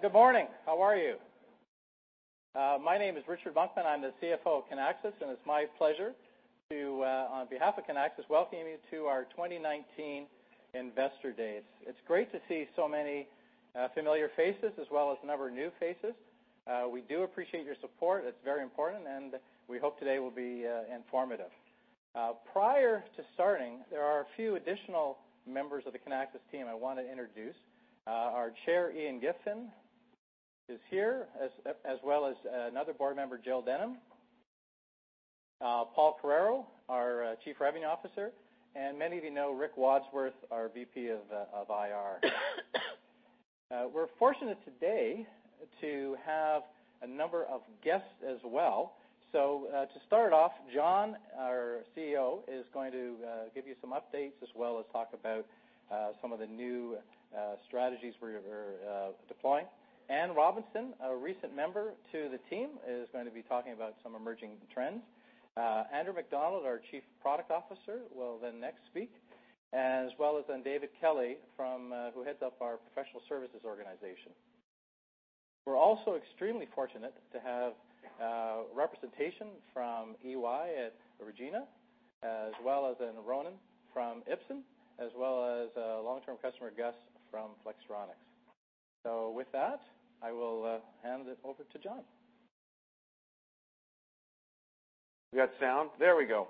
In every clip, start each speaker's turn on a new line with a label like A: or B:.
A: Good morning. How are you? My name is Richard Monkman, I'm the CFO of Kinaxis, and it's my pleasure to, on behalf of Kinaxis, welcome you to our 2019 Investor Days. It's great to see so many familiar faces as well as a number of new faces. We do appreciate your support. It's very important, and we hope today will be informative. Prior to starting, there are a few additional members of the Kinaxis team I want to introduce. Our chair, Ian Giffen, is here, as well as another board member, Jill Denham. Paul Carreiro, our Chief Revenue Officer, and many of you know Rick Wadsworth, our VP of IR. We're fortunate today to have a number of guests as well. To start off, John, our CEO, is going to give you some updates, as well as talk about some of the new strategies we're deploying. Anne Robinson, a recent member to the team, is going to be talking about some emerging trends. Andrew McDonald, our Chief Product Officer, will then next speak, as well as then David Kelly, who heads up our professional services organization. We're also extremely fortunate to have representation from EY at Regina, as well as then Ronan from Ipsen, as well as a long-term customer, Gus, from Flex. We got sound? There we go.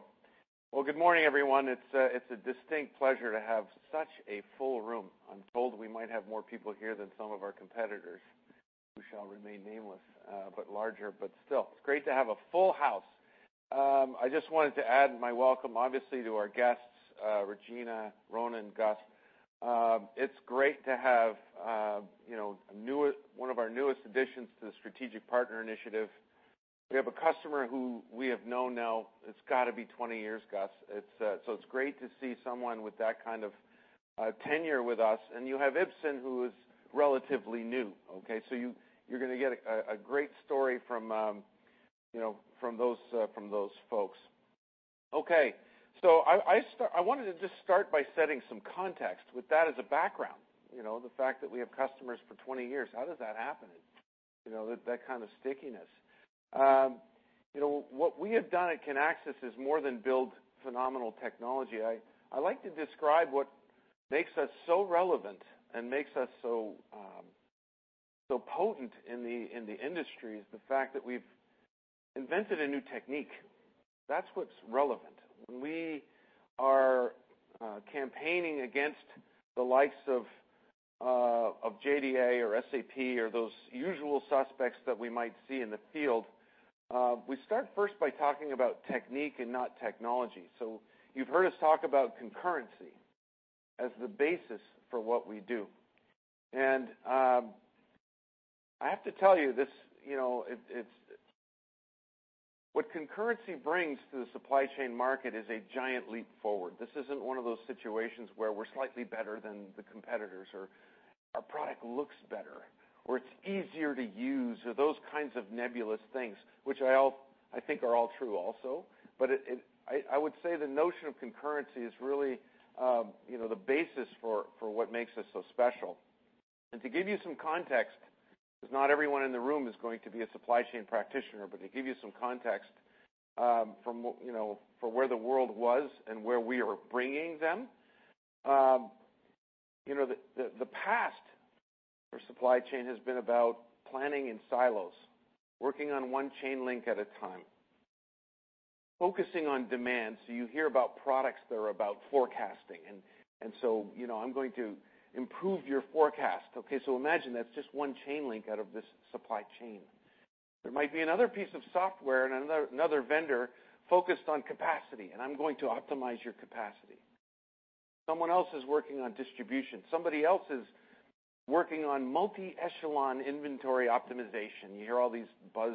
A: Good morning, everyone. It's a distinct pleasure to have such a full room. I'm told we might have more people here than some of our competitors, who shall remain nameless, but larger, but still, it's great to have a full house. I just wanted to add my welcome, obviously to our guests, Regina, Ronan, Gus. It's great to have one of our newest additions to the strategic partner initiative. We have a customer who we have known now, it's got to be 20 years, Gus. So it's great to see someone with that kind of tenure with us, and you have Ipsen, who is relatively new. Okay? So you're going to get a great story from those folks. Okay. I wanted to just start by setting some context with that as a background. The fact that we have customers for 20 years, how does that happen? That kind of stickiness. What we have done at Kinaxis is more than build phenomenal technology. I like to describe what makes us so relevant and makes us so potent in the industry is the fact that we've invented a new technique. That's what's relevant. We are campaigning against the likes of JDA or SAP or those usual suspects that we might see in the field. We start first by talking about technique and not technology. So you've heard us talk about concurrency as the basis for what we do. I have to tell you, what concurrency brings to the supply chain market is a giant leap forward. This isn't one of those situations where we're slightly better than the competitors, or our product looks better, or it's easier to use or those kinds of nebulous things, which I think are all true also. I would say the notion of concurrency is really the basis for what makes us so special. To give you some context, because not everyone in the room is going to be a supply chain practitioner, but to give you some context, for where the world was and where we are bringing them. The past for supply chain has been about planning in silos, working on one chain link at a time, focusing on demand. You hear about products that are about forecasting, I'm going to improve your forecast. Imagine that's just one chain link out of this supply chain. There might be another piece of software and another vendor focused on capacity, I'm going to optimize your capacity. Someone else is working on distribution, somebody else is working on multi-echelon inventory optimization. You hear all these buzz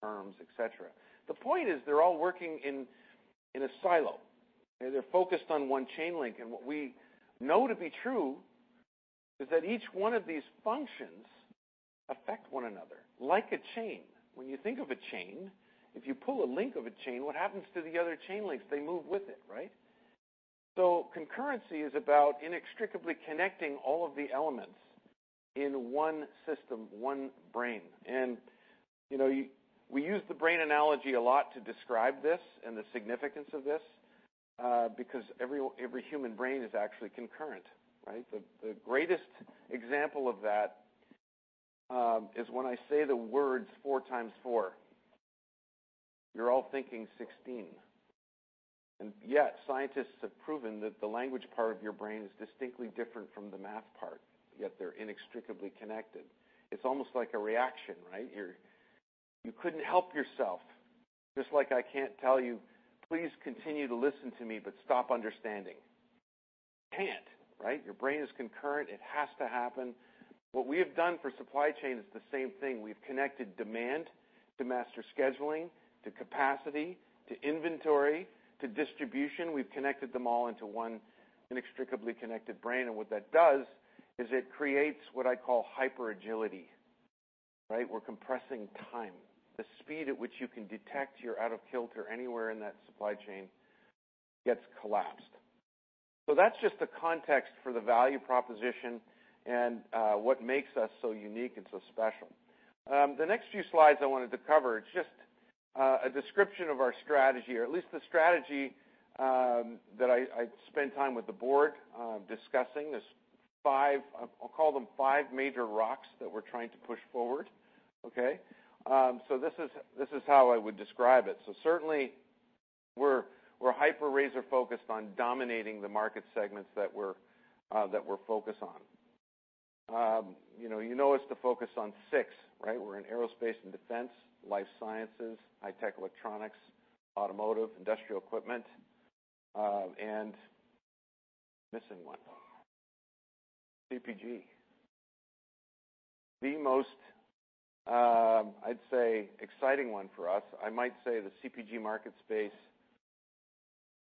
A: terms, et cetera. The point is, they're all working in a silo, and they're focused on one chain link. What we know to be true is that each one of these functions affect one another, like a chain. When you think of a chain, if you pull a link of a chain, what happens to the other chain links? They move with it, right? Concurrency is about inextricably connecting all of the elements in one system, one brain. We use the brain analogy a lot to describe this and the significance of this, because every human brain is actually concurrent, right? The greatest example of that is when I say the words four times four, you're all thinking 16. Yet scientists have proven that the language part of your brain is distinctly different from the math part, yet they're inextricably connected. It's almost like a reaction, right? You couldn't help yourself. Like I can't tell you, please continue to listen to me, but stop understanding. You can't, right? Your brain is concurrent. It has to happen. What we have done for supply chain is the same thing. We've connected demand to master scheduling, to capacity, to inventory, to distribution. We've connected them all into one inextricably connected brain. What that does is it creates what I call hyper agility, right? We're compressing time. The speed at which you can detect you're out of kilter anywhere in that supply chain gets collapsed. That's just the context for the value proposition and what makes us so unique and so special. The next few slides I wanted to cover, it's just a description of our strategy, or at least the strategy that I spend time with the board discussing. I'll call them five major rocks that we're trying to push forward. Okay? This is how I would describe it. Certainly, we're hyper laser-focused on dominating the market segments that we're focused on. You know us to focus on six, right? We're in aerospace and defense, life sciences, high-tech electronics, automotive, industrial equipment, and missing one. CPG. The most, I'd say, exciting one for us, I might say the CPG market space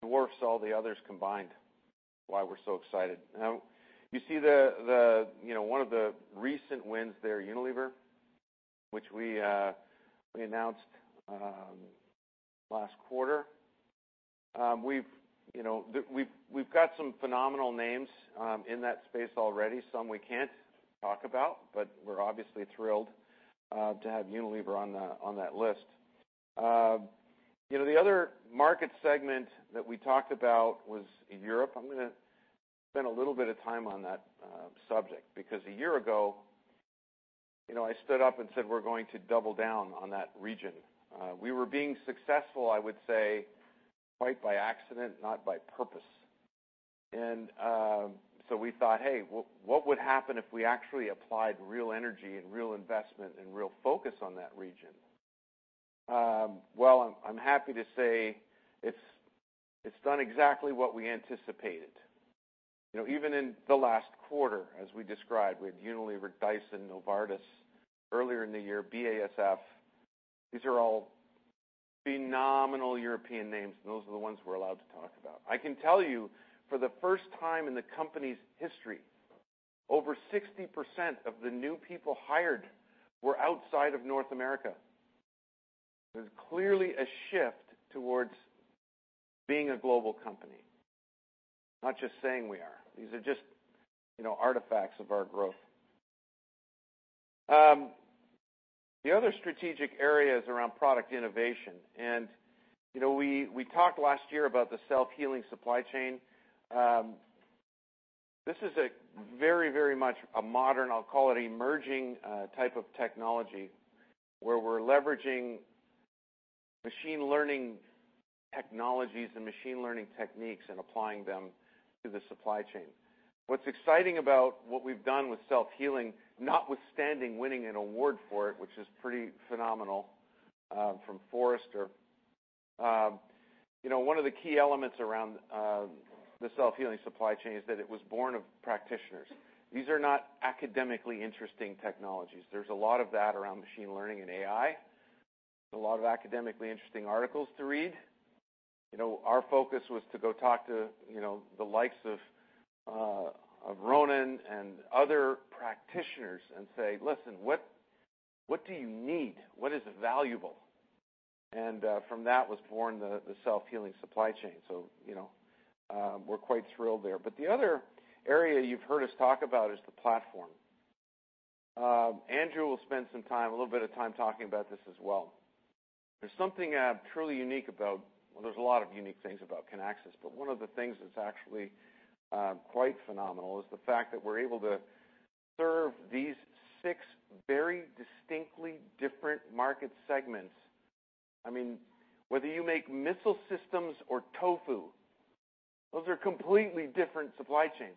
A: dwarfs all the others combined, why we're so excited. Now you see one of the recent wins there, Unilever, which we announced last quarter. We've got some phenomenal names in that space already. Some we can't talk about, but we're obviously thrilled to have Unilever on that list. The other market segment that we talked about was in Europe. I'm going to spend a little bit of time on that subject, because a year ago, I stood up and said we're going to double down on that region. We were being successful, I would say, quite by accident, not by purpose. So we thought, "Hey, what would happen if we actually applied real energy and real investment and real focus on that region?" Well, I'm happy to say it's done exactly what we anticipated. Even in the last quarter, as we described, we had Unilever, Dyson, Novartis. Earlier in the year, BASF. These are all phenomenal European names, and those are the ones we're allowed to talk about. I can tell you, for the first time in the company's history, over 60% of the new people hired were outside of North America. There's clearly a shift towards being a global company, not just saying we are. These are just artifacts of our growth. The other strategic area is around product innovation. We talked last year about the self-healing supply chain. This is very much a modern, I'll call it, emerging type of technology, where we're leveraging machine learning technologies and machine learning techniques and applying them to the supply chain. What's exciting about what we've done with self-healing, notwithstanding winning an award for it, which is pretty phenomenal, from Forrester. One of the key elements around the self-healing supply chain is that it was born of practitioners. These are not academically interesting technologies. There's a lot of that around machine learning and AI, a lot of academically interesting articles to read. Our focus was to go talk to the likes of Ronan and other practitioners and say, "Listen, what do you need? What is valuable?" From that was born the self-healing supply chain. We're quite thrilled there. The other area you've heard us talk about is the platform. Andrew will spend a little bit of time talking about this as well. There's something truly unique about-- well, there's a lot of unique things about Kinaxis, but one of the things that's actually quite phenomenal is the fact that we're able to serve these six very distinctly different market segments. Whether you make missile systems or tofu, those are completely different supply chains,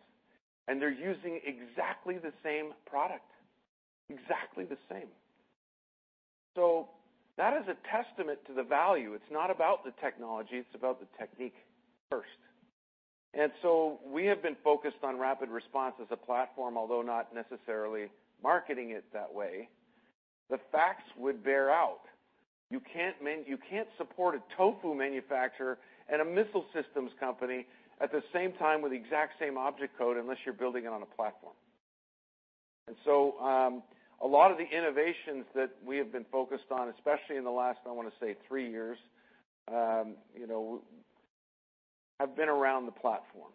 A: and they're using exactly the same product. Exactly the same. That is a testament to the value. It's not about the technology, it's about the technique first. We have been focused on RapidResponse as a platform, although not necessarily marketing it that way. The facts would bear out. You can't support a tofu manufacturer and a missile systems company at the same time with the exact same object code unless you're building it on a platform. A lot of the innovations that we have been focused on, especially in the last, I want to say, three years, have been around the platform.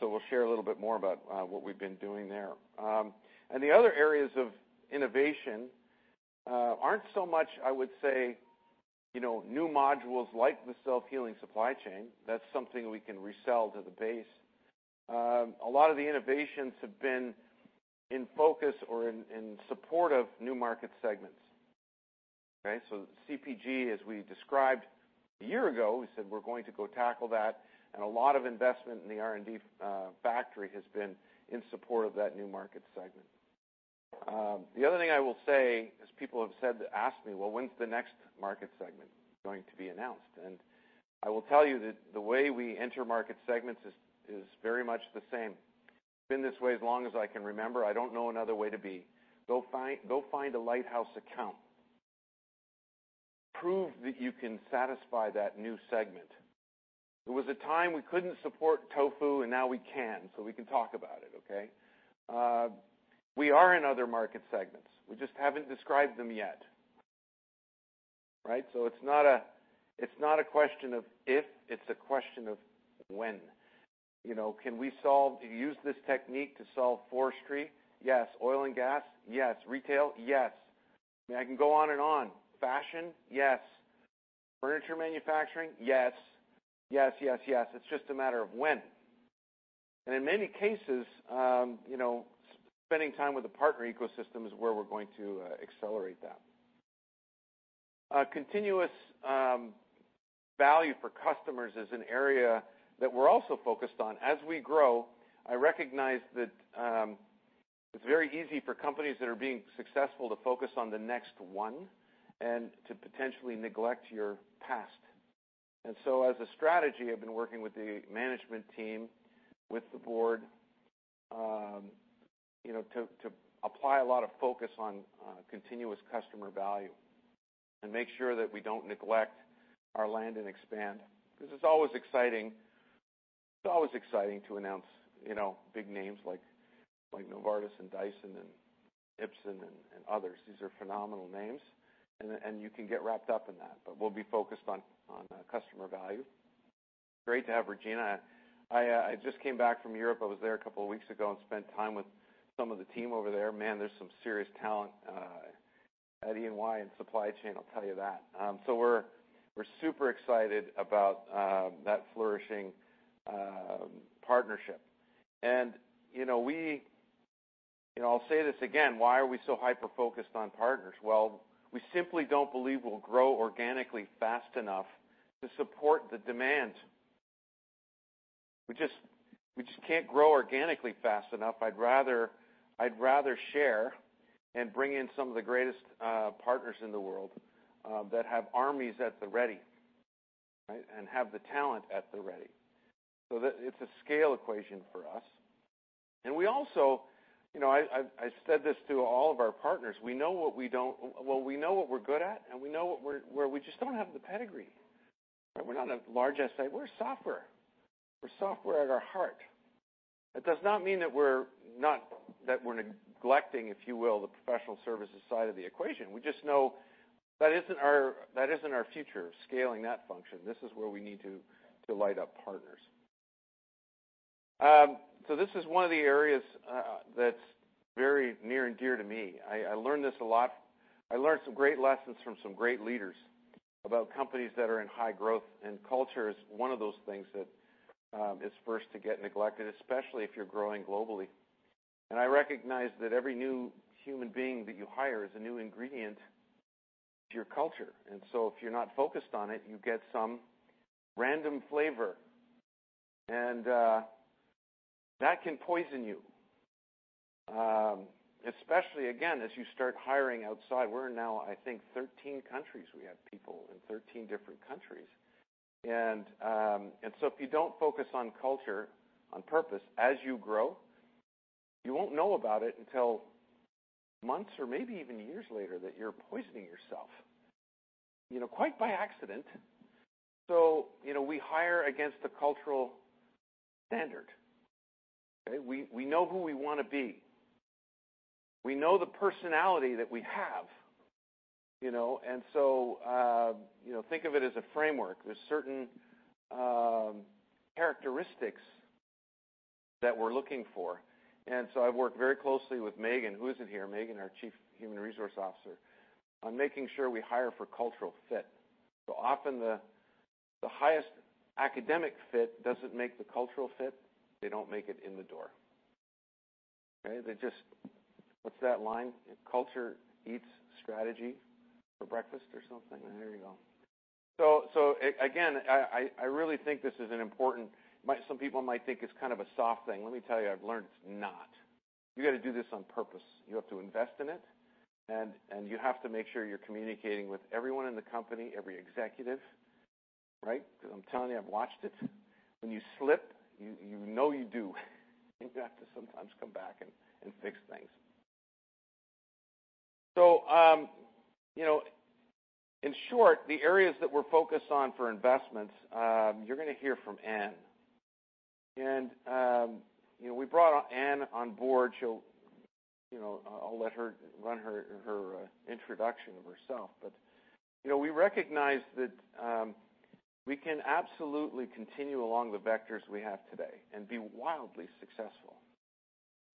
A: We'll share a little bit more about what we've been doing there. The other areas of innovation aren't so much, I would say, new modules like the self-healing supply chain. That's something we can resell to the base. A lot of the innovations have been in focus or in support of new market segments. Okay? CPG, as we described a year ago, we said we're going to go tackle that, and a lot of investment in the R&D factory has been in support of that new market segment. The other thing I will say is people have asked me, "When's the next market segment going to be announced?" I will tell you that the way we enter market segments is very much the same. It's been this way as long as I can remember. I don't know another way to be. Go find a lighthouse account. Prove that you can satisfy that new segment. There was a time we couldn't support tofu, and now we can, so we can talk about it, okay? We are in other market segments. We just haven't described them yet. Right? It's not a question of if, it's a question of when. Can we use this technique to solve forestry? Yes. Oil and gas? Yes. Retail? Yes. I can go on and on. Fashion? Yes. Furniture manufacturing? Yes. It's just a matter of when. In many cases, spending time with the partner ecosystem is where we're going to accelerate that. Continuous value for customers is an area that we're also focused on. As we grow, I recognize that it's very easy for companies that are being successful to focus on the next one, and to potentially neglect your past. As a strategy, I've been working with the management team, with the board, to apply a lot of focus on continuous customer value, and make sure that we don't neglect our land and expand, because it's always exciting to announce big names like Novartis and Dyson and Ipsen and others. These are phenomenal names, and you can get wrapped up in that, but we'll be focused on customer value. Great to have Regina. I just came back from Europe. I was there a couple of weeks ago and spent time with some of the team over there. Man, there's some serious talent at EY and supply chain, I'll tell you that. We're super excited about that flourishing partnership. I'll say this again, why are we so hyper-focused on partners? We simply don't believe we'll grow organically fast enough to support the demand. We just can't grow organically fast enough. I'd rather share and bring in some of the greatest partners in the world that have armies at the ready, and have the talent at the ready. It's a scale equation for us. I said this to all of our partners, we know what we're good at, and we know where we just don't have the pedigree. We're not a large SI, we're software. We're software at our heart. That does not mean that we're neglecting, if you will, the professional services side of the equation. We just know that isn't our future, scaling that function. This is where we need to light up partners. This is one of the areas that's very near and dear to me. I learned some great lessons from some great leaders about companies that are in high growth. Culture is one of those things that is first to get neglected, especially if you're growing globally. I recognize that every new human being that you hire is a new ingredient to your culture. If you're not focused on it, you get some random flavor, and that can poison you. Especially, again, as you start hiring outside. We're now, I think, 13 countries. We have people in 13 different countries. If you don't focus on culture on purpose as you grow, you won't know about it until months or maybe even years later that you're poisoning yourself, quite by accident. We hire against a cultural standard. We know who we want to be. We know the personality that we have. Think of it as a framework. There's certain characteristics that we're looking for. I've worked very closely with Megan, who isn't here, Megan, our Chief Human Resources Officer, on making sure we hire for cultural fit. Often the highest academic fit doesn't make the cultural fit, they don't make it in the door. What's that line? Culture eats strategy for breakfast or something. There you go. Again, I really think this is important. Some people might think it's kind of a soft thing. Let me tell you, I've learned it's not. You got to do this on purpose. You have to invest in it, and you have to make sure you're communicating with everyone in the company, every executive. Right? Because I'm telling you, I've watched it. When you slip, you know you do, and you have to sometimes come back and fix things. In short, the areas that we're focused on for investments, you're going to hear from Anne. We brought Anne on board, I'll let her run her introduction of herself. We recognize that we can absolutely continue along the vectors we have today and be wildly successful.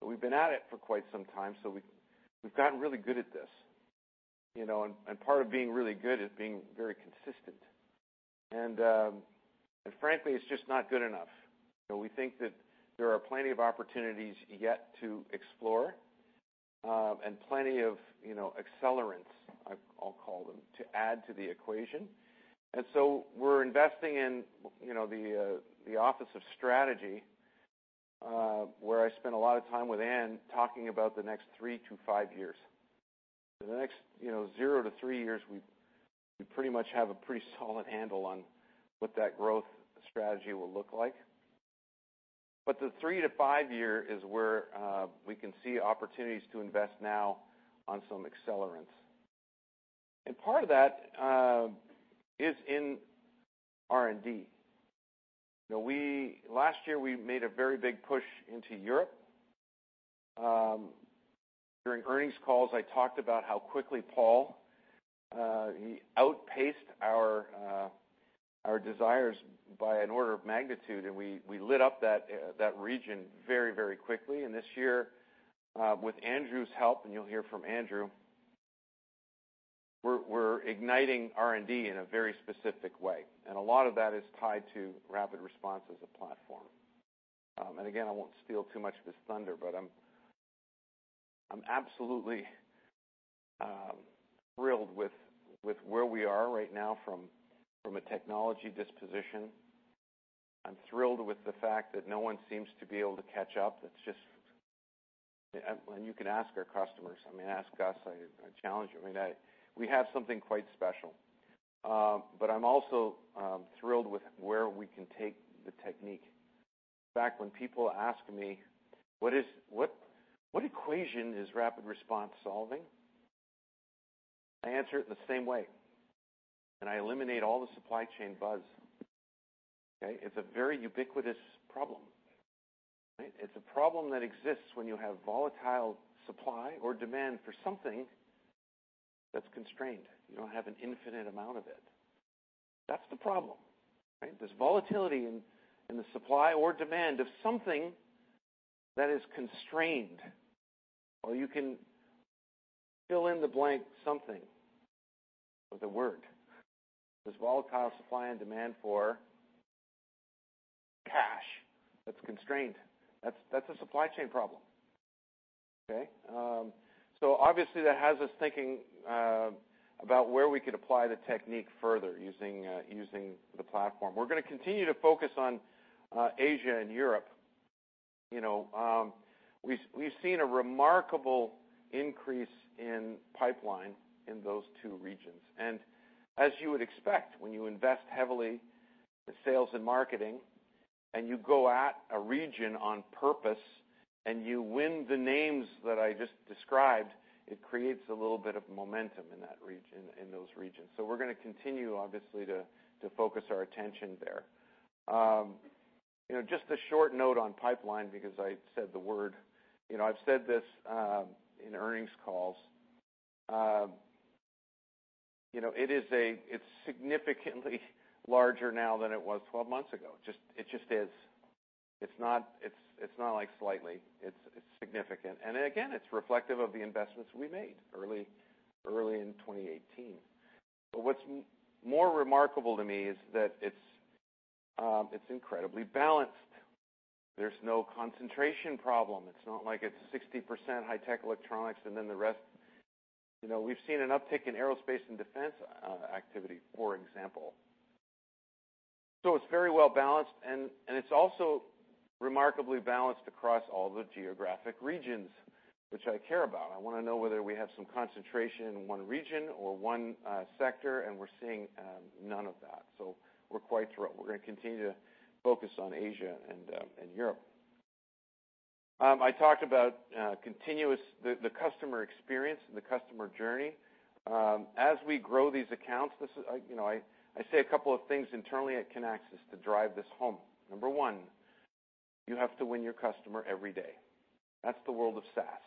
A: We've been at it for quite some time, so we've gotten really good at this. Part of being really good is being very consistent. Frankly, it's just not good enough. We think that there are plenty of opportunities yet to explore, and plenty of accelerants, I'll call them, to add to the equation. We're investing in the Office of Strategy, where I spend a lot of time with Anne talking about the next three to five years. For the next zero to three years, we pretty much have a pretty solid handle on what that growth strategy will look like. The three to five year is where we can see opportunities to invest now on some accelerants. Part of that is in R&D. Last year, we made a very big push into Europe. During earnings calls, I talked about how quickly Paul outpaced our desires by an order of magnitude, and we lit up that region very quickly. This year, with Andrew's help, and you'll hear from Andrew, we're igniting R&D in a very specific way. A lot of that is tied to RapidResponse as a platform. Again, I won't steal too much of his thunder, but I'm absolutely thrilled with where we are right now from a technology disposition. I'm thrilled with the fact that no one seems to be able to catch up. You can ask our customers. Ask Gus. I challenge you. We have something quite special. I'm also thrilled with where we can take the technique. In fact, when people ask me, "What equation is RapidResponse solving?" I answer it the same way, and I eliminate all the supply chain buzz. Okay? It's a very ubiquitous problem. It's a problem that exists when you have volatile supply or demand for something that's constrained. You don't have an infinite amount of it. That's the problem. There's volatility in the supply or demand of something that is constrained, or you can fill in the blank something with a word. There's volatile supply and demand for cash that's constrained. That's a supply chain problem. Okay? Obviously, that has us thinking about where we could apply the technique further using the platform. We're going to continue to focus on Asia and Europe. We've seen a remarkable increase in pipeline in those two regions. As you would expect, when you invest heavily in sales and marketing, and you go at a region on purpose, and you win the names that I just described, it creates a little bit of momentum in those regions. We're going to continue, obviously, to focus our attention there. Just a short note on pipeline, because I said the word. I've said this in earnings calls. It's significantly larger now than it was 12 months ago. It just is. It's not slightly. It's significant. Again, it's reflective of the investments we made early in 2018. What's more remarkable to me is that it's incredibly balanced. There's no concentration problem. It's not like it's 60% high-tech electronics and then the rest. We've seen an uptick in aerospace and defense activity, for example. It's very well-balanced, and it's also remarkably balanced across all the geographic regions which I care about. I want to know whether we have some concentration in one region or one sector, and we're seeing none of that. We're quite thrilled. We're going to continue to focus on Asia and Europe. I talked about the customer experience and the customer journey. As we grow these accounts, I say a couple of things internally at Kinaxis to drive this home. Number 1, you have to win your customer every day. That's the world of SaaS.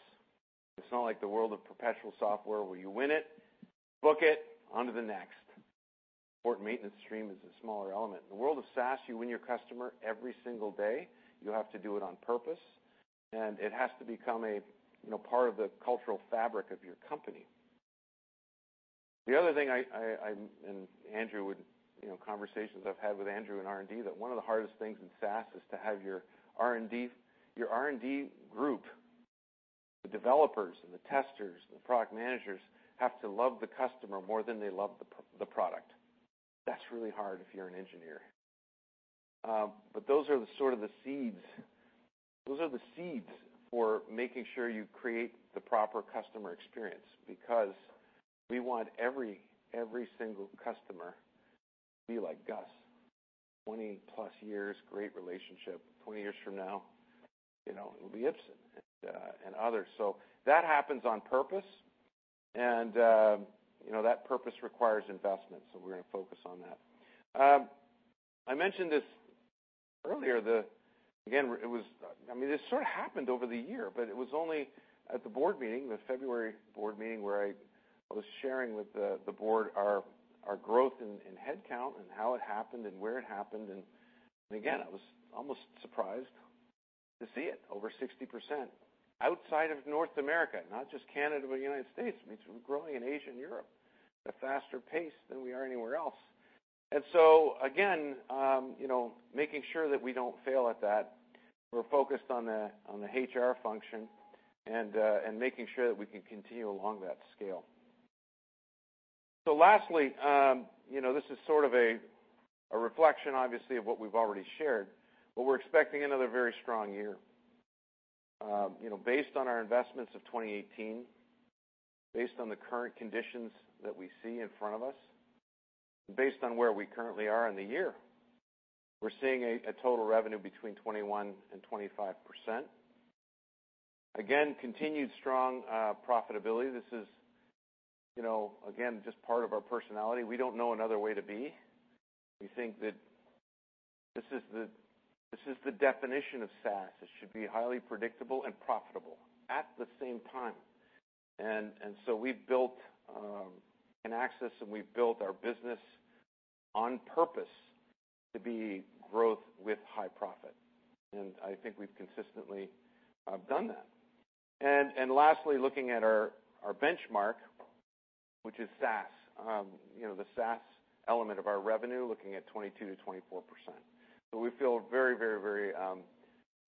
A: It's not like the world of perpetual software where you win it, book it, on to the next. Support and maintenance stream is a smaller element. In the world of SaaS, you win your customer every single day. You have to do it on purpose, and it has to become a part of the cultural fabric of your company. The other thing, in conversations I've had with Andrew in R&D, that one of the hardest things in SaaS is to have your R&D group, the developers, and the testers, and the product managers have to love the customer more than they love the product. That's really hard if you're an engineer. Those are the sort of the seeds for making sure you create the proper customer experience, because we want every single customer to be like Gus, 20-plus years, great relationship. Twenty years from now, it will be Ipsen and others. That happens on purpose, and that purpose requires investment, so we're going to focus on that. I mentioned this earlier. This sort of happened over the year, it was only at the board meeting, the February board meeting, where I was sharing with the board our growth in headcount and how it happened and where it happened, again, I was almost surprised to see it over 60% outside of North America, not just Canada but U.S. It means we're growing in Asia and Europe at a faster pace than we are anywhere else. Again, making sure that we don't fail at that. We're focused on the HR function and making sure that we can continue along that scale. Lastly, this is sort of a reflection, obviously, of what we've already shared, but we're expecting another very strong year. Based on our investments of 2018, based on the current conditions that we see in front of us, based on where we currently are in the year, we're seeing a total revenue between 21%-25%. Again, continued strong profitability. This is, again, just part of our personality. We don't know another way to be. We think that. This is the definition of SaaS. It should be highly predictable and profitable at the same time. We've built Kinaxis, and we've built our business on purpose to be growth with high profit. I think we've consistently done that. Lastly, looking at our benchmark, which is SaaS, the SaaS element of our revenue, looking at 22%-24%. We feel very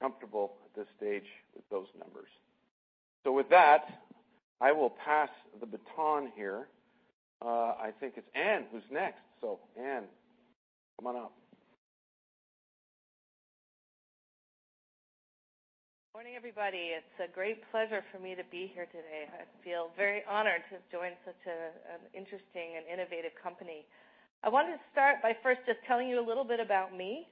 A: comfortable at this stage with those numbers. With that, I will pass the baton here. I think it's Anne who's next. Anne, come on up.
B: Morning, everybody. It's a great pleasure for me to be here today. I feel very honored to have joined such an interesting and innovative company. I wanted to start by first just telling you a little bit about me.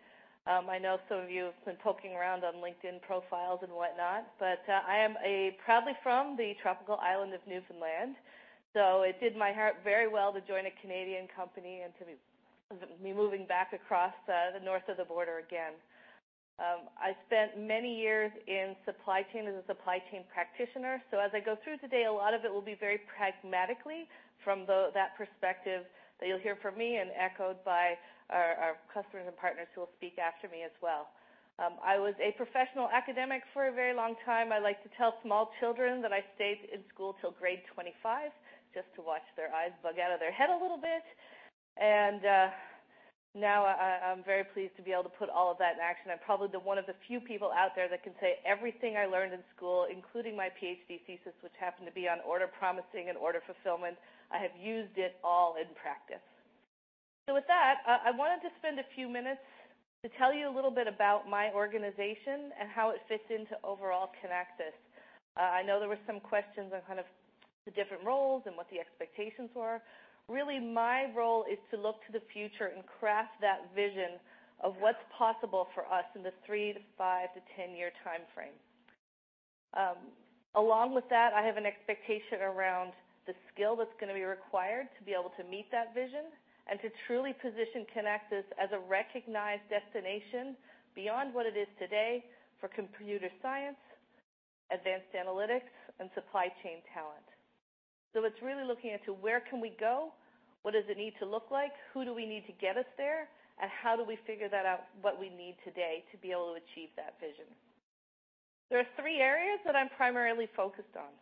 B: I know some of you have been poking around on LinkedIn profiles and whatnot, but I am proudly from the tropical island of Newfoundland, so it did my heart very well to join a Canadian company and to be moving back across the north of the border again. I spent many years in supply chain as a supply chain practitioner. As I go through today, a lot of it will be very pragmatically from that perspective that you'll hear from me and echoed by our customers and partners who will speak after me as well. I was a professional academic for a very long time. I like to tell small children that I stayed in school till grade 25, just to watch their eyes bug out of their head a little bit. Now I'm very pleased to be able to put all of that in action. I'm probably one of the few people out there that can say everything I learned in school, including my PhD thesis, which happened to be on order promising and order fulfillment, I have used it all in practice. With that, I wanted to spend a few minutes to tell you a little bit about my organization and how it fits into overall Kinaxis. I know there were some questions on kind of the different roles and what the expectations were. Really, my role is to look to the future and craft that vision of what's possible for us in the three to five to 10 year timeframe. Along with that, I have an expectation around the skill that's going to be required to be able to meet that vision and to truly position Kinaxis as a recognized destination beyond what it is today for computer science, advanced analytics, and supply chain talent. It's really looking into where can we go? What does it need to look like? Who do we need to get us there? How do we figure that out, what we need today to be able to achieve that vision? There are three areas that I'm primarily focused on.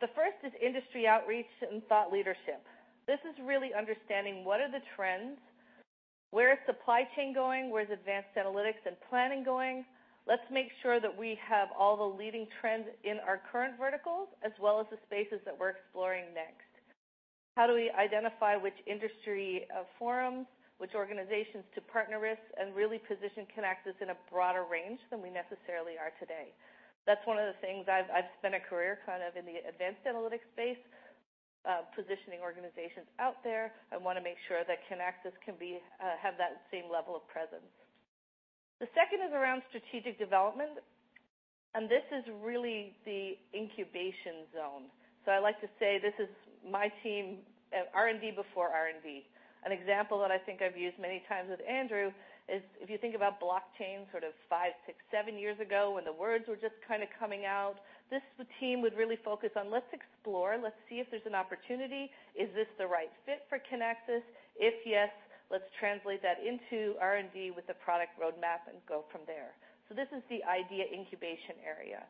B: The first is industry outreach and thought leadership. This is really understanding what are the trends, where is supply chain going, where is advanced analytics and planning going? Let's make sure that we have all the leading trends in our current verticals, as well as the spaces that we're exploring next. How do we identify which industry forums, which organizations to partner with, and really position Kinaxis in a broader range than we necessarily are today? That's one of the things I've spent a career kind of in the advanced analytics space, positioning organizations out there. I want to make sure that Kinaxis can have that same level of presence. The second is around strategic development, and this is really the incubation zone. I like to say this is my team, R&D before R&D. An example that I think I've used many times with Andrew is if you think about blockchain sort of five, six, seven years ago, when the words were just kind of coming out, this team would really focus on let's explore, let's see if there's an opportunity. Is this the right fit for Kinaxis? If yes, let's translate that into R&D with the product roadmap and go from there. This is the idea incubation area.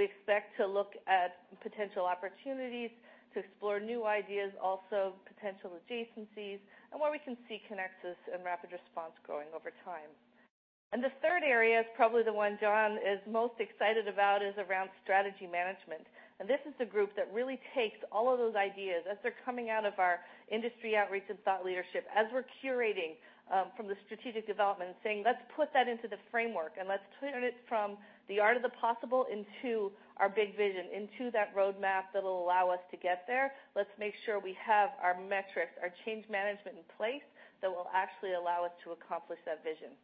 B: We expect to look at potential opportunities to explore new ideas, also potential adjacencies, and where we can see Kinaxis and RapidResponse growing over time. The third area is probably the one John is most excited about, is around strategy management. This is the group that really takes all of those ideas as they're coming out of our industry outreach and thought leadership, as we're curating from the strategic development, saying, "Let's put that into the framework, and let's turn it from the art of the possible into our big vision, into that roadmap that'll allow us to get there. Let's make sure we have our metrics, our change management in place that will actually allow us to accomplish that vision."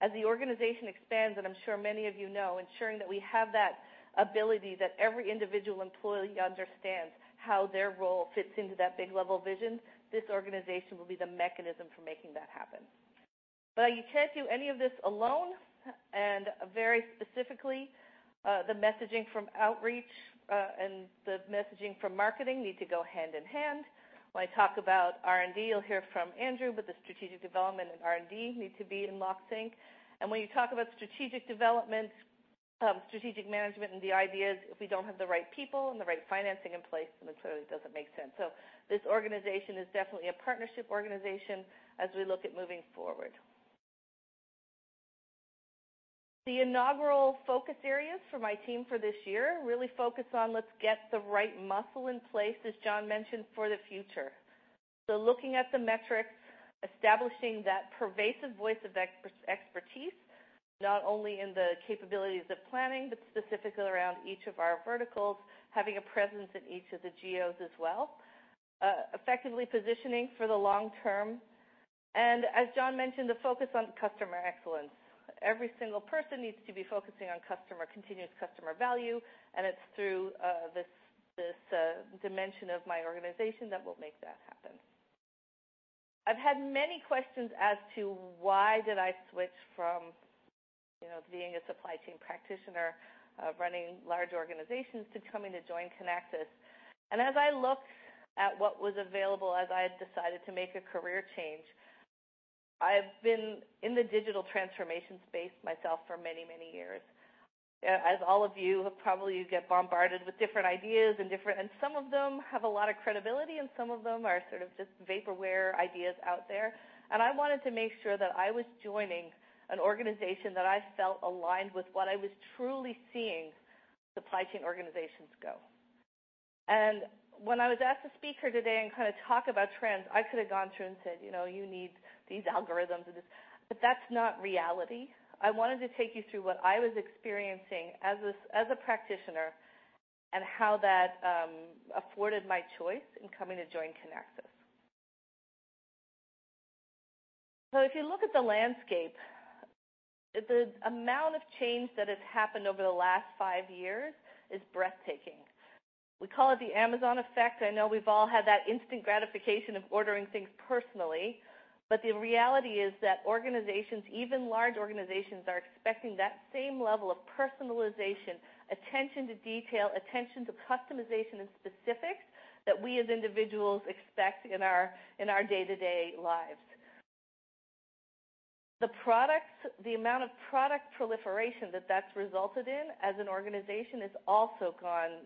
B: As the organization expands, and I'm sure many of you know, ensuring that we have that ability that every individual employee understands how their role fits into that big level vision, this organization will be the mechanism for making that happen. You can't do any of this alone. Very specifically, the messaging from outreach, and the messaging from marketing need to go hand in hand. When I talk about R&D, you'll hear from Andrew, but the strategic development and R&D need to be in lock sync. When you talk about strategic development, strategic management, and the ideas, if we don't have the right people and the right financing in place, then it clearly doesn't make sense. This organization is definitely a partnership organization as we look at moving forward. The inaugural focus areas for my team for this year really focus on let's get the right muscle in place, as John mentioned, for the future. Looking at the metrics, establishing that pervasive voice of expertise, not only in the capabilities of planning, but specifically around each of our verticals, having a presence in each of the geos as well, effectively positioning for the long term, and as John mentioned, the focus on customer excellence. Every single person needs to be focusing on continuous customer value, and it's through this dimension of my organization that will make that happen. I've had many questions as to why did I switch from being a supply chain practitioner, running large organizations, to coming to join Kinaxis. As I look at what was available, as I had decided to make a career change, I've been in the digital transformation space myself for many, many years. As all of you have probably, you get bombarded with different ideas, and some of them have a lot of credibility, and some of them are sort of just vaporware ideas out there. I wanted to make sure that I was joining an organization that I felt aligned with what I was truly seeing supply chain organizations go. When I was asked to speak here today and kind of talk about trends, I could have gone through and said, "You need these algorithms," but that's not reality. I wanted to take you through what I was experiencing as a practitioner, and how that afforded my choice in coming to join Kinaxis. If you look at the landscape, the amount of change that has happened over the last five years is breathtaking. We call it the Amazon effect. I know we've all had that instant gratification of ordering things personally, but the reality is that organizations, even large organizations, are expecting that same level of personalization, attention to detail, attention to customization, and specifics that we as individuals expect in our day-to-day lives. The amount of product proliferation that that's resulted in as an organization has also gone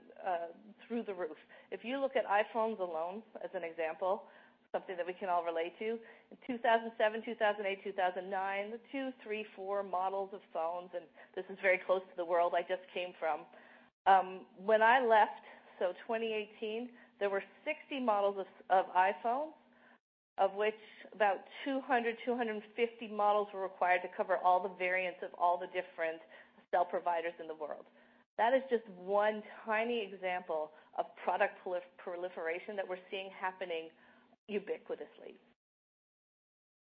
B: through the roof. If you look at iPhones alone, as an example, something that we can all relate to, in 2007, 2008, 2009, two, three, four models of phones, and this is very close to the world I just came from. When I left, so 2018, there were 60 models of iPhone, of which about 200, 250 models were required to cover all the variants of all the different cell providers in the world. That is just one tiny example of product proliferation that we're seeing happening ubiquitously.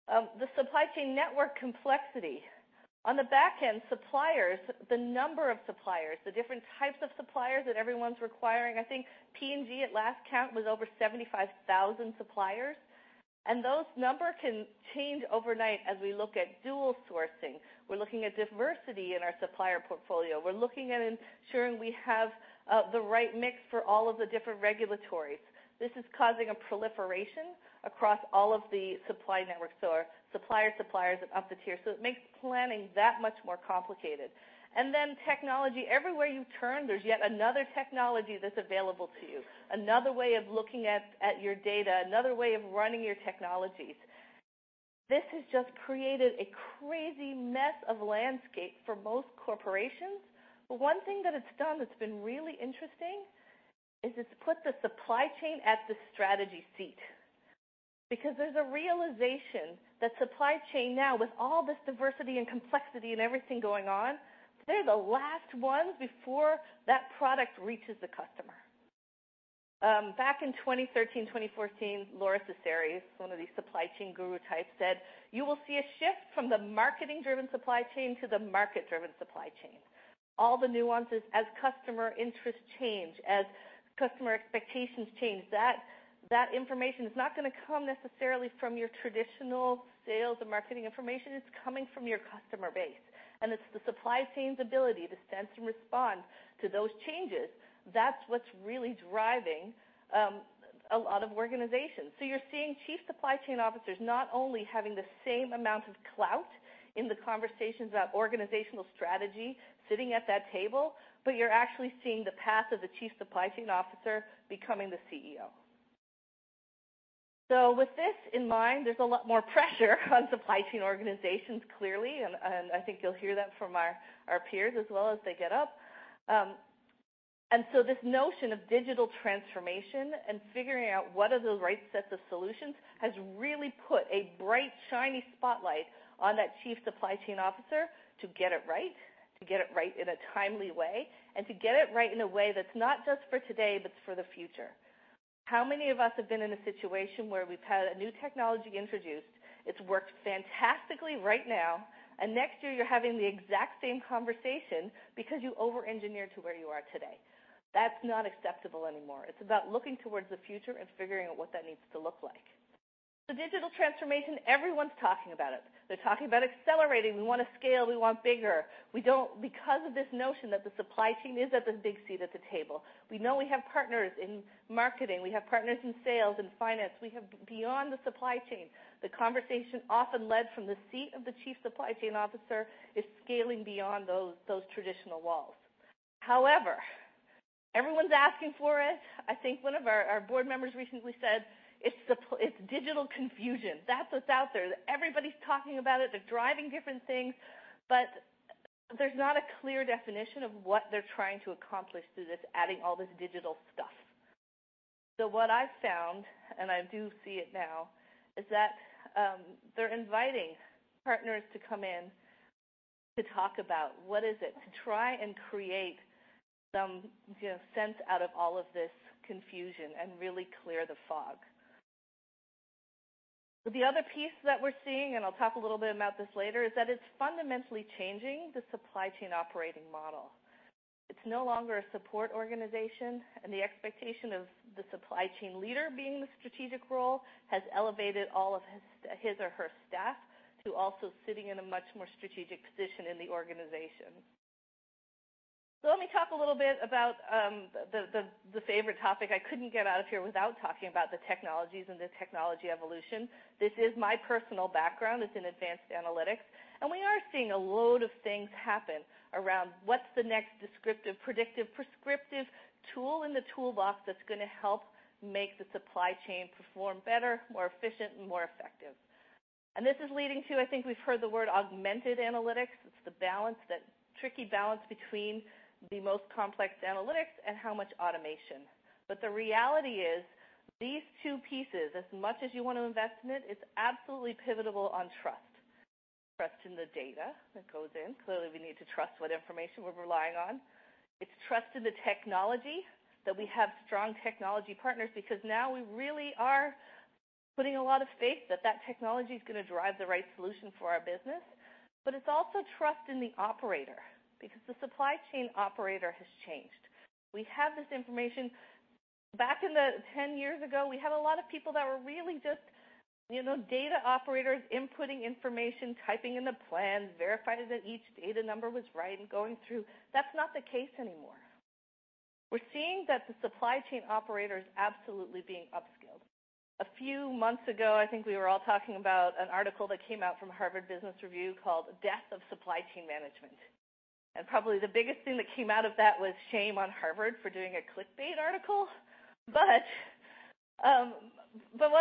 B: The supply chain network complexity. On the back end, suppliers, the number of suppliers, the different types of suppliers that everyone's requiring. I think P&G at last count was over 75,000 suppliers, and those number can change overnight as we look at dual sourcing. We're looking at diversity in our supplier portfolio. We're looking at ensuring we have the right mix for all of the different regulations. This is causing a proliferation across all of the supply networks or supplier suppliers and up the tier, so it makes planning that much more complicated. Then technology. Everywhere you turn, there's yet another technology that's available to you, another way of looking at your data, another way of running your technologies. This has just created a crazy mess of landscape for most corporations. One thing that it's done that's been really interesting is it's put the supply chain at the strategy seat. There's a realization that supply chain now, with all this diversity and complexity and everything going on, they're the last ones before that product reaches the customer. Back in 2013, 2014, Lora Cecere, one of the supply chain guru types, said, "You will see a shift from the marketing-driven supply chain to the market-driven supply chain." All the nuances as customer interests change, as customer expectations change, that information is not going to come necessarily from your traditional sales and marketing information. It's coming from your customer base, and it's the supply chain's ability to sense and respond to those changes. That's what's really driving a lot of organizations. You're seeing Chief Supply Chain Officers not only having the same amount of clout in the conversations about organizational strategy sitting at that table, but you're actually seeing the path of the Chief Supply Chain Officer becoming the CEO. With this in mind, there's a lot more pressure on supply chain organizations, clearly, I think you'll hear that from our peers as well as they get up. This notion of digital transformation and figuring out what are the right sets of solutions has really put a bright, shiny spotlight on that Chief Supply Chain Officer to get it right, to get it right in a timely way, and to get it right in a way that's not just for today, but for the future. How many of us have been in a situation where we've had a new technology introduced, it's worked fantastically right now, and next year you're having the exact same conversation because you over-engineered to where you are today? That's not acceptable anymore. It's about looking towards the future and figuring out what that needs to look like. Digital transformation, everyone's talking about it. They're talking about accelerating. We want to scale. We want bigger. Because of this notion that the supply chain is at the big seat at the table, we know we have partners in marketing. We have partners in sales and finance. We have beyond the supply chain. The conversation often led from the seat of the Chief Supply Chain Officer is scaling beyond those traditional walls. Everyone's asking for it. I think one of our board members recently said it's digital confusion. That's what's out there, that everybody's talking about it, they're driving different things, there's not a clear definition of what they're trying to accomplish through this adding all this digital stuff. What I've found, and I do see it now, is that they're inviting partners to come in to talk about what is it, to try and create some sense out of all of this confusion and really clear the fog. The other piece that we're seeing, and I'll talk a little bit about this later, is that it's fundamentally changing the supply chain operating model. It's no longer a support organization, and the expectation of the supply chain leader being the strategic role has elevated all of his or her staff to also sitting in a much more strategic position in the organization. Let me talk a little bit about the favorite topic. I couldn't get out of here without talking about the technologies and the technology evolution. This is my personal background, is in advanced analytics, and we are seeing a load of things happen around what's the next descriptive, predictive, prescriptive tool in the toolbox that's going to help make the supply chain perform better, more efficient, and more effective. This is leading to, I think we've heard the word augmented analytics. It's the tricky balance between the most complex analytics and how much automation. The reality is these two pieces, as much as you want to invest in it's absolutely pivotal on trust. Trust in the data that goes in. Clearly, we need to trust what information we're relying on. It's trust in the technology, that we have strong technology partners, because now we really are putting a lot of faith that that technology's going to drive the right solution for our business. It's also trust in the operator, because the supply chain operator has changed. We have this information. Back in the 10 years ago, we had a lot of people that were really just data operators inputting information, typing in the plan, verifying that each data number was right and going through. That's not the case anymore. We're seeing that the supply chain operator is absolutely being upskilled. A few months ago, I think we were all talking about an article that came out from Harvard Business Review called "Death of Supply Chain Management." Probably the biggest thing that came out of that was shame on Harvard for doing a clickbait article. What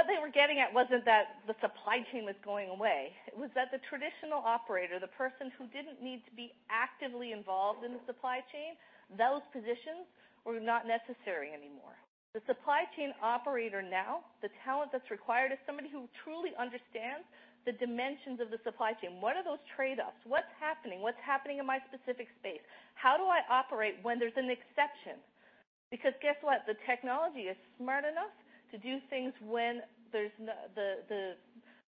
B: they were getting at wasn't that the supply chain was going away. It was that the traditional operator, the person who didn't need to be actively involved in the supply chain, those positions were not necessary anymore. The supply chain operator now, the talent that's required, is somebody who truly understands the dimensions of the supply chain. What are those trade-offs? What's happening? What's happening in my specific space? How do I operate when there's an exception? Because guess what? The technology is smart enough to do things when the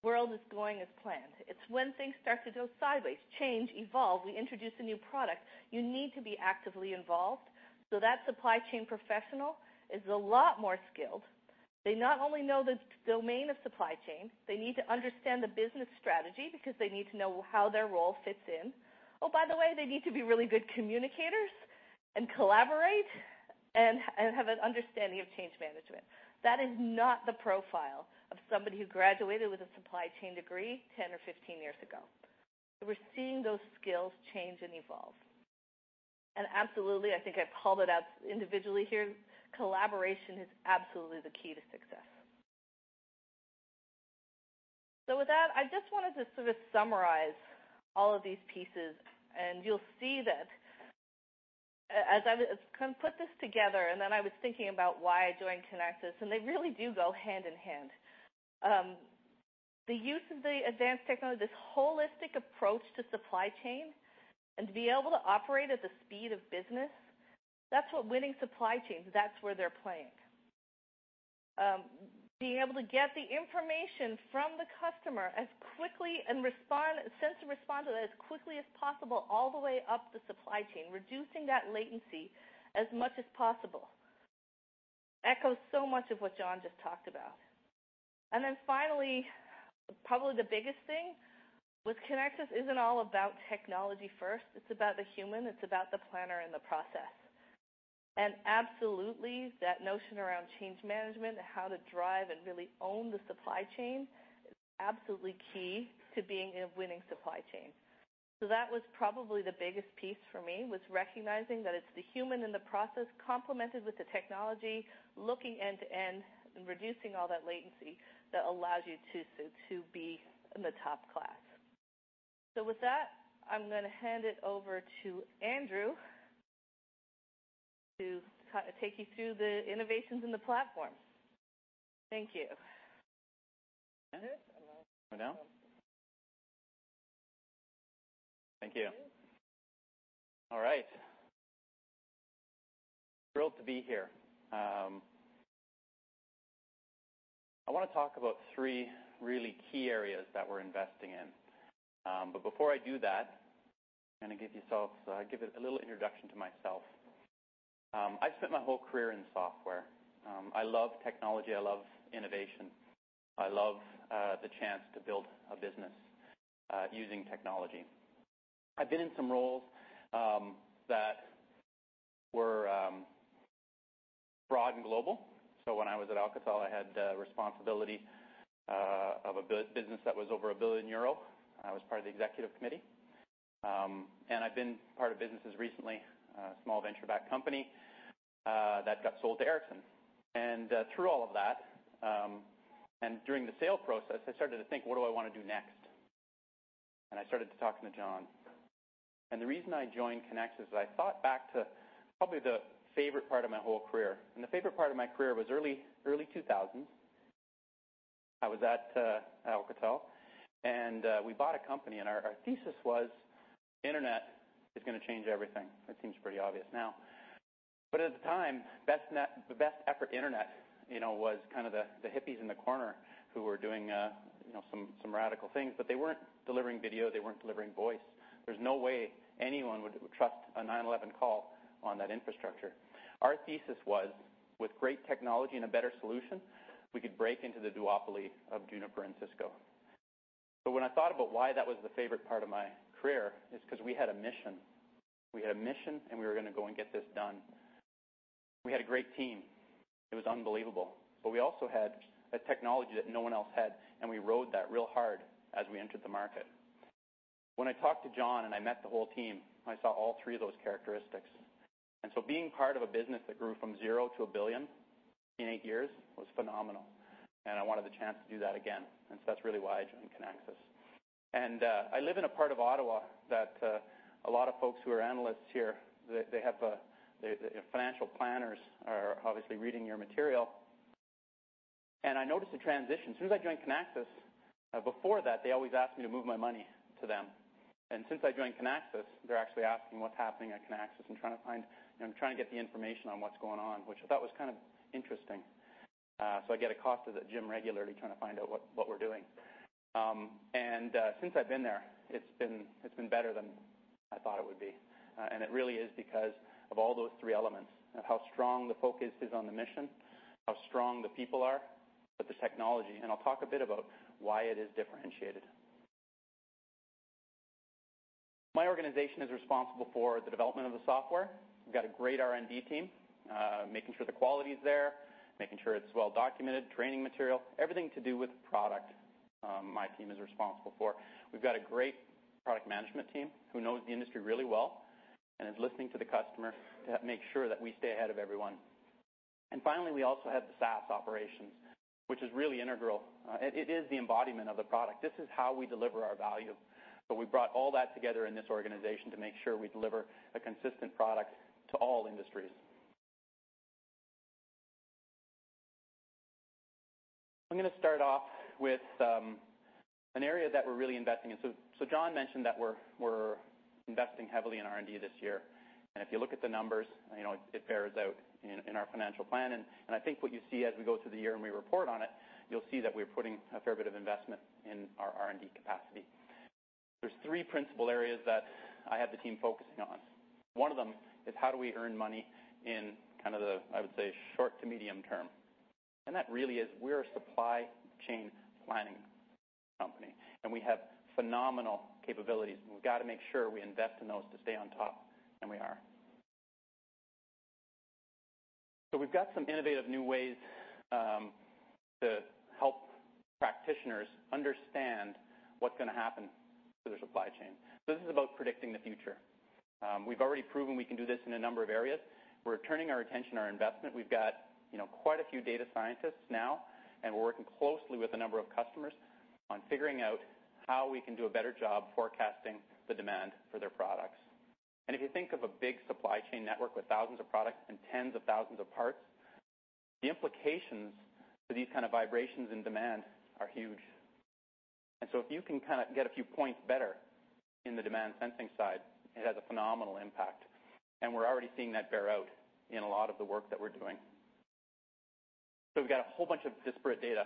B: world is going as planned. It's when things start to go sideways, change, evolve, we introduce a new product, you need to be actively involved. That supply chain professional is a lot more skilled. They not only know the domain of supply chain, they need to understand the business strategy because they need to know how their role fits in. Oh, by the way, they need to be really good communicators and collaborate, and have an understanding of change management. That is not the profile of somebody who graduated with a supply chain degree 10 or 15 years ago. We're seeing those skills change and evolve. Absolutely, I think I've called it out individually here, collaboration is absolutely the key to success. With that, I just wanted to sort of summarize all of these pieces, and you'll see that as I put this together, and then I was thinking about why I joined Kinaxis, and they really do go hand in hand. The use of the advanced technology, this holistic approach to supply chain, and to be able to operate at the speed of business, that's what winning supply chains, that's where they're playing. Being able to get the information from the customer as quickly and sense and respond to that as quickly as possible all the way up the supply chain, reducing that latency as much as possible, echoes so much of what John just talked about. Finally, probably the biggest thing, with Kinaxis, isn't all about technology first. It's about the human, it's about the planner and the process. Absolutely that notion around change management and how to drive and really own the supply chain is absolutely key to being a winning supply chain. That was probably the biggest piece for me, was recognizing that it's the human and the process complemented with the technology, looking end to end and reducing all that latency that allows you to be in the top class. With that, I'm going to hand it over to Andrew to take you through the innovations in the platform. Thank you. Andrew?
C: Right Now? Thank you. All right. Thrilled to be here. I want to talk about three really key areas that we're investing in. Before I do that, going to give a little introduction to myself. I've spent my whole career in software. I love technology. I love innovation. I love the chance to build a business using technology. I've been in some roles that were broad and global. When I was at Alcatel, I had responsibility of a business that was over 1 billion euro. I was part of the executive committee. I've been part of businesses recently, a small venture-backed company that got sold to Ericsson. Through all of that, and during the sales process, I started to think, what do I want to do next? I started to talking to John. The reason I joined Kinaxis is I thought back to probably the favorite part of my whole career. The favorite part of my career was early 2000s. I was at Alcatel, we bought a company, our thesis was Internet is going to change everything. It seems pretty obvious now. At the time, the best effort Internet was kind of the hippies in the corner who were doing some radical things, but they weren't delivering video, they weren't delivering voice. There's no way anyone would trust a 911 call on that infrastructure. Our thesis was, with great technology and a better solution, we could break into the duopoly of Juniper Networks and Cisco. When I thought about why that was the favorite part of my career, it's because we had a mission. We had a mission, we were going to go and get this done. We had a great team. It was unbelievable, we also had a technology that no one else had, we rode that real hard as we entered the market. When I talked to John and I met the whole team, I saw all three of those characteristics. Being part of a business that grew from zero to 1 billion in eight years was phenomenal, I wanted the chance to do that again. That's really why I joined Kinaxis. I live in a part of Ottawa that a lot of folks who are analysts here, they have financial planners are obviously reading your material. I noticed a transition. As soon as I joined Kinaxis, before that, they always asked me to move my money to them. Since I joined Kinaxis, they're actually asking what's happening at Kinaxis and trying to get the information on what's going on, which I thought was kind of interesting. I get accosted at the gym regularly trying to find out what we're doing. Since I've been there, it's been better than I thought it would be. It really is because of all those three elements, of how strong the focus is on the mission, how strong the people are, the technology. I'll talk a bit about why it is differentiated. My organization is responsible for the development of the software. We've got a great R&D team, making sure the quality is there, making sure it's well documented, training material, everything to do with product, my team is responsible for. We've got a great product management team who knows the industry really well and is listening to the customer to make sure that we stay ahead of everyone. Finally, we also have the SaaS operations, which is really integral. It is the embodiment of the product. This is how we deliver our value. We brought all that together in this organization to make sure we deliver a consistent product to all industries. I'm going to start off with an area that we're really investing in. John mentioned that we're investing heavily in R&D this year. If you look at the numbers, it bears out in our financial plan. I think what you see as we go through the year and we report on it, you'll see that we're putting a fair bit of investment in our R&D capacity. There's three principal areas that I have the team focusing on. One of them is how do we earn money in kind of the, I would say, short to medium term. That really is, we're a supply chain planning company, and we have phenomenal capabilities, and we've got to make sure we invest in those to stay on top, and we are. We've got some innovative new ways to help practitioners understand what's going to happen to their supply chain. This is about predicting the future. We've already proven we can do this in a number of areas. We're turning our attention, our investment. We've got quite a few data scientists now, and we're working closely with a number of customers on figuring out how we can do a better job forecasting the demand for their products. If you think of a big supply chain network with thousands of products and tens of thousands of parts, the implications for these kind of vibrations in demand are huge. If you can kind of get a few points better in the demand sensing side, it has a phenomenal impact, and we're already seeing that bear out in a lot of the work that we're doing. We've got a whole bunch of disparate data.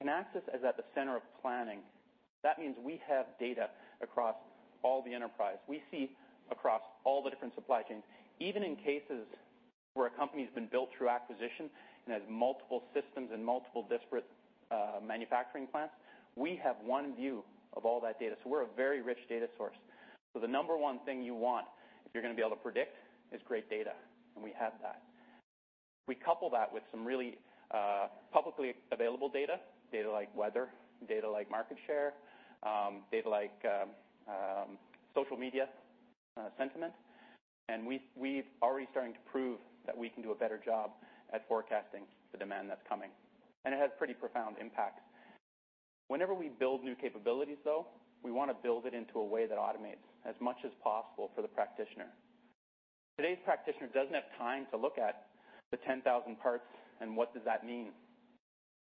C: Kinaxis is at the center of planning. That means we have data across all the enterprise. We see across all the different supply chains, even in cases where a company's been built through acquisition and has multiple systems and multiple disparate manufacturing plants, we have one view of all that data. We're a very rich data source. The number one thing you want, if you're going to be able to predict, is great data, and we have that. We couple that with some really publicly available data like weather, data like market share, data like social media sentiment, and we're already starting to prove that we can do a better job at forecasting the demand that's coming. It has pretty profound impacts. Whenever we build new capabilities, though, we want to build it into a way that automates as much as possible for the practitioner. Today's practitioner doesn't have time to look at the 10,000 parts and what does that mean.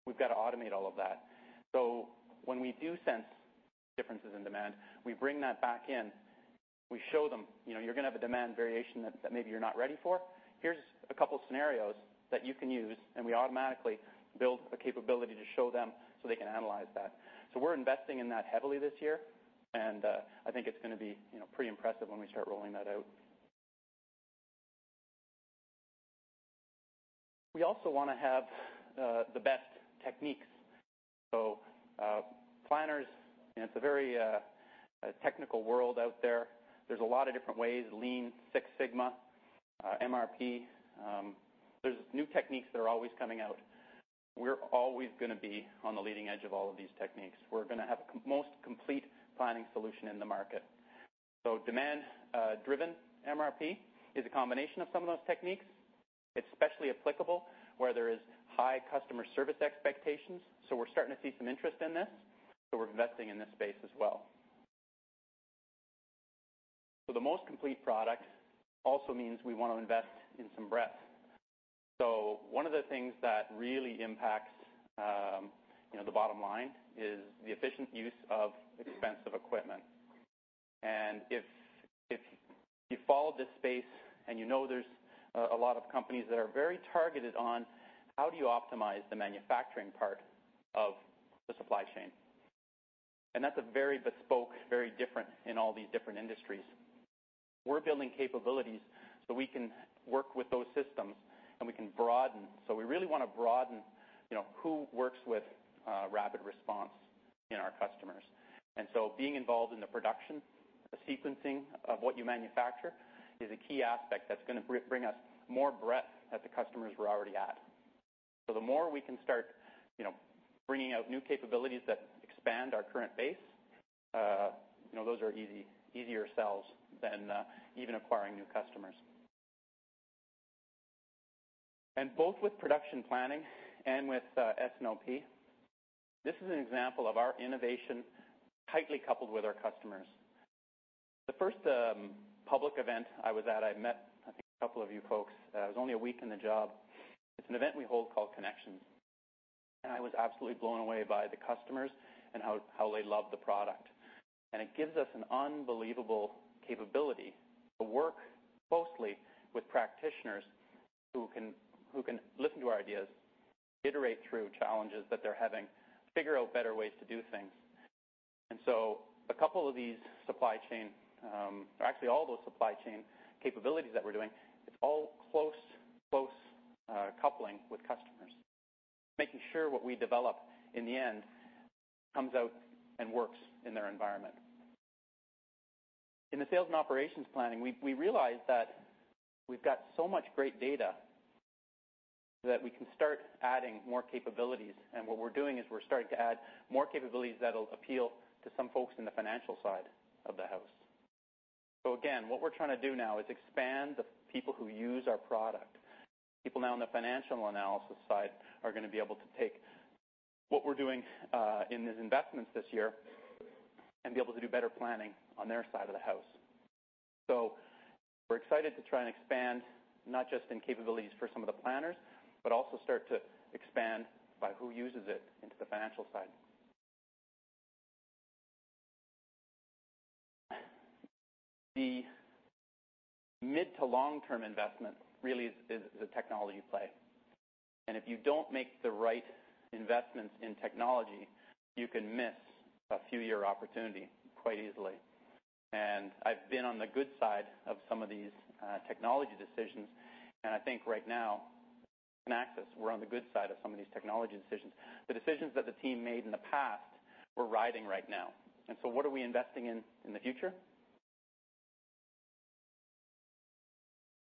C: We've got to automate all of that. When we do sense differences in demand, we bring that back in. We show them, you're going to have a demand variation that maybe you're not ready for. Here's a couple of scenarios that you can use, and we automatically build a capability to show them so they can analyze that. We're investing in that heavily this year, and I think it's going to be pretty impressive when we start rolling that out. We also want to have the best techniques. Planners, it's a very technical world out there. There's a lot of different ways, Lean, Six Sigma, MRP. There's new techniques that are always coming out. We're always going to be on the leading edge of all of these techniques. We're going to have the most complete planning solution in the market. Demand-driven MRP is a combination of some of those techniques. It's especially applicable where there is high customer service expectations. We're starting to see some interest in this, so we're investing in this space as well. The most complete product also means we want to invest in some breadth. One of the things that really impacts the bottom line is the efficient use of expensive equipment. If you follow this space and you know, there's a lot of companies that are very targeted on how do you optimize the manufacturing part of the supply chain, and that's a very bespoke, very different in all these different industries. We're building capabilities so we can work with those systems and we can broaden. We really want to broaden who works with RapidResponse in our customers. Being involved in the production, the sequencing of what you manufacture is a key aspect that's going to bring us more breadth that the customers were already at. The more we can start bringing out new capabilities that expand our current base, those are easier sells than even acquiring new customers. Both with production planning and with S&OP, this is an example of our innovation tightly coupled with our customers. The first public event I was at, I met, I think, a couple of you folks. I was only a week in the job. It's an event we hold called Kinexions, and I was absolutely blown away by the customers and how they love the product. It gives us an unbelievable capability to work closely with practitioners who can listen to our ideas, iterate through challenges that they're having, figure out better ways to do things. A couple of these supply chain, or actually all those supply chain capabilities that we're doing, it's all close coupling with customers, making sure what we develop in the end comes out and works in their environment. In the sales and operations planning, we realized that we've got so much great data that we can start adding more capabilities. What we're doing is we're starting to add more capabilities that'll appeal to some folks in the financial side of the house. Again, what we're trying to do now is expand the people who use our product. People now on the financial analysis side are going to be able to take what we're doing in these investments this year and be able to do better planning on their side of the house. We're excited to try and expand, not just in capabilities for some of the planners, but also start to expand by who uses it into the financial side. The mid to long term investment really is a technology play. If you don't make the right investments in technology, you can miss a few year opportunity quite easily. I've been on the good side of some of these technology decisions. I think right now, Kinaxis, we're on the good side of some of these technology decisions. The decisions that the team made in the past, we're riding right now. What are we investing in in the future?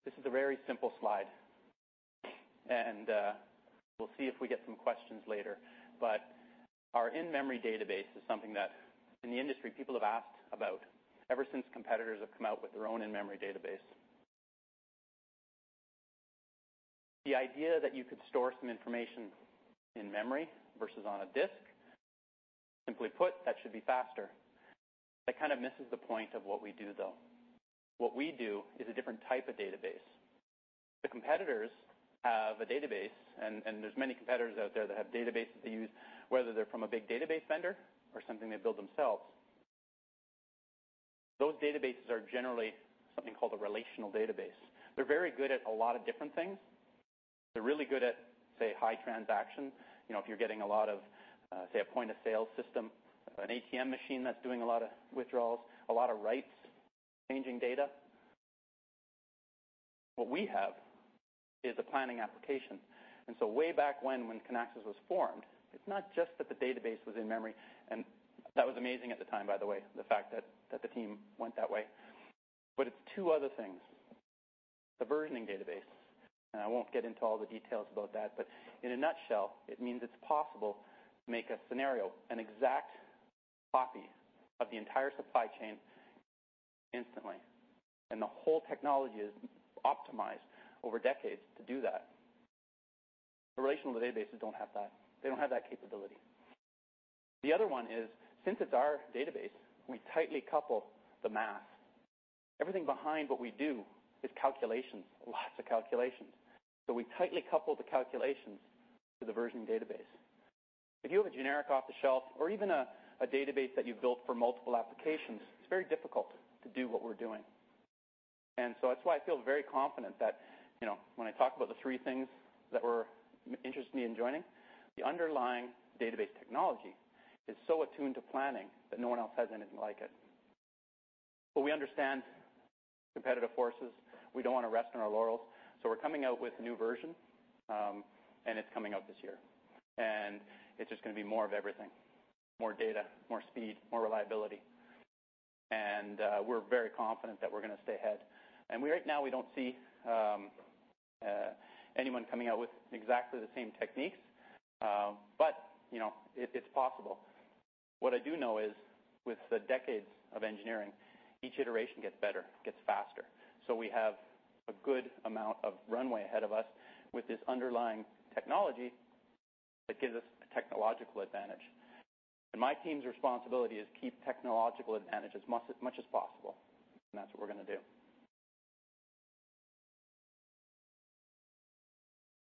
C: This is a very simple slide, we'll see if we get some questions later. Our in-memory database is something that in the industry, people have asked about ever since competitors have come out with their own in-memory database. The idea that you could store some information in memory versus on a disk, simply put, that should be faster. That kind of misses the point of what we do, though. What we do is a different type of database. The competitors have a database, and there are many competitors out there that have databases they use, whether they are from a big database vendor or something they build themselves. Those databases are generally something called a relational database. They are very good at a lot of different things. They are really good at, say, high transaction. If you are getting a lot of, say, a point-of-sale system, an ATM machine that is doing a lot of withdrawals, a lot of writes, changing data. What we have is a planning application. Way back when Kinaxis was formed, it is not just that the database was in-memory, and that was amazing at the time, by the way, the fact that the team went that way. It is two other things. The versioning database, and I will not get into all the details about that, but in a nutshell, it means it is possible to make a scenario, an exact copy of the entire supply chain instantly. The whole technology is optimized over decades to do that. Relational databases do not have that. They do not have that capability. The other one is, since it is our database, we tightly couple the math. Everything behind what we do is calculations, lots of calculations. We tightly couple the calculations to the version database. If you have a generic off-the-shelf or even a database that you have built for multiple applications, it is very difficult to do what we are doing. That is why I feel very confident that when I talk about the three things that were interesting me in joining, the underlying database technology is so attuned to planning that no one else has anything like it. We understand competitive forces. We do not want to rest on our laurels, we are coming out with a new version, it is coming out this year. It is just going to be more of everything, more data, more speed, more reliability. We are very confident that we are going to stay ahead. Right now, we do not see anyone coming out with exactly the same techniques, but it is possible. What I do know is with the decades of engineering, each iteration gets better, gets faster. We have a good amount of runway ahead of us with this underlying technology. That gives us a technological advantage. My team's responsibility is keep technological advantage as much as possible, and that is what we are going to do.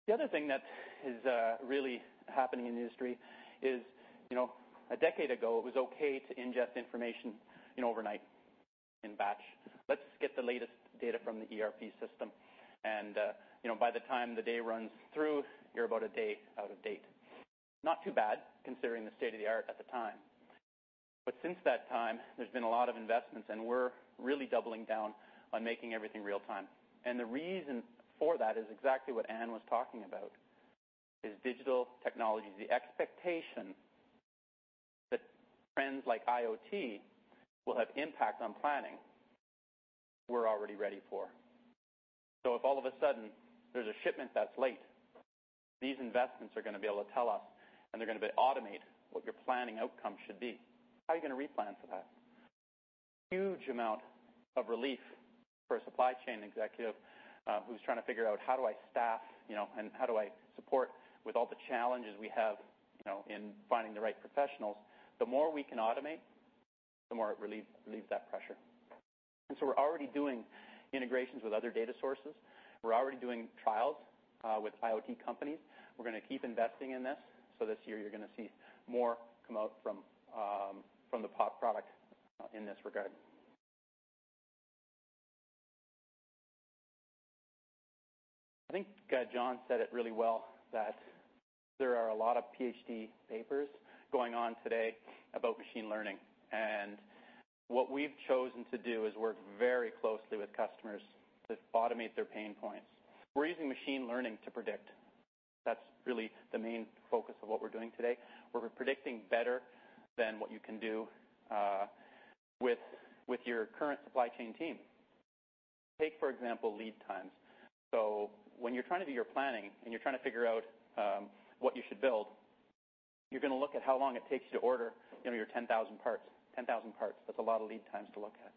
C: The other thing that is really happening in the industry is, a decade ago, it was okay to ingest information overnight in batch. Let us get the latest data from the ERP system and by the time the day runs through, you are about a day out of date. Not too bad considering the state of the art at the time. Since that time, there has been a lot of investments, we are really doubling down on making everything real-time. The reason for that is exactly what Anne was talking about, is digital technology. The expectation that trends like IoT will have impact on planning, we are already ready for. If all of a sudden there's a shipment that's late, these investments are going to be able to tell us, and they're going to be able to automate what your planning outcome should be. How are you going to replan for that? Huge amount of relief for a supply chain executive who's trying to figure out, how do I staff, and how do I support with all the challenges we have in finding the right professionals? The more we can automate, the more it relieves that pressure. We're already doing integrations with other data sources. We're already doing trials with IoT companies. We're going to keep investing in this. This year you're going to see more come out from the POP product in this regard. I think John said it really well, that there are a lot of PhD papers going on today about machine learning, what we've chosen to do is work very closely with customers to automate their pain points. We're using machine learning to predict. That's really the main focus of what we're doing today. We're predicting better than what you can do with your current supply chain team. Take, for example, lead times. When you're trying to do your planning and you're trying to figure out what you should build, you're going to look at how long it takes you to order your 10,000 parts. 10,000 parts, that's a lot of lead times to look at.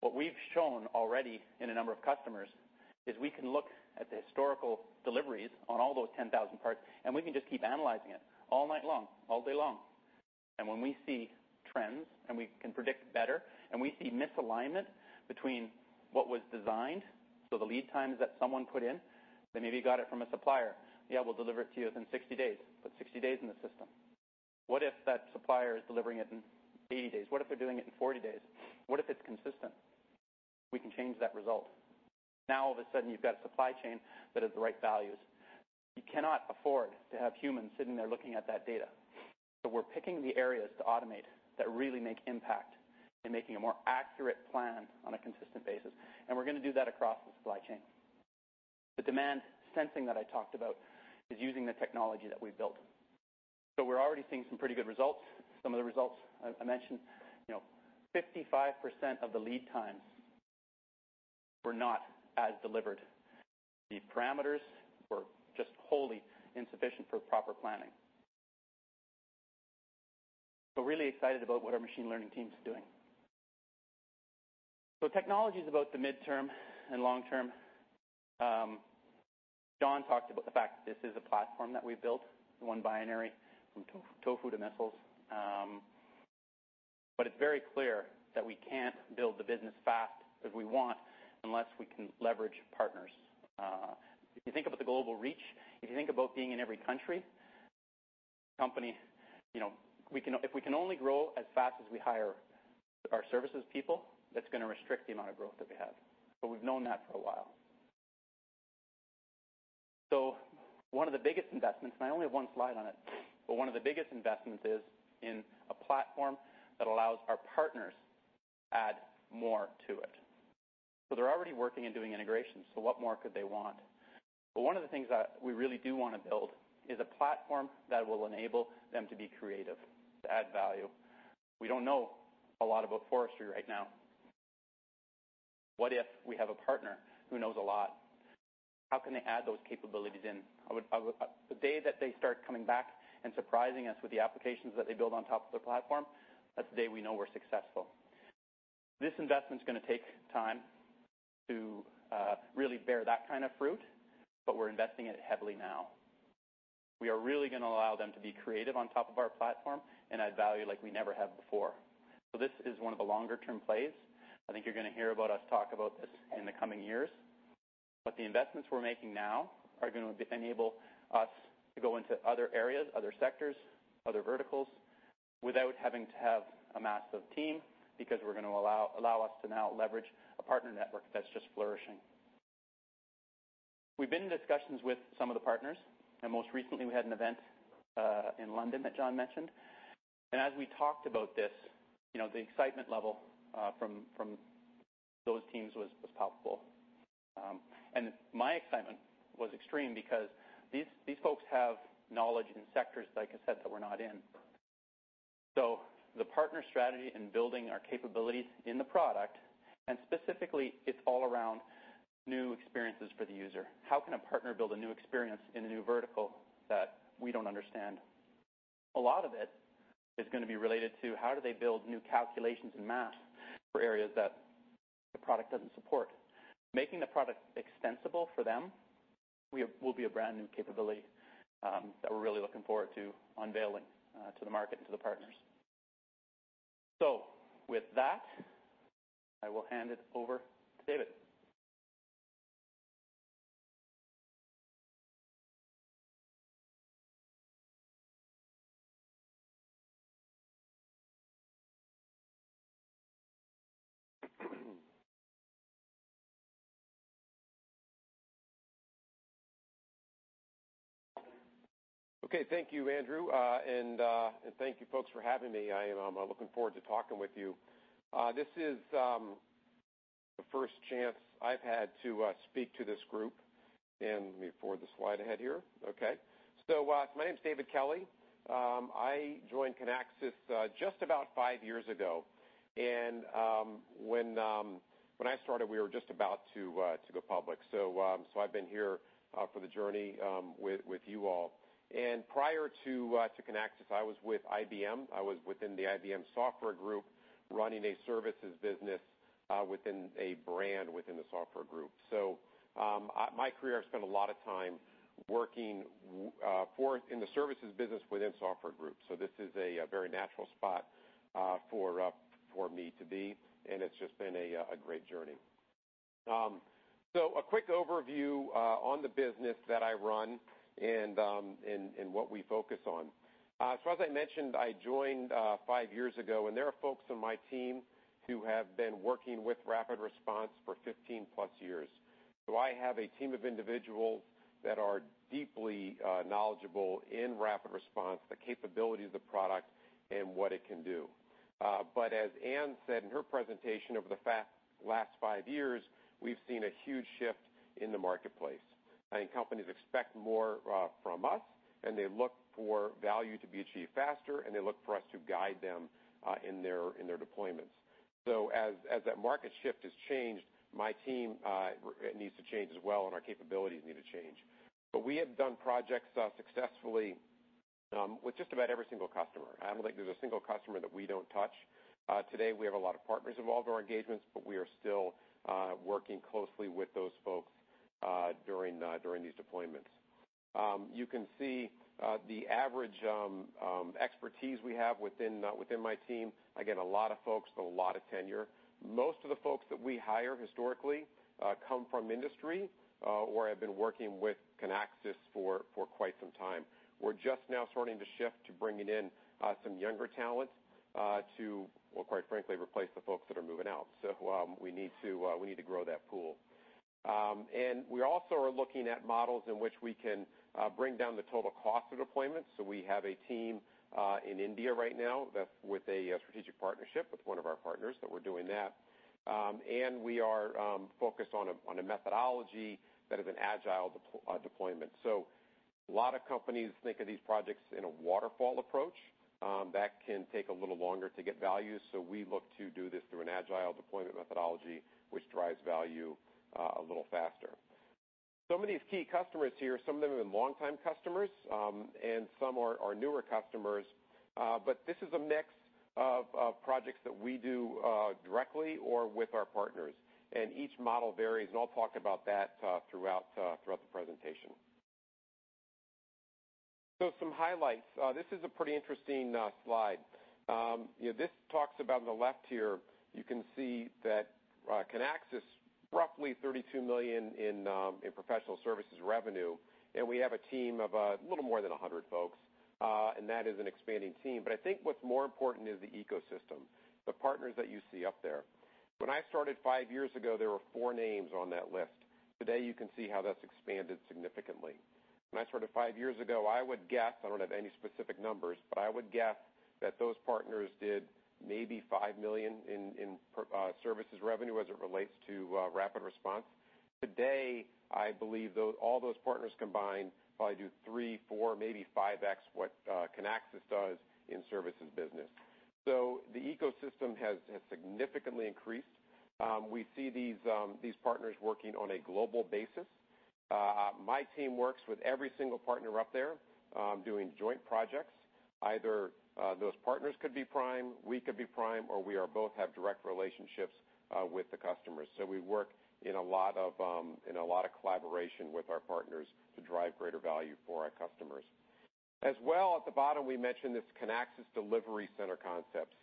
C: What we've shown already in a number of customers is we can look at the historical deliveries on all those 10,000 parts, we can just keep analyzing it all night long, all day long. When we see trends and we can predict better, and we see misalignment between what was designed, so the lead times that someone put in, they maybe got it from a supplier. Yeah, we'll deliver it to you within 60 days. Put 60 days in the system. What if that supplier is delivering it in 80 days? What if they're doing it in 40 days? What if it's consistent? We can change that result. Now all of a sudden you've got a supply chain that has the right values. You cannot afford to have humans sitting there looking at that data. We're picking the areas to automate that really make impact in making a more accurate plan on a consistent basis. We're going to do that across the supply chain. The demand sensing that I talked about is using the technology that we've built. We're already seeing some pretty good results. Some of the results I mentioned, 55% of the lead times were not as delivered. The parameters were just wholly insufficient for proper planning. Really excited about what our machine learning team's doing. Technology's about the midterm and long-term. John talked about the fact that this is a platform that we've built, one binary from tofu to missiles. It's very clear that we can't build the business fast as we want unless we can leverage partners. If you think about the global reach, if you think about being in every country, if we can only grow as fast as we hire our services people, that's going to restrict the amount of growth that we have. We've known that for a while. One of the biggest investments, and I only have one slide on it, but one of the biggest investments is in a platform that allows our partners add more to it. They're already working and doing integrations, what more could they want? One of the things that we really do want to build is a platform that will enable them to be creative, to add value. We don't know a lot about forestry right now. What if we have a partner who knows a lot? How can they add those capabilities in? The day that they start coming back and surprising us with the applications that they build on top of the platform, that's the day we know we're successful. This investment's going to take time to really bear that kind of fruit, but we're investing in it heavily now. We are really going to allow them to be creative on top of our platform and add value like we never have before. This is one of the longer-term plays. I think you're going to hear about us talk about this in the coming years. The investments we're making now are going to enable us to go into other areas, other sectors, other verticals, without having to have a massive team because we're going to allow us to now leverage a partner network that's just flourishing. We've been in discussions with some of the partners, most recently we had an event in London that John mentioned. As we talked about this, the excitement level from those teams was palpable. My excitement was extreme because these folks have knowledge in sectors, like I said, that we're not in. The partner strategy and building our capabilities in the product, and specifically it's all around new experiences for the user. How can a partner build a new experience in a new vertical that we don't understand? A lot of it is going to be related to how do they build new calculations in math for areas that the product doesn't support. Making the product extensible for them will be a brand-new capability that we're really looking forward to unveiling to the market and to the partners. With that, I will hand it over to David.
D: Okay. Thank you, Andrew. Thank you folks for having me. I am looking forward to talking with you. This is the first chance I've had to speak to this group, let me forward the slide ahead here. My name's David Kelly. I joined Kinaxis just about five years ago. When I started, we were just about to go public. I've been here for the journey with you all. Prior to Kinaxis, I was with IBM. I was within the IBM software group running a services business within a brand within the software group. My career, I've spent a lot of time working in the services business within software groups. This is a very natural spot for me to be, it's just been a great journey. A quick overview on the business that I run and what we focus on. As I mentioned, I joined five years ago, and there are folks on my team who have been working with RapidResponse for 15+ years. I have a team of individuals that are deeply knowledgeable in RapidResponse, the capabilities of the product, and what it can do. As Anne said in her presentation, over the last five years, we've seen a huge shift in the marketplace. Companies expect more from us. They look for value to be achieved faster. They look for us to guide them in their deployments. As that market shift has changed, my team needs to change as well. Our capabilities need to change. We have done projects successfully with just about every single customer. I don't think there's a single customer that we don't touch. Today, we have a lot of partners involved in our engagements. We are still working closely with those folks during these deployments. You can see the average expertise we have within my team. Again, a lot of folks with a lot of tenure. Most of the folks that we hire historically come from industry or have been working with Kinaxis for quite some time. We're just now starting to shift to bringing in some younger talent to, well, quite frankly, replace the folks that are moving out. We need to grow that pool. We also are looking at models in which we can bring down the total cost of deployment. We have a team in India right now with a strategic partnership with one of our partners that we're doing that. We are focused on a methodology that is an agile deployment. A lot of companies think of these projects in a waterfall approach. That can take a little longer to get value. We look to do this through an agile deployment methodology, which drives value a little faster. Some of these key customers here, some of them have been longtime customers. Some are newer customers. This is a mix of projects that we do directly or with our partners. Each model varies. I'll talk about that throughout the presentation. Some highlights. This is a pretty interesting slide. This talks about on the left here, you can see that Kinaxis, roughly 32 million in professional services revenue. We have a team of a little more than 100 folks. That is an expanding team. I think what's more important is the ecosystem, the partners that you see up there. When I started five years ago, there were four names on that list. Today you can see how that's expanded significantly. When I started five years ago, I would guess, I don't have any specific numbers, but I would guess that those partners did maybe 5 million in services revenue as it relates to RapidResponse. Today, I believe all those partners combined probably do 3, 4, maybe 5x what Kinaxis does in services business. The ecosystem has significantly increased. We see these partners working on a global basis. My team works with every single partner up there doing joint projects. Either those partners could be prime, we could be prime, or we both have direct relationships with the customers. We work in a lot of collaboration with our partners to drive greater value for our customers. As well, at the bottom, we mentioned this Kinaxis delivery center concept.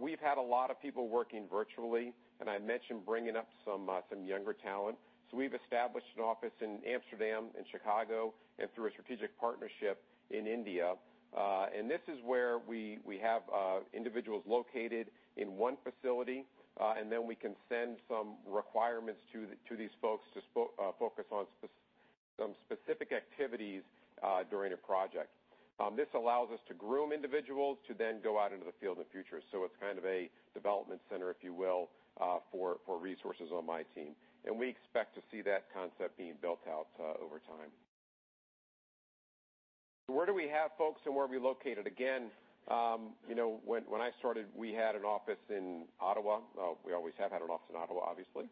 D: We've had a lot of people working virtually, I mentioned bringing up some younger talent. We've established an office in Amsterdam and Chicago, through a strategic partnership in India. This is where we have individuals located in one facility, then we can send some requirements to these folks to focus on some specific activities during a project. This allows us to groom individuals to then go out into the field in the future. It's kind of a development center, if you will, for resources on my team. We expect to see that concept being built out over time. Where do we have folks, and where are we located? When I started, we had an office in Ottawa. We always have had an office in Ottawa, obviously.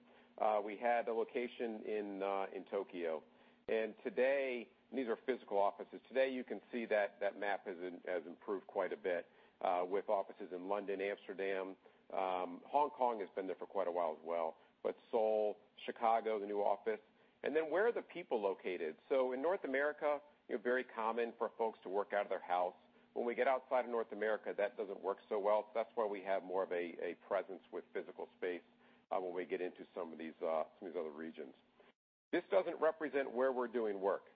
D: We had a location in Tokyo. These are physical offices. Today, you can see that map has improved quite a bit with offices in London, Amsterdam. Hong Kong has been there for quite a while as well. Seoul, Chicago, the new office. Then where are the people located? In North America, very common for folks to work out of their house. When we get outside of North America, that doesn't work so well. That's why we have more of a presence with physical space when we get into some of these other regions. This doesn't represent where we're doing work.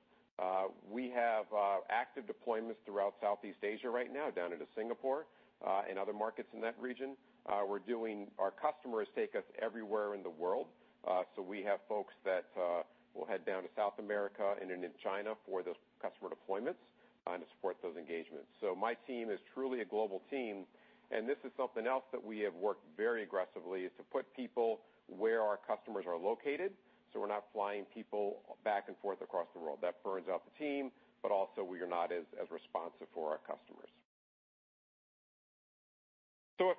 D: We have active deployments throughout Southeast Asia right now, down into Singapore, and other markets in that region. Our customers take us everywhere in the world. We have folks that will head down to South America and then in China for those customer deployments and to support those engagements. My team is truly a global team, this is something else that we have worked very aggressively, is to put people where our customers are located, so we're not flying people back and forth across the world. That burns out the team, but also we are not as responsive for our customers. A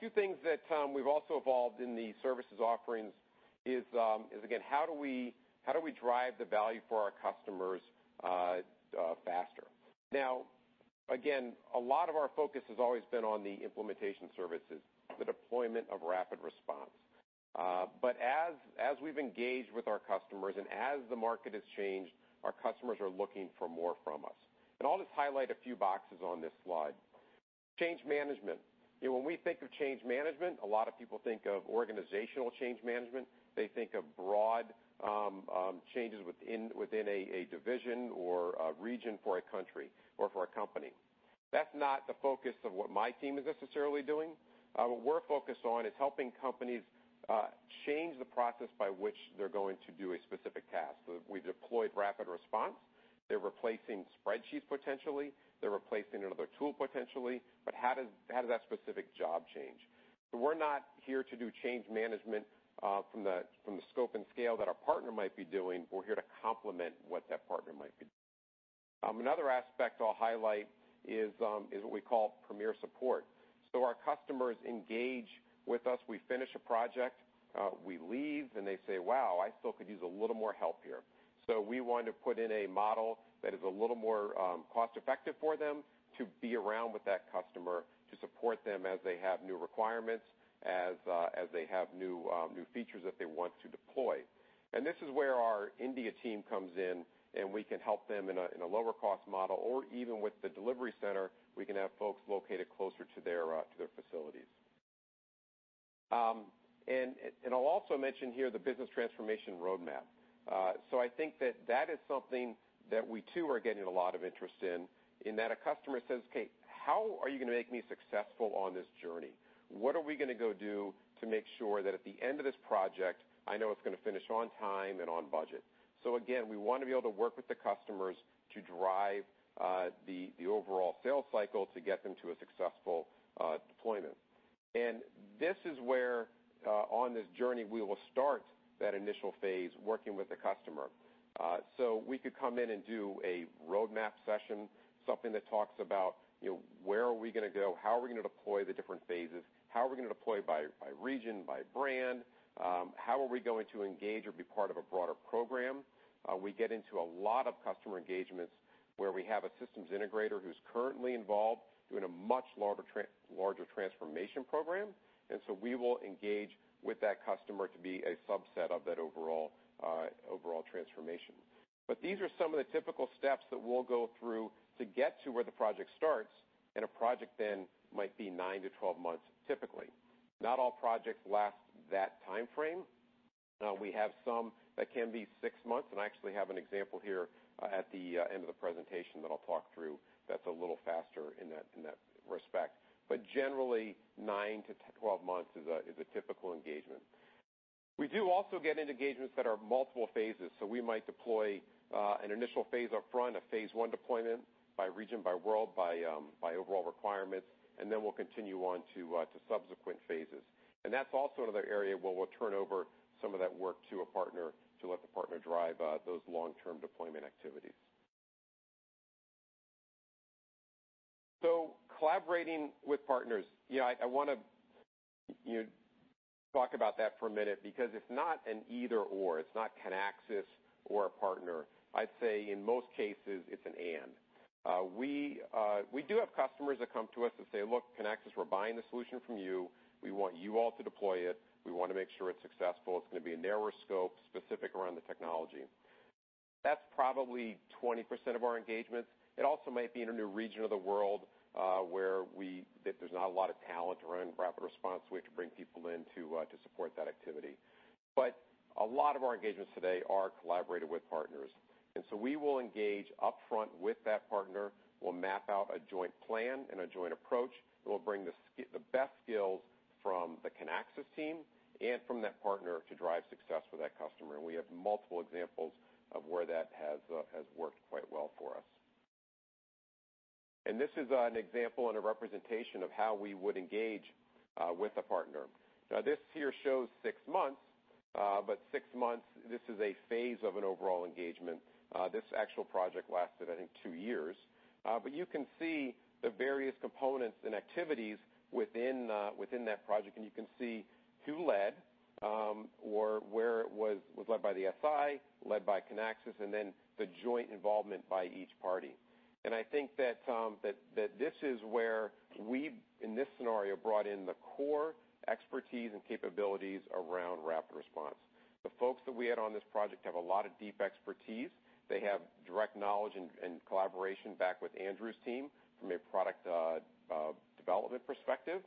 D: few things that we've also evolved in the services offerings is, again, how do we drive the value for our customers faster? A lot of our focus has always been on the implementation services, the deployment of RapidResponse. As we've engaged with our customers and as the market has changed, our customers are looking for more from us. I'll just highlight a few boxes on this slide. Change management. When we think of change management, a lot of people think of organizational change management. They think of broad changes within a division or a region for a country or for a company. That's not the focus of what my team is necessarily doing. What we're focused on is helping companies change the process by which they're going to do a specific task. We deployed RapidResponse. They're replacing spreadsheets, potentially. They're replacing another tool, potentially, but how does that specific job change? We're not here to do change management from the scope and scale that a partner might be doing. We're here to complement what that partner might be doing. Another aspect I'll highlight is what we call premier support. Our customers engage with us. We finish a project, we leave, and they say, "Wow, I still could use a little more help here." We want to put in a model that is a little more cost-effective for them to be around with that customer, to support them as they have new requirements, as they have new features that they want to deploy. This is where our India team comes in, and we can help them in a lower-cost model, or even with the Delivery Center, we can have folks located closer to their facilities. I'll also mention here the Business Transformation Roadmap. I think that that is something that we, too, are getting a lot of interest in that a customer says, "Okay, how are you going to make me successful on this journey? What are we going to go do to make sure that at the end of this project, I know it's going to finish on time and on budget?" Again, we want to be able to work with the customers to drive the overall sales cycle to get them to a successful deployment. This is where on this journey we will start that initial phase, working with the customer. We could come in and do a roadmap session, something that talks about where are we going to go, how are we going to deploy the different phases, how are we going to deploy by region, by brand, how are we going to engage or be part of a broader program. We get into a lot of customer engagements where we have a systems integrator who's currently involved doing a much larger transformation program. We will engage with that customer to be a subset of that overall transformation. These are some of the typical steps that we'll go through to get to where the project starts. A project then might be 9 to 12 months, typically. Not all projects last that timeframe. We have some that can be six months, and I actually have an example here at the end of the presentation that I'll talk through that's a little faster in that respect. Generally, 9 to 12 months is a typical engagement. We do also get into engagements that are multiple phases. We might deploy an initial phase up front, a phase 1 deployment by region, by world, by overall requirements, and then we'll continue on to subsequent phases. That's also another area where we'll turn over some of that work to a partner to let the partner drive those long-term deployment activities. Collaborating with partners. I want to talk about that for a minute because it's not an either/or. It's not Kinaxis or a partner. I'd say in most cases it's an and. We do have customers that come to us and say, "Look, Kinaxis, we're buying the solution from you. We want you all to deploy it. We want to make sure it's successful. It's going to be a narrower scope, specific around the technology." That's probably 20% of our engagements. It also might be in a new region of the world where there's not a lot of talent around RapidResponse. We have to bring people in to support that activity. A lot of our engagements today are collaborated with partners. We will engage upfront with that partner. We'll map out a joint plan and a joint approach. We'll bring the best skills from the Kinaxis team and from that partner to drive success for that customer, and we have multiple examples of where that has worked quite well for us. This is an example and a representation of how we would engage with a partner. This here shows six months, but six months, this is a phase of an overall engagement. This actual project lasted, I think, two years. You can see the various components and activities within that project, and you can see who led or where it was led by the SI, led by Kinaxis, and then the joint involvement by each party. I think that this is where we, in this scenario, brought in the core expertise and capabilities around RapidResponse. The folks that we had on this project have a lot of deep expertise. They have direct knowledge and collaboration back with Andrew's team from a product development perspective.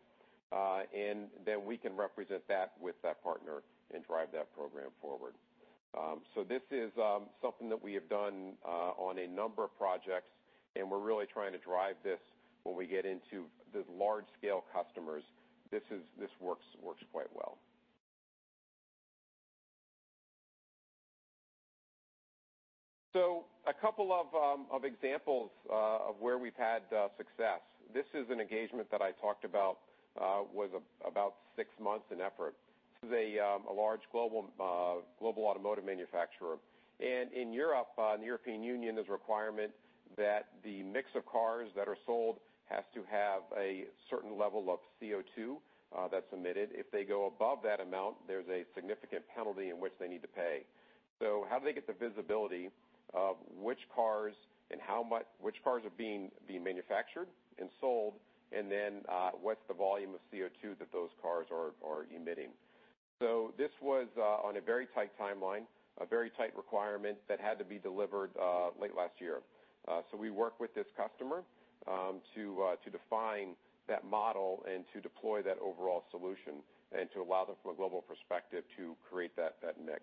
D: Then we can represent that with that partner and drive that program forward. This is something that we have done on a number of projects, and we're really trying to drive this when we get into the large-scale customers. This works quite well. A couple of examples of where we've had success. This is an engagement that I talked about, was about six months in effort. This is a large global automotive manufacturer. In Europe, in the European Union, there's a requirement that the mix of cars that are sold has to have a certain level of CO2 that's emitted. If they go above that amount, there's a significant penalty in which they need to pay. How do they get the visibility of which cars are being manufactured and sold, and then what's the volume of CO2 that those cars are emitting? This was on a very tight timeline, a very tight requirement that had to be delivered late last year. We worked with this customer to define that model and to deploy that overall solution and to allow them, from a global perspective, to create that mix.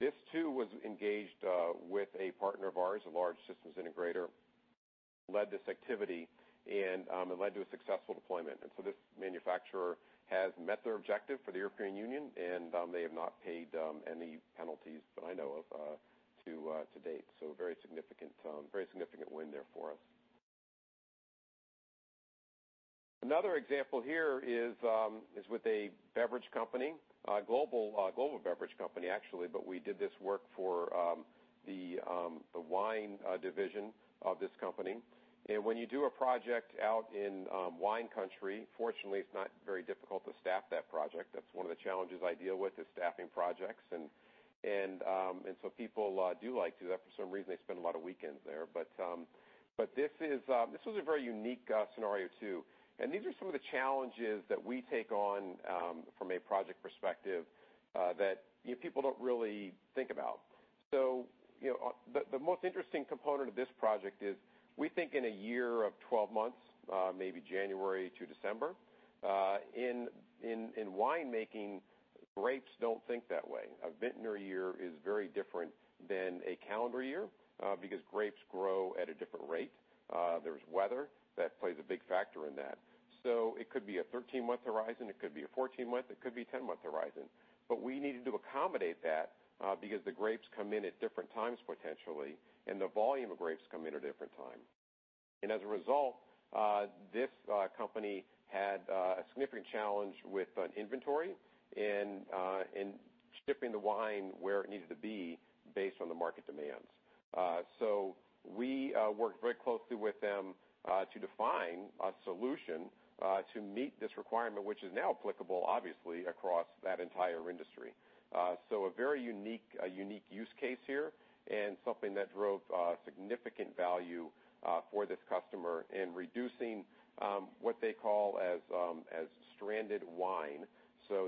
D: This, too, was engaged with a partner of ours, a large systems integrator, led this activity, and it led to a successful deployment. This manufacturer has met their objective for the European Union, and they have not paid any penalties that I know of to date. A very significant win there for us. Another example here is with a beverage company, a global beverage company, actually, but we did this work for the wine division of this company. When you do a project out in wine country, fortunately, it's not very difficult to staff that project. That's one of the challenges I deal with is staffing projects. People do like to, for some reason, they spend a lot of weekends there. This was a very unique scenario, too. These are some of the challenges that we take on from a project perspective that people don't really think about. The most interesting component of this project is we think in a year of 12 months, maybe January to December. In wine-making, grapes don't think that way. A vintner year is very different than a calendar year because grapes grow at a different rate. There's weather that plays a big factor in that. It could be a 13-month horizon, it could be a 14-month, it could be a 10-month horizon. We needed to accommodate that because the grapes come in at different times potentially, and the volume of grapes come in at a different time. As a result, this company had a significant challenge with inventory and shipping the wine where it needed to be based on the market demands. We worked very closely with them to define a solution to meet this requirement, which is now applicable, obviously, across that entire industry. A very unique use case here and something that drove significant value for this customer in reducing what they call as stranded wine.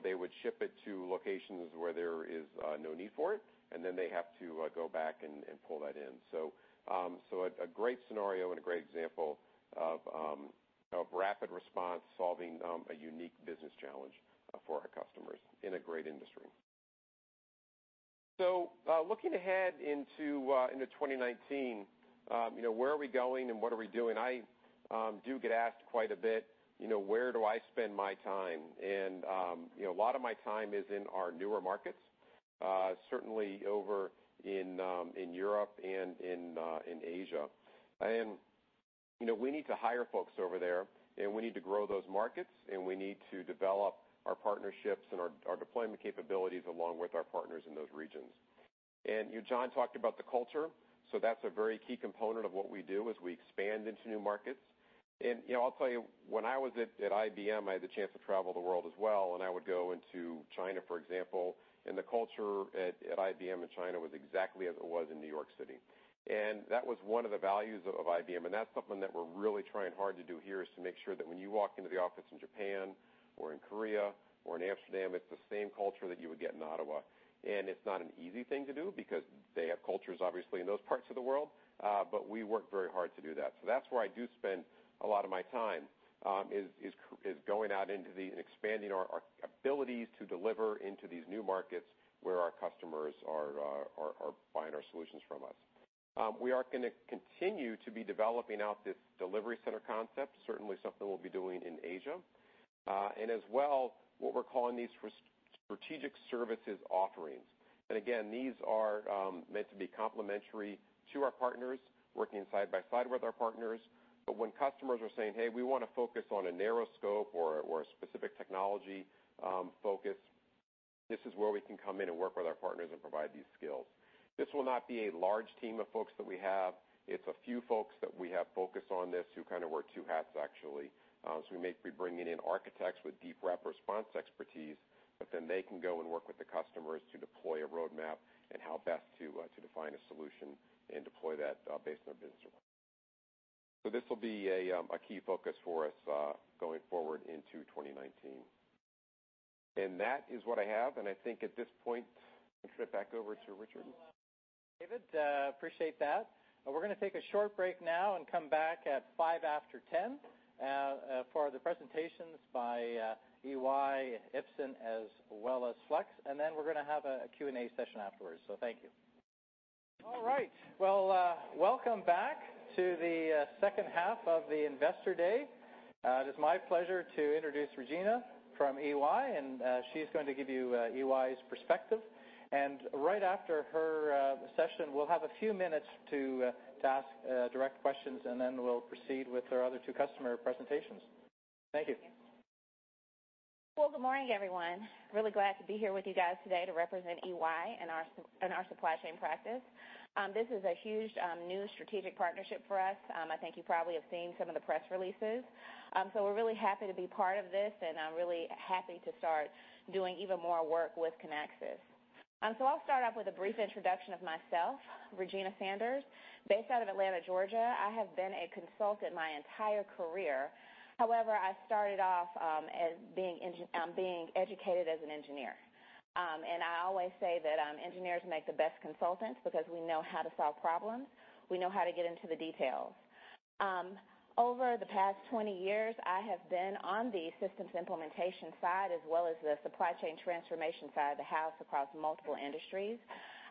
D: They would ship it to locations where there is no need for it, and then they have to go back and pull that in. A great scenario and a great example of RapidResponse solving a unique business challenge for our customers in a great industry. Looking ahead into 2019, where are we going and what are we doing? I do get asked quite a bit, where do I spend my time? A lot of my time is in our newer markets, certainly over in Europe and in Asia. We need to hire folks over there, and we need to grow those markets, and we need to develop our partnerships and our deployment capabilities along with our partners in those regions. John talked about the culture, that's a very key component of what we do as we expand into new markets. I'll tell you, when I was at IBM, I had the chance to travel the world as well, and I would go into China, for example, and the culture at IBM in China was exactly as it was in New York City. That was one of the values of IBM, and that's something that we're really trying hard to do here is to make sure that when you walk into the office in Japan or in Korea or in Amsterdam, it's the same culture that you would get in Ottawa. It's not an easy thing to do because they have cultures, obviously, in those parts of the world, we work very hard to do that. That's where I do spend a lot of my time is going out and expanding our abilities to deliver into these new markets where our customers are buying our solutions from us. We are going to continue to be developing out this Kinaxis delivery center concept, certainly something we'll be doing in Asia. As well, what we're calling these strategic services offerings. Again, these are meant to be complementary to our partners, working side by side with our partners. When customers are saying, "Hey, we want to focus on a narrow scope or a specific technology focus," this is where we can come in and work with our partners and provide these skills. This will not be a large team of folks that we have. It's a few folks that we have focused on this who kind of wear two hats, actually. We may be bringing in architects with deep RapidResponse expertise, but then they can go and work with the customers to deploy a roadmap and how best to define a solution and deploy that based on their business requirements. This will be a key focus for us going forward into 2019. That is what I have, I think at this point, I'll turn it back over to Richard.
A: David, appreciate that. We're going to take a short break now and come back at 5 after 10 for the presentations by EY, Ipsen, as well as Flex. We're going to have a Q&A session afterwards, thank you. Welcome back to the second half of the Investor Day. It is my pleasure to introduce Regina from EY, she's going to give you EY's perspective. Right after her session, we'll have a few minutes to ask direct questions, we'll proceed with our other two customer presentations. Thank you.
E: Good morning, everyone. Really glad to be here with you guys today to represent EY and our supply chain practice. This is a huge new strategic partnership for us. I think you probably have seen some of the press releases. We're really happy to be part of this, I'm really happy to start doing even more work with Kinaxis. I'll start off with a brief introduction of myself, Regina Sanders. Based out of Atlanta, Georgia, I have been a consultant my entire career. However, I started off being educated as an engineer. I always say that engineers make the best consultants because we know how to solve problems. We know how to get into the details. Over the past 20 years, I have been on the systems implementation side as well as the supply chain transformation side of the house across multiple industries.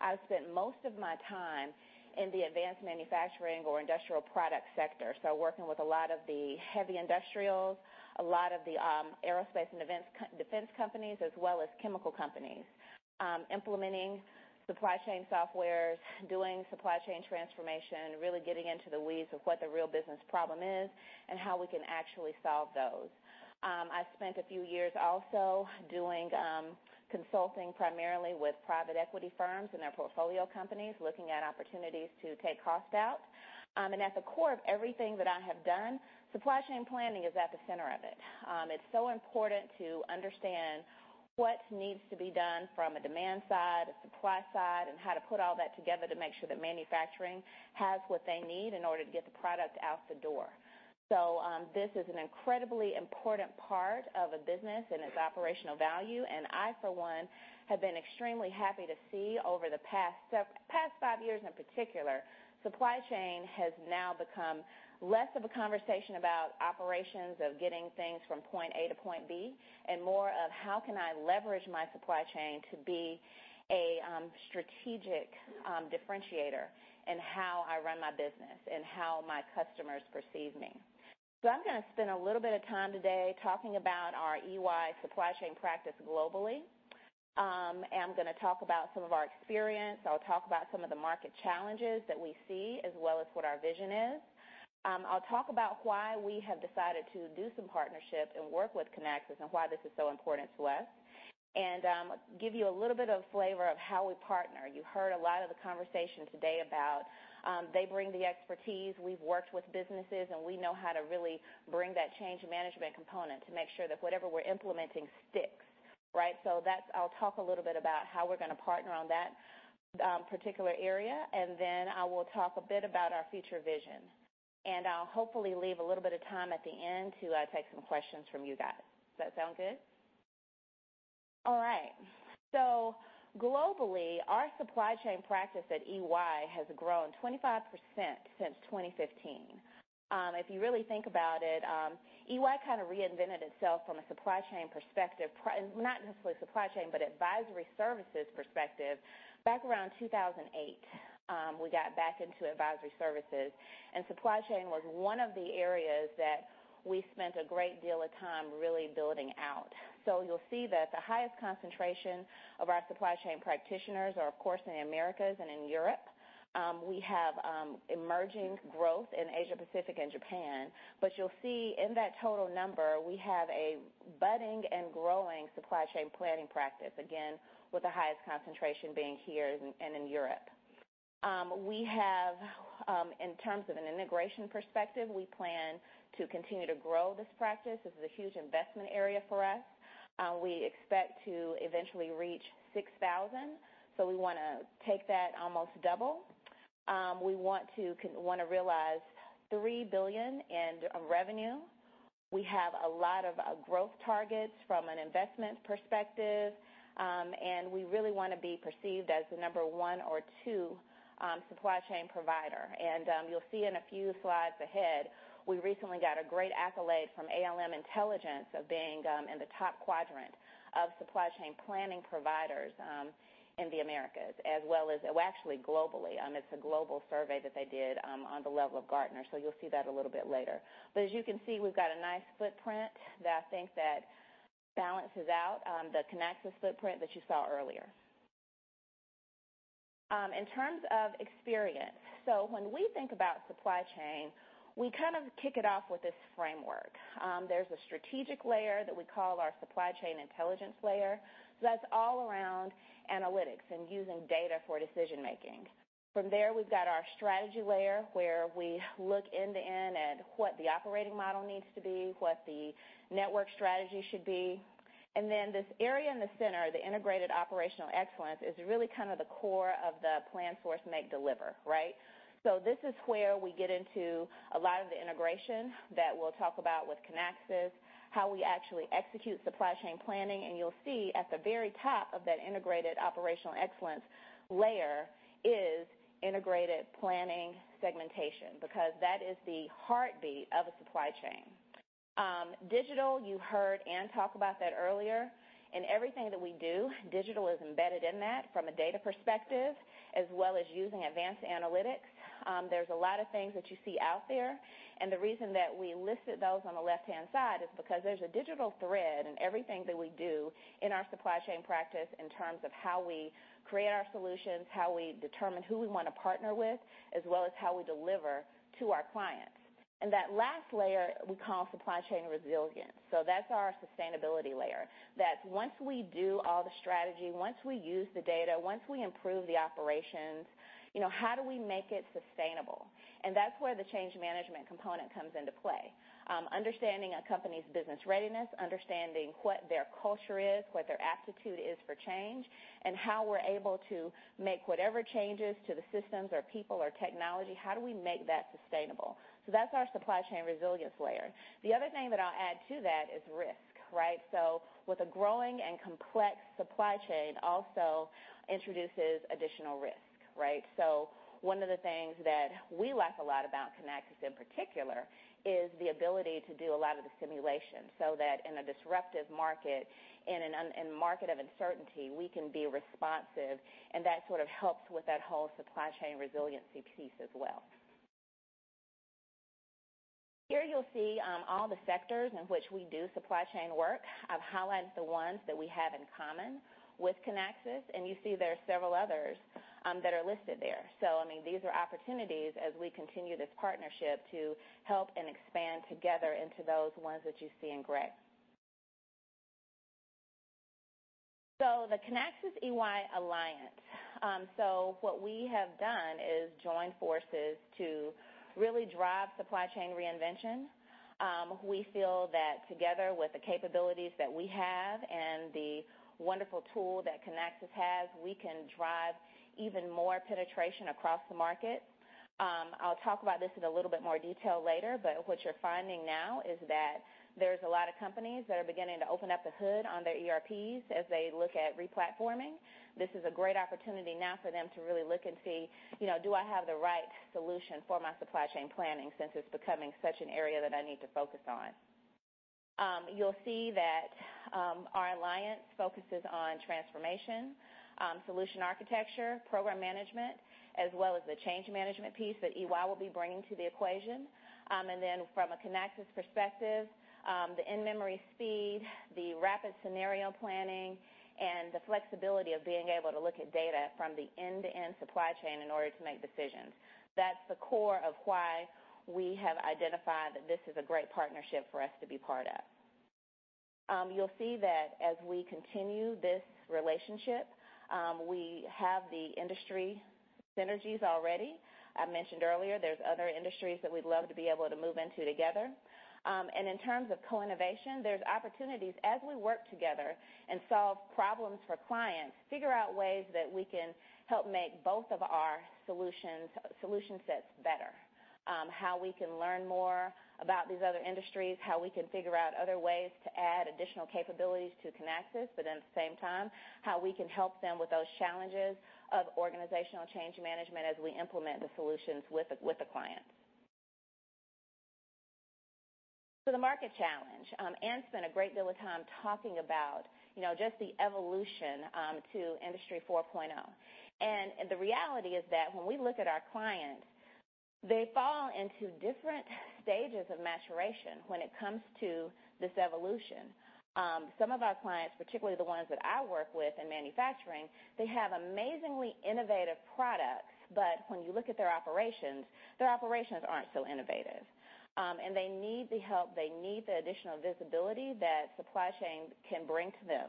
E: I've spent most of my time in the advanced manufacturing or industrial product sector, working with a lot of the heavy industrials, a lot of the aerospace and defense companies, as well as chemical companies. Implementing supply chain softwares, doing supply chain transformation, really getting into the weeds of what the real business problem is and how we can actually solve those. I spent a few years also doing consulting, primarily with private equity firms and their portfolio companies, looking at opportunities to take cost out. At the core of everything that I have done, supply chain planning is at the center of it. It's so important to understand what needs to be done from a demand side, a supply side, and how to put all that together to make sure that manufacturing has what they need in order to get the product out the door. This is an incredibly important part of a business and its operational value, and I for one have been extremely happy to see over the past 5 years in particular, supply chain has now become less of a conversation about operations of getting things from point A to point B, and more of how can I leverage my supply chain to be a strategic differentiator in how I run my business and how my customers perceive me. I am going to spend a little bit of time today talking about our EY supply chain practice globally. I am going to talk about some of our experience. I will talk about some of the market challenges that we see, as well as what our vision is. I will talk about why we have decided to do some partnership and work with Kinaxis, and why this is so important to us, and give you a little bit of flavor of how we partner. You heard a lot of the conversation today about, they bring the expertise, we've worked with businesses, and we know how to really bring that change management component to make sure that whatever we're implementing sticks. Right? I will talk a little bit about how we're going to partner on that particular area, and then I will talk a bit about our future vision. I will hopefully leave a little bit of time at the end to take some questions from you guys. Does that sound good? All right. Globally, our supply chain practice at EY has grown 25% since 2015. If you really think about it, EY kind of reinvented itself from a supply chain perspective, not necessarily supply chain, but advisory services perspective, back around 2008. We got back into advisory services, and supply chain was one of the areas that we spent a great deal of time really building out. You will see that the highest concentration of our supply chain practitioners are, of course, in the Americas and in Europe. We have emerging growth in Asia-Pacific and Japan. You will see in that total number, we have a budding and growing supply chain planning practice, again, with the highest concentration being here and in Europe. In terms of an integration perspective, we plan to continue to grow this practice. This is a huge investment area for us. We expect to eventually reach 6,000, so we want to take that almost double. We want to realize 3 billion in revenue. We have a lot of growth targets from an investment perspective, and we really want to be perceived as the number one or two supply chain provider. You will see in a few slides ahead, we recently got a great accolade from ALM Intelligence of being in the top quadrant of supply chain planning providers in the Americas, as well as, actually, globally. It's a global survey that they did on the level of Gartner. You will see that a little bit later. As you can see, we've got a nice footprint that I think that balances out the Kinaxis footprint that you saw earlier. In terms of experience. When we think about supply chain, we kind of kick it off with this framework. There's a strategic layer that we call our supply chain intelligence layer. That is all around analytics and using data for decision-making. From there, we have got our strategy layer, where we look end-to-end at what the operating model needs to be, what the network strategy should be. Then this area in the center, the integrated operational excellence, is really kind of the core of the plan, source, make, deliver, right? This is where we get into a lot of the integration that we will talk about with Kinaxis, how we actually execute supply chain planning. You will see at the very top of that integrated operational excellence layer is integrated planning segmentation, because that is the heartbeat of a supply chain. Digital, you heard Anne talk about that earlier. In everything that we do, digital is embedded in that from a data perspective as well as using advanced analytics. There is a lot of things that you see out there, the reason that we listed those on the left-hand side is because there is a digital thread in everything that we do in our supply chain practice in terms of how we create our solutions, how we determine who we want to partner with, as well as how we deliver to our clients. That last layer we call supply chain resilience. That is our sustainability layer. That is once we do all the strategy, once we use the data, once we improve the operations, how do we make it sustainable? That is where the change management component comes into play. Understanding a company's business readiness, understanding what their culture is, what their aptitude is for change, how we are able to make whatever changes to the systems or people or technology, how do we make that sustainable? That is our supply chain resilience layer. The other thing that I will add to that is risk, right? With a growing and complex supply chain also introduces additional risk, right? One of the things that we like a lot about Kinaxis in particular is the ability to do a lot of the simulation so that in a disruptive market, in a market of uncertainty, we can be responsive, and that sort of helps with that whole supply chain resiliency piece as well. Here you will see all the sectors in which we do supply chain work. I have highlighted the ones that we have in common with Kinaxis, you see there is several others that are listed there. I mean, these are opportunities as we continue this partnership to help and expand together into those ones that you see in gray. The Kinaxis EY alliance. What we have done is join forces to really drive supply chain reinvention. We feel that together with the capabilities that we have and the wonderful tool that Kinaxis has, we can drive even more penetration across the market. I will talk about this in a little bit more detail later, what you are finding now is that there is a lot of companies that are beginning to open up the hood on their ERPs as they look at re-platforming. This is a great opportunity now for them to really look and see, do I have the right solution for my supply chain planning since it is becoming such an area that I need to focus on? You will see that our alliance focuses on transformation, solution architecture, program management, as well as the change management piece that EY will be bringing to the equation. From a Kinaxis perspective, the in-memory speed, the rapid scenario planning, and the flexibility of being able to look at data from the end-to-end supply chain in order to make decisions. That's the core of why we have identified that this is a great partnership for us to be part of. You'll see that as we continue this relationship, we have the industry synergies already. I mentioned earlier, there's other industries that we'd love to be able to move into together. In terms of co-innovation, there's opportunities as we work together and solve problems for clients, figure out ways that we can help make both of our solution sets better. How we can learn more about these other industries, how we can figure out other ways to add additional capabilities to Kinaxis, at the same time, how we can help them with those challenges of organizational change management as we implement the solutions with the client. The market challenge. Anne spent a great deal of time talking about just the evolution to Industry 4.0. The reality is that when we look at our clients, they fall into different stages of maturation when it comes to this evolution. Some of our clients, particularly the ones that I work with in manufacturing, they have amazingly innovative products. When you look at their operations, their operations aren't so innovative. They need the help, they need the additional visibility that supply chain can bring to them.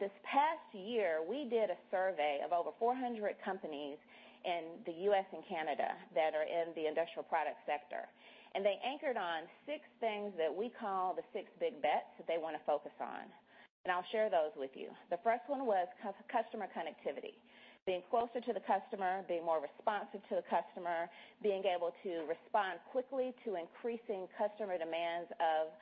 E: This past year, we did a survey of over 400 companies in the U.S. and Canada that are in the industrial product sector. They anchored on six things that we call the six big bets that they want to focus on. I'll share those with you. The first one was customer connectivity, being closer to the customer, being more responsive to the customer, being able to respond quickly to increasing customer demands of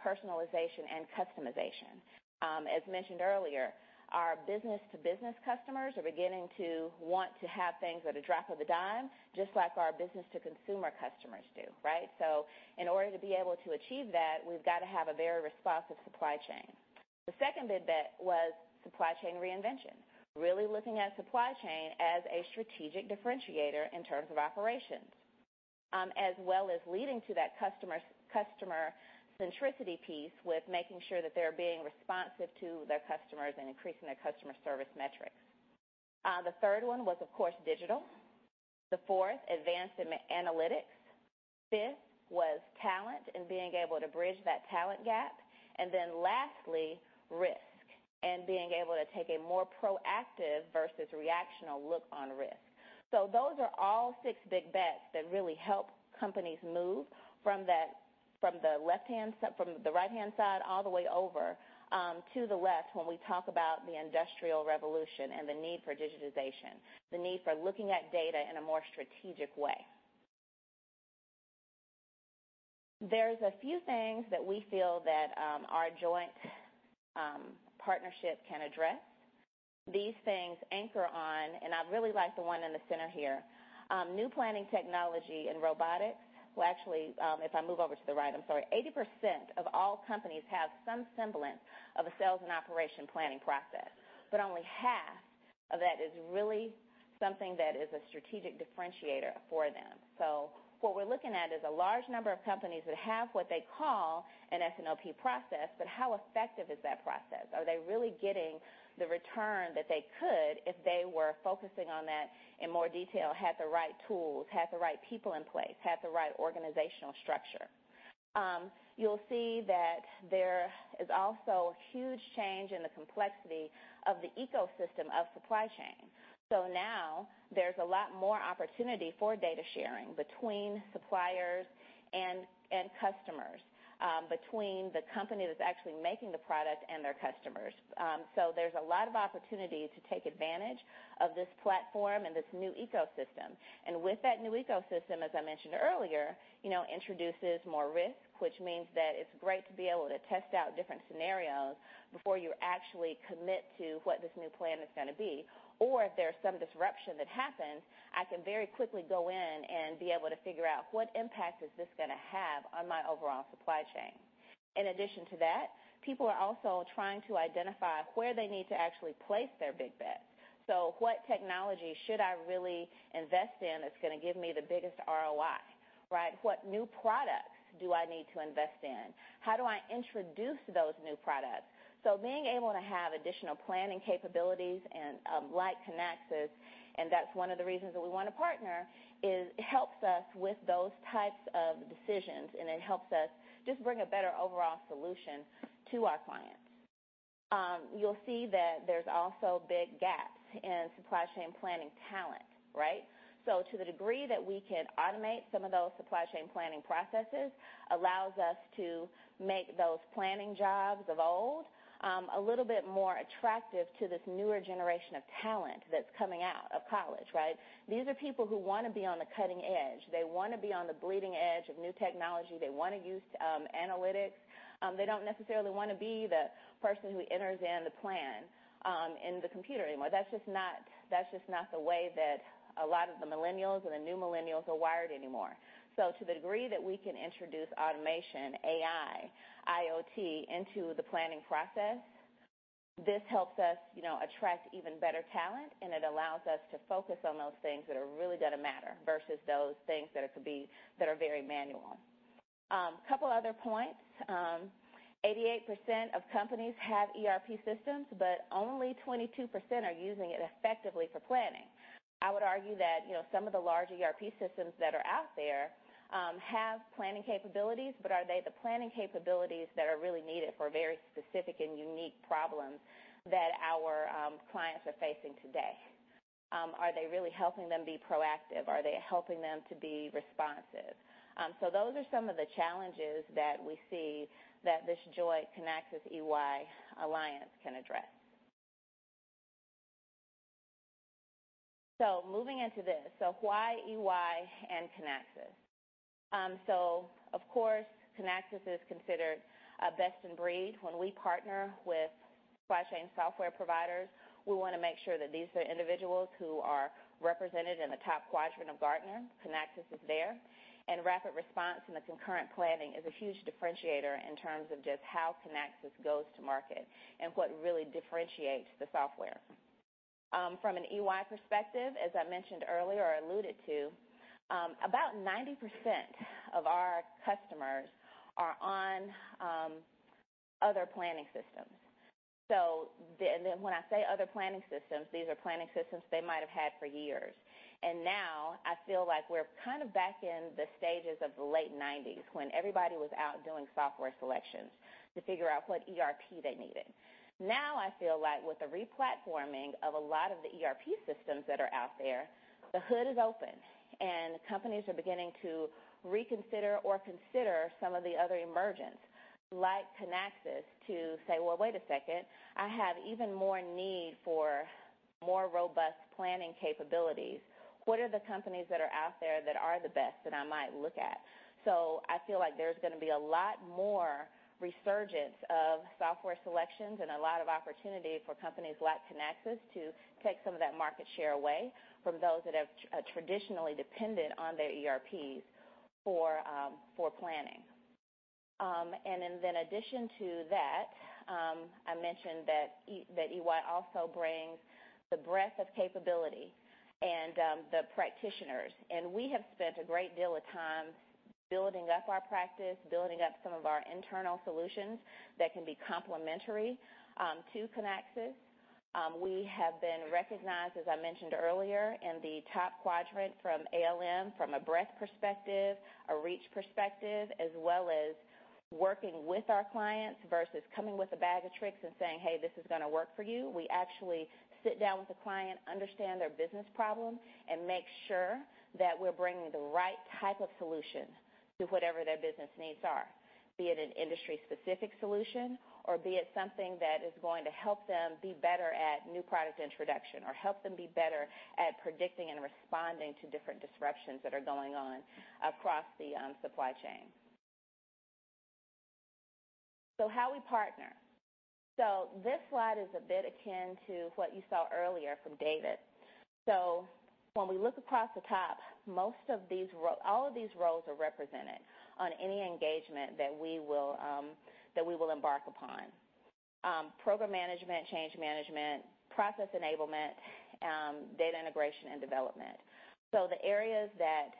E: personalization and customization. As mentioned earlier, our business-to-business customers are beginning to want to have things at a drop of a dime, just like our business-to-consumer customers do, right? In order to be able to achieve that, we've got to have a very responsive supply chain. The second big bet was supply chain reinvention, really looking at supply chain as a strategic differentiator in terms of operations. As well as leading to that customer centricity piece with making sure that they're being responsive to their customers and increasing their customer service metrics. The third one was, of course, digital. The fourth, advanced analytics. Fifth was talent and being able to bridge that talent gap. Lastly, risk, and being able to take a more proactive versus reactional look on risk. Those are all six big bets that really help companies move from the right-hand side all the way over to the left when we talk about the industrial revolution and the need for digitization, the need for looking at data in a more strategic way. There's a few things that we feel that our joint partnership can address. These things anchor on, I really like the one in the center here. New planning technology and robotics will actually, if I move over to the right, I'm sorry. 80% of all companies have some semblance of a sales and operation planning process, but only half of that is really something that is a strategic differentiator for them. What we're looking at is a large number of companies that have what they call an S&OP process, but how effective is that process? Are they really getting the return that they could if they were focusing on that in more detail, had the right tools, had the right people in place, had the right organizational structure? You'll see that there is also a huge change in the complexity of the ecosystem of supply chain. Now there's a lot more opportunity for data sharing between suppliers and customers, between the company that's actually making the product and their customers. There's a lot of opportunity to take advantage of this platform and this new ecosystem. And with that new ecosystem, as I mentioned earlier, introduces more risk, which means that it's great to be able to test out different scenarios before you actually commit to what this new plan is going to be. Or if there's some disruption that happens, I can very quickly go in and be able to figure out what impact is this going to have on my overall supply chain. In addition to that, people are also trying to identify where they need to actually place their big bets. What technology should I really invest in that's going to give me the biggest ROI, right? What new products do I need to invest in? How do I introduce those new products? Being able to have additional planning capabilities like Kinaxis, and that's one of the reasons that we want to partner, is it helps us with those types of decisions, and it helps us just bring a better overall solution to our clients. You'll see that there's also big gaps in supply chain planning talent, right? To the degree that we can automate some of those supply chain planning processes allows us to make those planning jobs of old, a little bit more attractive to this newer generation of talent that's coming out of college, right? These are people who want to be on the cutting edge. They want to be on the bleeding edge of new technology. They want to use analytics. They don't necessarily want to be the person who enters in the plan in the computer anymore. That's just not the way that a lot of the millennials and the new millennials are wired anymore. To the degree that we can introduce automation, AI, IoT into the planning process, this helps us attract even better talent, and it allows us to focus on those things that are really going to matter versus those things that are very manual. Couple other points. 88% of companies have ERP systems, but only 22% are using it effectively for planning. I would argue that some of the large ERP systems that are out there have planning capabilities, but are they the planning capabilities that are really needed for very specific and unique problems that our clients are facing today? Are they really helping them be proactive? Are they helping them to be responsive? Those are some of the challenges that we see that this joint Kinaxis EY alliance can address. Moving into this. Why EY and Kinaxis? Of course, Kinaxis is considered a best-in-breed. When we partner with supply chain software providers, we want to make sure that these are individuals who are represented in the top quadrant of Gartner. Kinaxis is there. RapidResponse in the concurrent planning is a huge differentiator in terms of just how Kinaxis goes to market and what really differentiates the software. From an EY perspective, as I mentioned earlier or alluded to, about 90% of our customers are on other planning systems. When I say other planning systems, these are planning systems they might have had for years. Now I feel like we're kind of back in the stages of the late 1990s when everybody was out doing software selections to figure out what ERP they needed. Now, I feel like with the re-platforming of a lot of the ERP systems that are out there, the hood is open, and companies are beginning to reconsider or consider some of the other emergents like Kinaxis to say, "Well, wait a second. I have even more need for more robust planning capabilities. What are the companies that are out there that are the best that I might look at?" I feel like there's gonna be a lot more resurgence of software selections and a lot of opportunity for companies like Kinaxis to take some of that market share away from those that have traditionally depended on their ERPs for planning. In addition to that, I mentioned that EY also brings the breadth of capability and the practitioners. We have spent a great deal of time building up our practice, building up some of our internal solutions that can be complementary to Kinaxis. We have been recognized, as I mentioned earlier, in the top quadrant from ALM from a breadth perspective, a reach perspective, as well as working with our clients versus coming with a bag of tricks and saying, "Hey, this is going to work for you." We actually sit down with the client, understand their business problem, and make sure that we're bringing the right type of solution to whatever their business needs are, be it an industry-specific solution, or be it something that is going to help them be better at new product introduction, or help them be better at predicting and responding to different disruptions that are going on across the supply chain. How we partner. This slide is a bit akin to what you saw earlier from David. When we look across the top, all of these roles are represented on any engagement that we will embark upon. Program management, change management, process enablement, data integration, and development. The areas that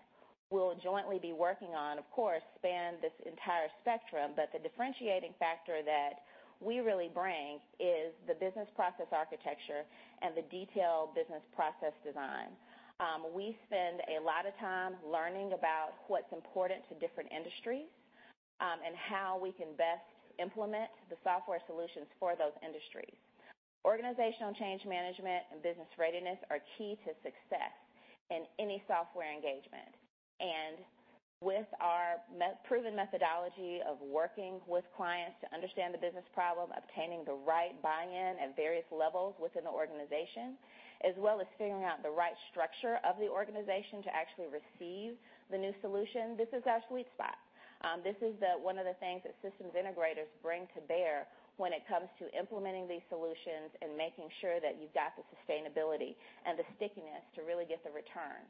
E: we'll jointly be working on, of course, span this entire spectrum, but the differentiating factor that we really bring is the business process architecture and the detailed business process design. We spend a lot of time learning about what's important to different industries, and how we can best implement the software solutions for those industries. Organizational change management and business readiness are key to success in any software engagement. With our proven methodology of working with clients to understand the business problem, obtaining the right buy-in at various levels within the organization, as well as figuring out the right structure of the organization to actually receive the new solution, this is our sweet spot. This is one of the things that systems integrators bring to bear when it comes to implementing these solutions and making sure that you've got the sustainability and the stickiness to really get the return.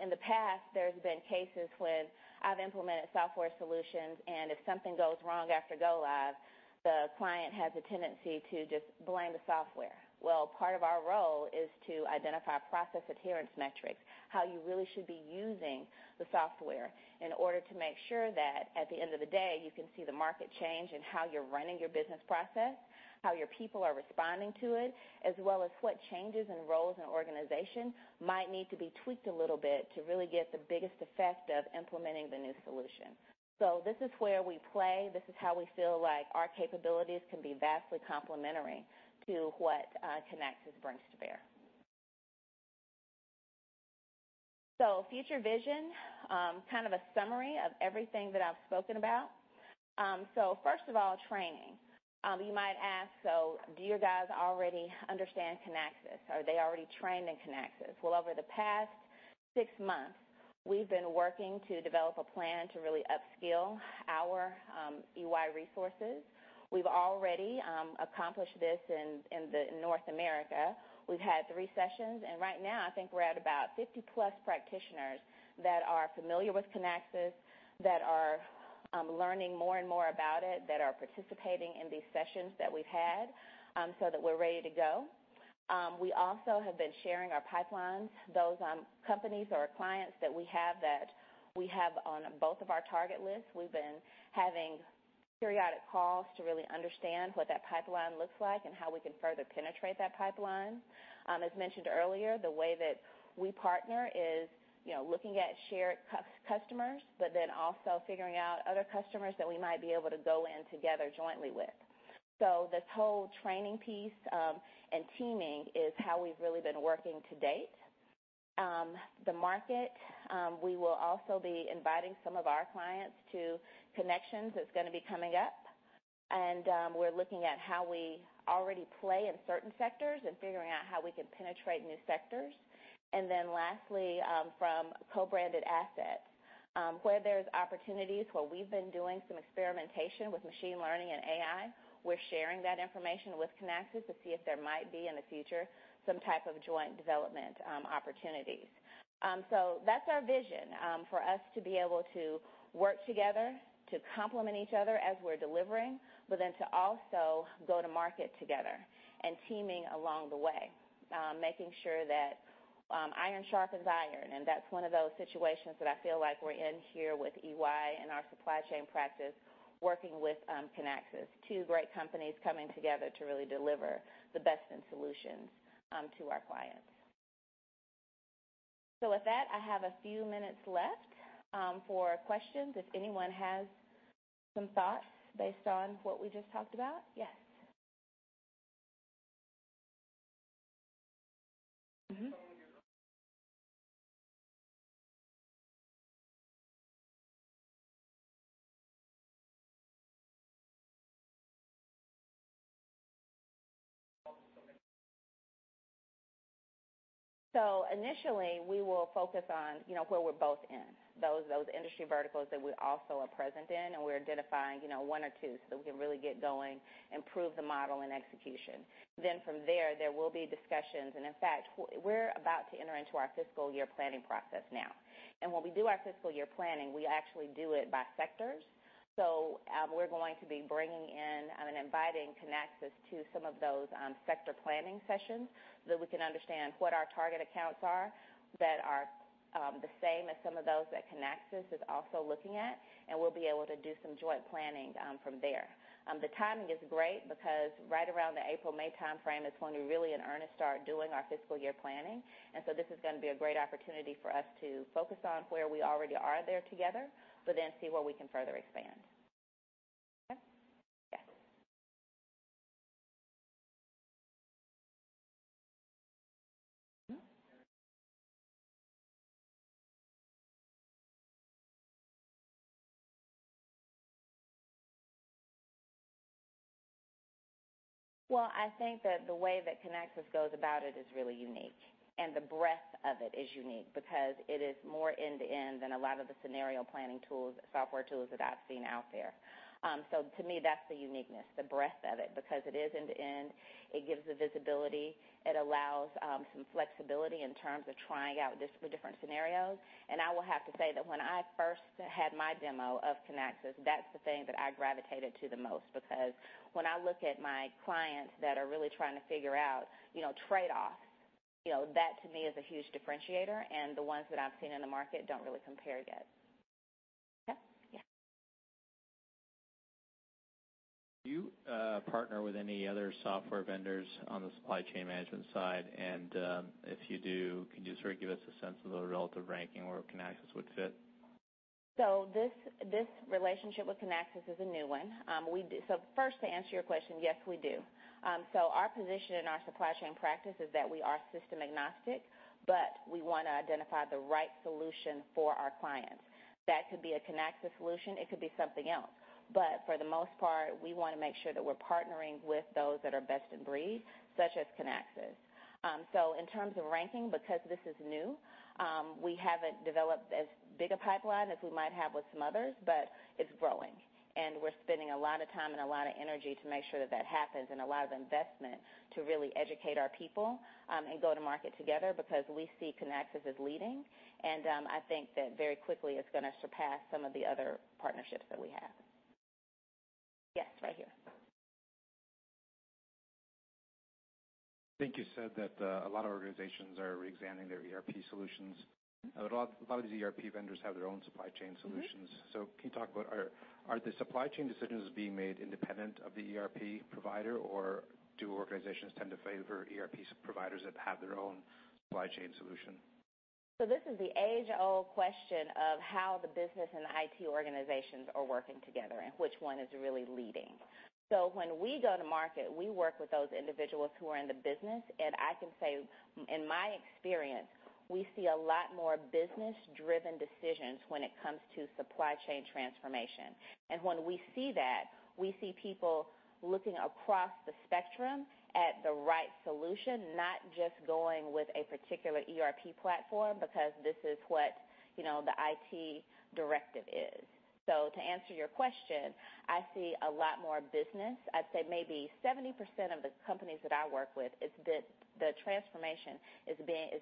E: In the past, there's been cases when I've implemented software solutions, and if something goes wrong after go-live, the client has a tendency to just blame the software. Part of our role is to identify process adherence metrics, how you really should be using the software in order to make sure that at the end of the day, you can see the market change and how you're running your business process, how your people are responding to it, as well as what changes and roles in an organization might need to be tweaked a little bit to really get the biggest effect of implementing the new solution. This is where we play. This is how we feel like our capabilities can be vastly complementary to what Kinaxis brings to bear. Future vision, kind of a summary of everything that I've spoken about. First of all, training. You might ask, do your guys already understand Kinaxis? Are they already trained in Kinaxis? Over the past six months, we've been working to develop a plan to really upskill our EY resources. We've already accomplished this in North America. We've had three sessions, and right now, I think we're at about 50+ practitioners that are familiar with Kinaxis, that are learning more and more about it, that are participating in these sessions that we've had, that we're ready to go. We also have been sharing our pipelines. Those companies or clients that we have that we have on both of our target lists, we've been having periodic calls to really understand what that pipeline looks like and how we can further penetrate that pipeline. As mentioned earlier, the way that we partner is looking at shared customers, but then also figuring out other customers that we might be able to go in together jointly with. This whole training piece and teaming is how we've really been working to date. The market, we will also be inviting some of our clients to Kinexions. That's going to be coming up. We're looking at how we already play in certain sectors and figuring out how we can penetrate new sectors. Lastly, from co-branded assets where there's opportunities, where we've been doing some experimentation with machine learning and AI, we're sharing that information with Kinaxis to see if there might be, in the future, some type of joint development opportunities. That's our vision for us to be able to work together, to complement each other as we're delivering, to also go to market together and teaming along the way, making sure that iron sharpens iron. That's one of those situations that I feel like we're in here with EY and our supply chain practice, working with Kinaxis, two great companies coming together to really deliver the best in solutions to our clients. With that, I have a few minutes left for questions, if anyone has some thoughts based on what we just talked about. Yes. Mm-hmm. Initially, we will focus on where we're both in, those industry verticals that we also are present in, and we're identifying one or two so we can really get going and prove the model and execution. From there will be discussions. In fact, we're about to enter into our fiscal year planning process now. When we do our fiscal year planning, we actually do it by sectors. We're going to be bringing in and inviting Kinaxis to some of those sector planning sessions so that we can understand what our target accounts are that are the same as some of those that Kinaxis is also looking at, and we'll be able to do some joint planning from there. The timing is great because right around the April-May timeframe is when we really in earnest start doing our fiscal year planning. This is going to be a great opportunity for us to focus on where we already are there together, see where we can further expand. Okay? Yes. Mm-hmm. I think that the way that Kinaxis goes about it is really unique, and the breadth of it is unique because it is more end-to-end than a lot of the scenario planning tools, software tools that I've seen out there. To me, that's the uniqueness, the breadth of it because it is end-to-end. It gives the visibility. It allows some flexibility in terms of trying out just the different scenarios. I will have to say that when I first had my demo of Kinaxis, that's the thing that I gravitated to the most because when I look at my clients that are really trying to figure out trade-off, that to me is a huge differentiator, and the ones that I've seen in the market don't really compare yet. Okay? Yeah.
F: Do you partner with any other software vendors on the supply chain management side? If you do, can you sort of give us a sense of the relative ranking where Kinaxis would fit?
E: This relationship with Kinaxis is a new one. First, to answer your question, yes, we do. Our position in our supply chain practice is that we are system agnostic, but we want to identify the right solution for our clients. That could be a Kinaxis solution, it could be something else. For the most part, we want to make sure that we're partnering with those that are best in breed, such as Kinaxis. In terms of ranking, because this is new, we haven't developed as big a pipeline as we might have with some others, but it's growing. We're spending a lot of time and a lot of energy to make sure that that happens and a lot of investment to really educate our people and go to market together because we see Kinaxis as leading. I think that very quickly it's going to surpass some of the other partnerships that we have. Yes, right here.
F: I think you said that a lot of organizations are reexamining their ERP solutions. A lot of these ERP vendors have their own supply chain solutions. Can you talk about, are the supply chain decisions being made independent of the ERP provider, or do organizations tend to favor ERP providers that have their own supply chain solution?
E: This is the age-old question of how the business and IT organizations are working together and which one is really leading. When we go to market, we work with those individuals who are in the business. I can say, in my experience, we see a lot more business-driven decisions when it comes to supply chain transformation. When we see that, we see people looking across the spectrum at the right solution, not just going with a particular ERP platform because this is what the IT directive is. To answer your question, I see a lot more business. I'd say maybe 70% of the companies that I work with, the transformation is being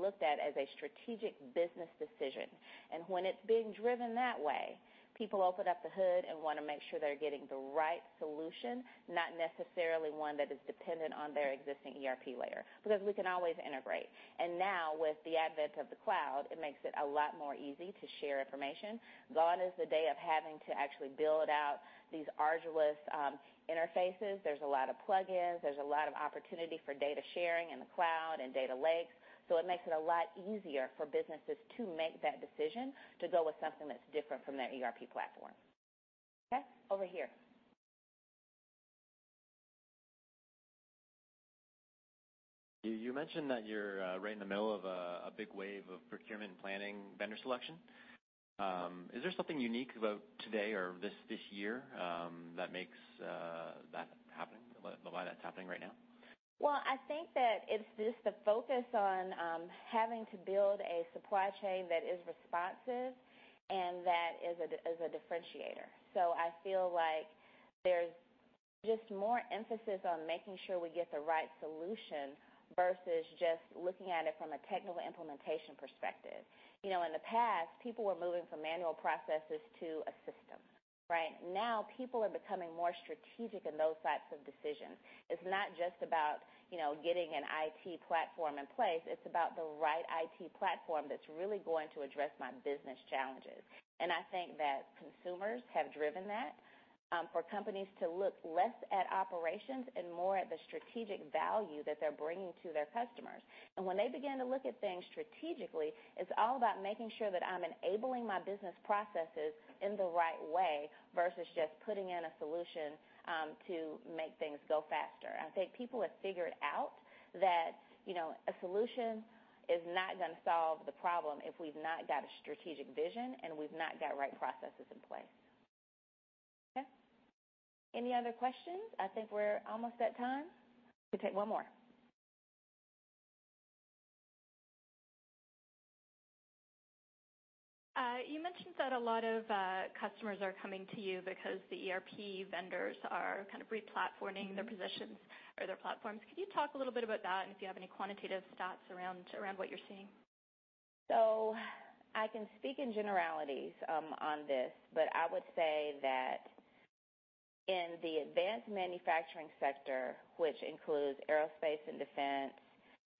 E: looked at as a strategic business decision. When it's being driven that way, people open up the hood and want to make sure they're getting the right solution, not necessarily one that is dependent on their existing ERP layer, because we can always integrate. Now with the advent of the cloud, it makes it a lot more easy to share information. Gone is the day of having to actually build out these arduous interfaces. There's a lot of plug-ins. There's a lot of opportunity for data sharing in the cloud and data lakes. It makes it a lot easier for businesses to make that decision to go with something that's different from their ERP platform. Okay. Over here.
F: You mentioned that you're right in the middle of a big wave of procurement planning vendor selection. Is there something unique about today or this year that makes that happening, why that's happening right now?
E: I think that it's just the focus on having to build a supply chain that is responsive and that is a differentiator. I feel like there's just more emphasis on making sure we get the right solution versus just looking at it from a technical implementation perspective. In the past, people were moving from manual processes to a system. Right? Now, people are becoming more strategic in those types of decisions. It's not just about getting an IT platform in place. It's about the right IT platform that's really going to address my business challenges. I think that consumers have driven that for companies to look less at operations and more at the strategic value that they're bringing to their customers. When they begin to look at things strategically, it's all about making sure that I'm enabling my business processes in the right way versus just putting in a solution to make things go faster. I think people have figured out that a solution is not going to solve the problem if we've not got a strategic vision and we've not got right processes in place. Okay. Any other questions? I think we're almost at time. We can take one more.
F: You mentioned that a lot of customers are coming to you because the ERP vendors are kind of re-platforming their positions or their platforms. Could you talk a little bit about that and if you have any quantitative stats around what you're seeing?
E: I can speak in generalities on this, but I would say that in the advanced manufacturing sector, which includes aerospace and defense,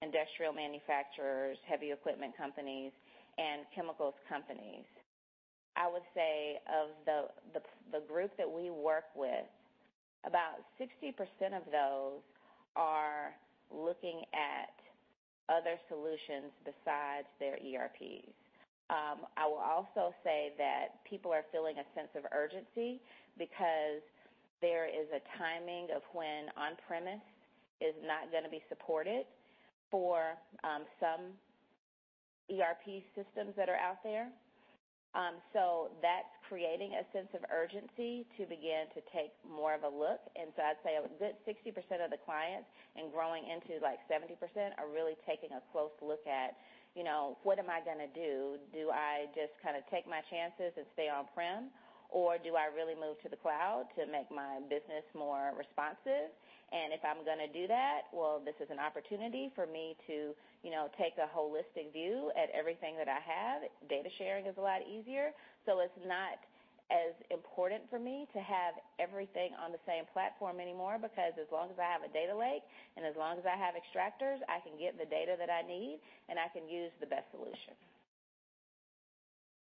E: industrial manufacturers, heavy equipment companies, and chemicals companies, I would say of the group that we work with, about 60% of those are looking at other solutions besides their ERPs. I will also say that people are feeling a sense of urgency because there is a timing of when on-premise is not going to be supported for some ERP systems that are out there. That's creating a sense of urgency to begin to take more of a look. I'd say a good 60% of the clients and growing into 70% are really taking a close look at, what am I going to do? Do I just kind of take my chances and stay on-prem, or do I really move to the cloud to make my business more responsive? If I'm going to do that, well, this is an opportunity for me to take a holistic view at everything that I have. Data sharing is a lot easier, so it's not as important for me to have everything on the same platform anymore because as long as I have a data lake and as long as I have extractors, I can get the data that I need, and I can use the best solution.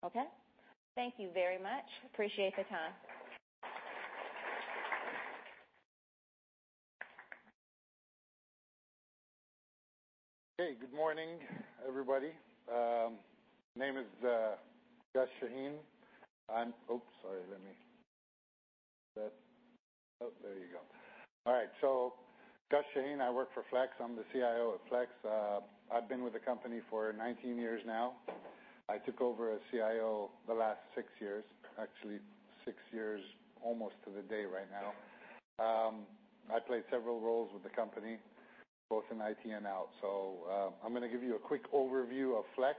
E: Okay. Thank you very much. Appreciate the time.
G: Hey, good morning, everybody. Name is Gus Shahin. Oops, sorry, let me That. Oh, there you go. All right. Gus Shahin, I work for Flex. I'm the CIO of Flex. I've been with the company for 19 years now. I took over as CIO the last six years, actually six years almost to the day right now. I play several roles with the company, both in IT and out. I'm going to give you a quick overview of Flex,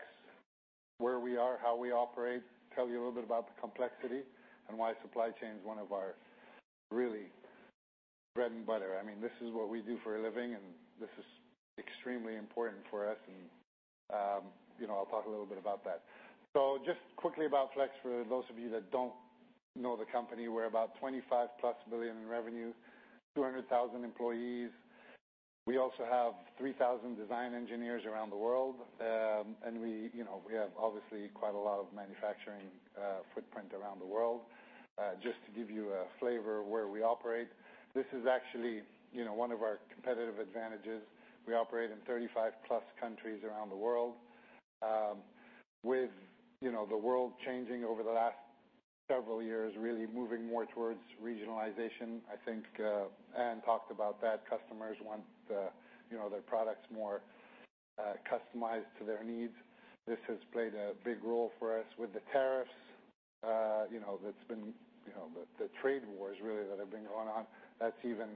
G: where we are, how we operate, tell you a little bit about the complexity and why supply chain is one of our really bread and butter. This is what we do for a living, and this is extremely important for us and I'll talk a little bit about that. Just quickly about Flex, for those of you that don't know the company, we're about 25-plus billion in revenue, 200,000 employees. We also have 3,000 design engineers around the world. We have obviously quite a lot of manufacturing footprint around the world. Just to give you a flavor of where we operate. This is actually one of our competitive advantages. We operate in 35-plus countries around the world. With the world changing over the last several years, really moving more towards regionalization. I think Anne talked about that customers want their products more customized to their needs. This has played a big role for us with the tariffs. The trade wars really that have been going on, that's even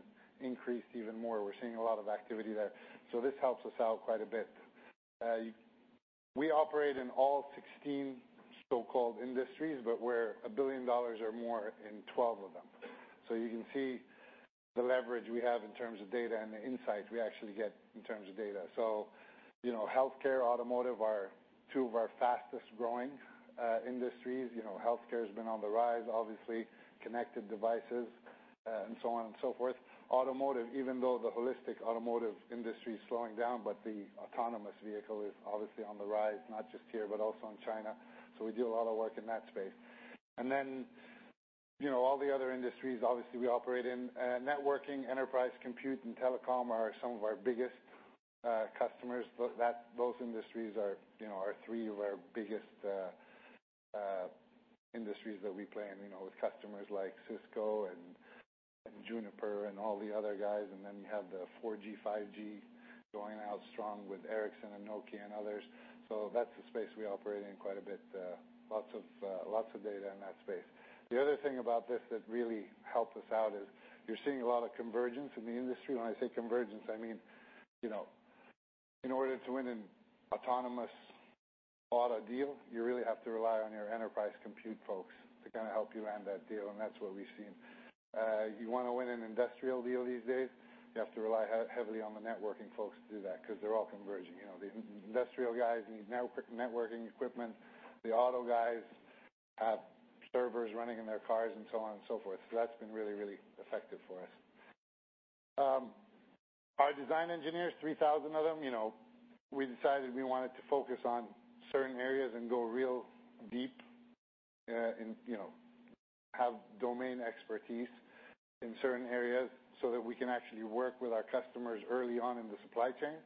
G: increased even more. We're seeing a lot of activity there. This helps us out quite a bit. We operate in all 16 so-called industries, we're 1 billion dollars or more in 12 of them. You can see the leverage we have in terms of data and the insights we actually get in terms of data. Healthcare, automotive are two of our fastest-growing industries. Healthcare has been on the rise, obviously, connected devices, and so on and so forth. Automotive, even though the holistic automotive industry is slowing down, the autonomous vehicle is obviously on the rise, not just here, but also in China. We do a lot of work in that space. Then, all the other industries, obviously, we operate in. Networking, enterprise compute, and telecom are some of our biggest customers. Those industries are three of our biggest industries that we play in, with customers like Cisco and Juniper and all the other guys. You have the 4G, 5G going out strong with Ericsson and Nokia and others. That's the space we operate in quite a bit. Lots of data in that space. The other thing about this that really helped us out is you're seeing a lot of convergence in the industry. When I say convergence, I mean, in order to win an autonomous auto deal, you really have to rely on your enterprise compute folks to kind of help you land that deal, and that's what we've seen. You want to win an industrial deal these days, you have to rely heavily on the networking folks to do that because they're all converging. The industrial guys need networking equipment. The auto guys have servers running in their cars and so on and so forth. That's been really, really effective for us. Our design engineers, 3,000 of them, we decided we wanted to focus on certain areas and go real deep and have domain expertise in certain areas so that we can actually work with our customers early on in the supply chain.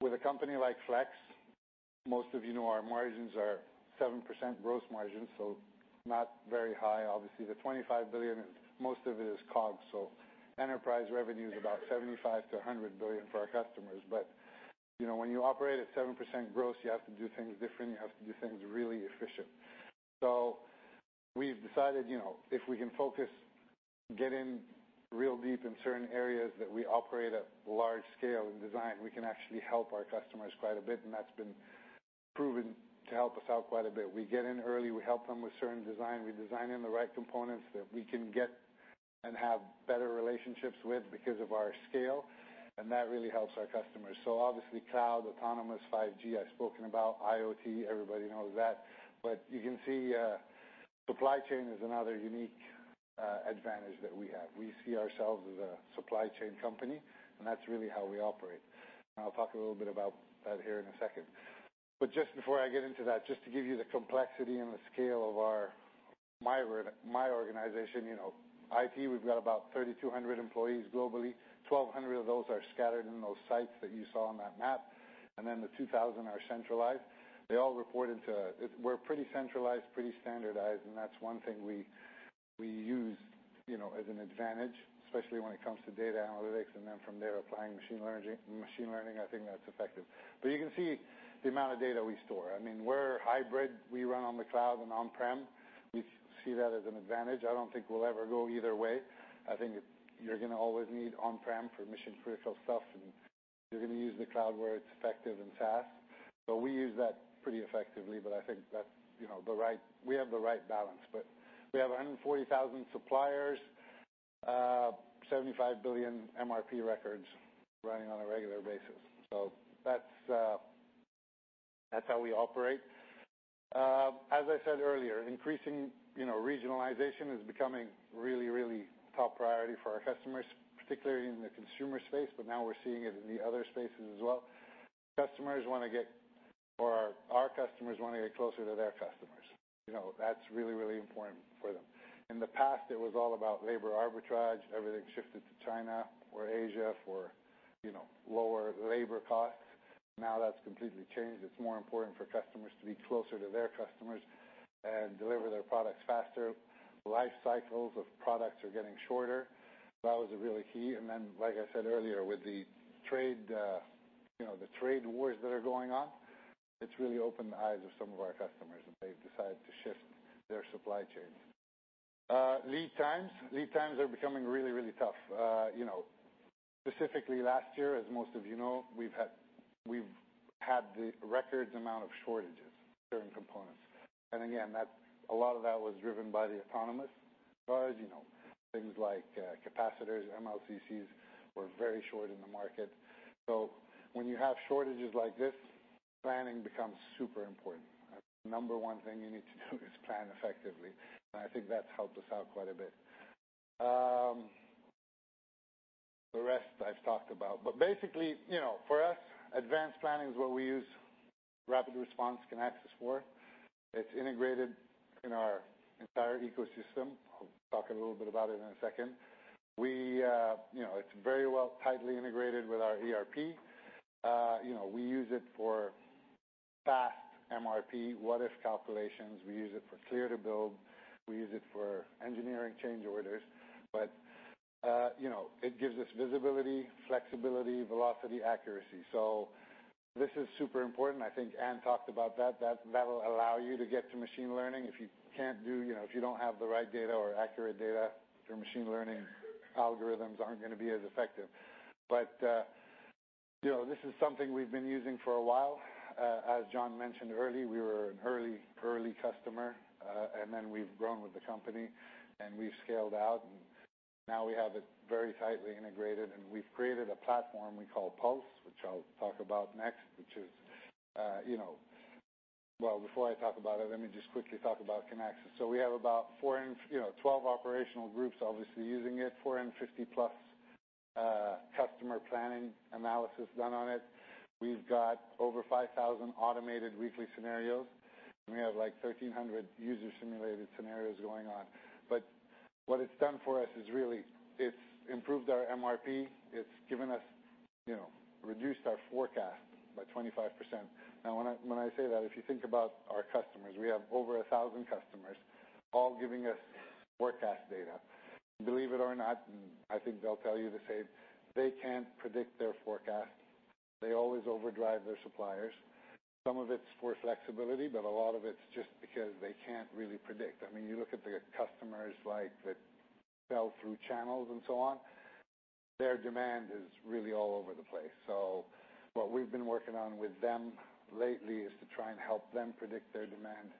G: With a company like Flex, most of you know our margins are 7% gross margins, not very high. Obviously, the 25 billion, most of it is COGS. Enterprise revenue is about 75 billion-100 billion for our customers. When you operate at 7% gross, you have to do things different. You have to do things really efficient. We've decided if we can focus, get in real deep in certain areas that we operate at large scale in design, we can actually help our customers quite a bit, and that's been proven to help us out quite a bit. We get in early, we help them with certain design, we design in the right components that we can get and have better relationships with because of our scale, and that really helps our customers. Obviously, cloud, autonomous, 5G, I've spoken about IoT, everybody knows that. You can see supply chain is another unique advantage that we have. We see ourselves as a supply chain company, and that's really how we operate. I'll talk a little bit about that here in a second. Just before I get into that, just to give you the complexity and the scale of my organization, IT, we've got about 3,200 employees globally. 1,200 of those are scattered in those sites that you saw on that map, and then the 2,000 are centralized. We're pretty centralized, pretty standardized, that's one thing we use as an advantage, especially when it comes to data analytics, and then from there, applying machine learning. I think that's effective. You can see the amount of data we store. We're hybrid. We run on the cloud and on-prem. We see that as an advantage. I don't think we'll ever go either way. I think you're going to always need on-prem for mission-critical stuff, and you're going to use the cloud where it's effective and fast. We use that pretty effectively, but I think we have the right balance. We have 140,000 suppliers, 75 billion MRP records running on a regular basis. That's how we operate. As I said earlier, increasing regionalization is becoming really top priority for our customers, particularly in the consumer space, but now we're seeing it in the other spaces as well. Our customers want to get closer to their customers. That's really important for them. In the past, it was all about labor arbitrage. Everything shifted to China or Asia for lower labor costs. Now that's completely changed. It's more important for customers to be closer to their customers and deliver their products faster. Life cycles of products are getting shorter. That was really key. Then, like I said earlier, with the trade wars that are going on, it's really opened the eyes of some of our customers, and they've decided to shift their supply chain. Lead times are becoming really tough. Specifically last year, as most of you know, we've had the records amount of shortages, certain components. Again, a lot of that was driven by the autonomous cars, things like capacitors, MLCCs were very short in the market. When you have shortages like this, planning becomes super important. Number one thing you need to do is plan effectively. I think that's helped us out quite a bit. The rest I've talked about. Basically, for us, advanced planning is what we use RapidResponse Kinaxis for. It's integrated in our entire ecosystem. I'll talk a little bit about it in a second. It's very well tightly integrated with our ERP. We use it for fast MRP what-if calculations. We use it for clear to build. We use it for engineering change orders. It gives us visibility, flexibility, velocity, accuracy. This is super important. I think Anne talked about that. That'll allow you to get to machine learning. If you don't have the right data or accurate data, your machine learning algorithms aren't going to be as effective. This is something we've been using for a while. As John mentioned early, we were an early customer, and then we've grown with the company and we've scaled out, and now we have it very tightly integrated, and we've created a platform we call Pulse, which I'll talk about next. Before I talk about it, let me just quickly talk about Kinaxis. We have about 12 operational groups, obviously using it, 450+ customer planning analysis done on it. We've got over 5,000 automated weekly scenarios, and we have 1,300 user-simulated scenarios going on. What it's done for us is really it's improved our MRP. It's reduced our forecast by 25%. When I say that, if you think about our customers, we have over 1,000 customers all giving us forecast data. Believe it or not, I think they'll tell you the same, they can't predict their forecast. They always overdrive their suppliers. Some of it's for flexibility, but a lot of it's just because they can't really predict. You look at the customers that sell through channels and so on, their demand is really all over the place. What we've been working on with them lately is to try and help them predict their demand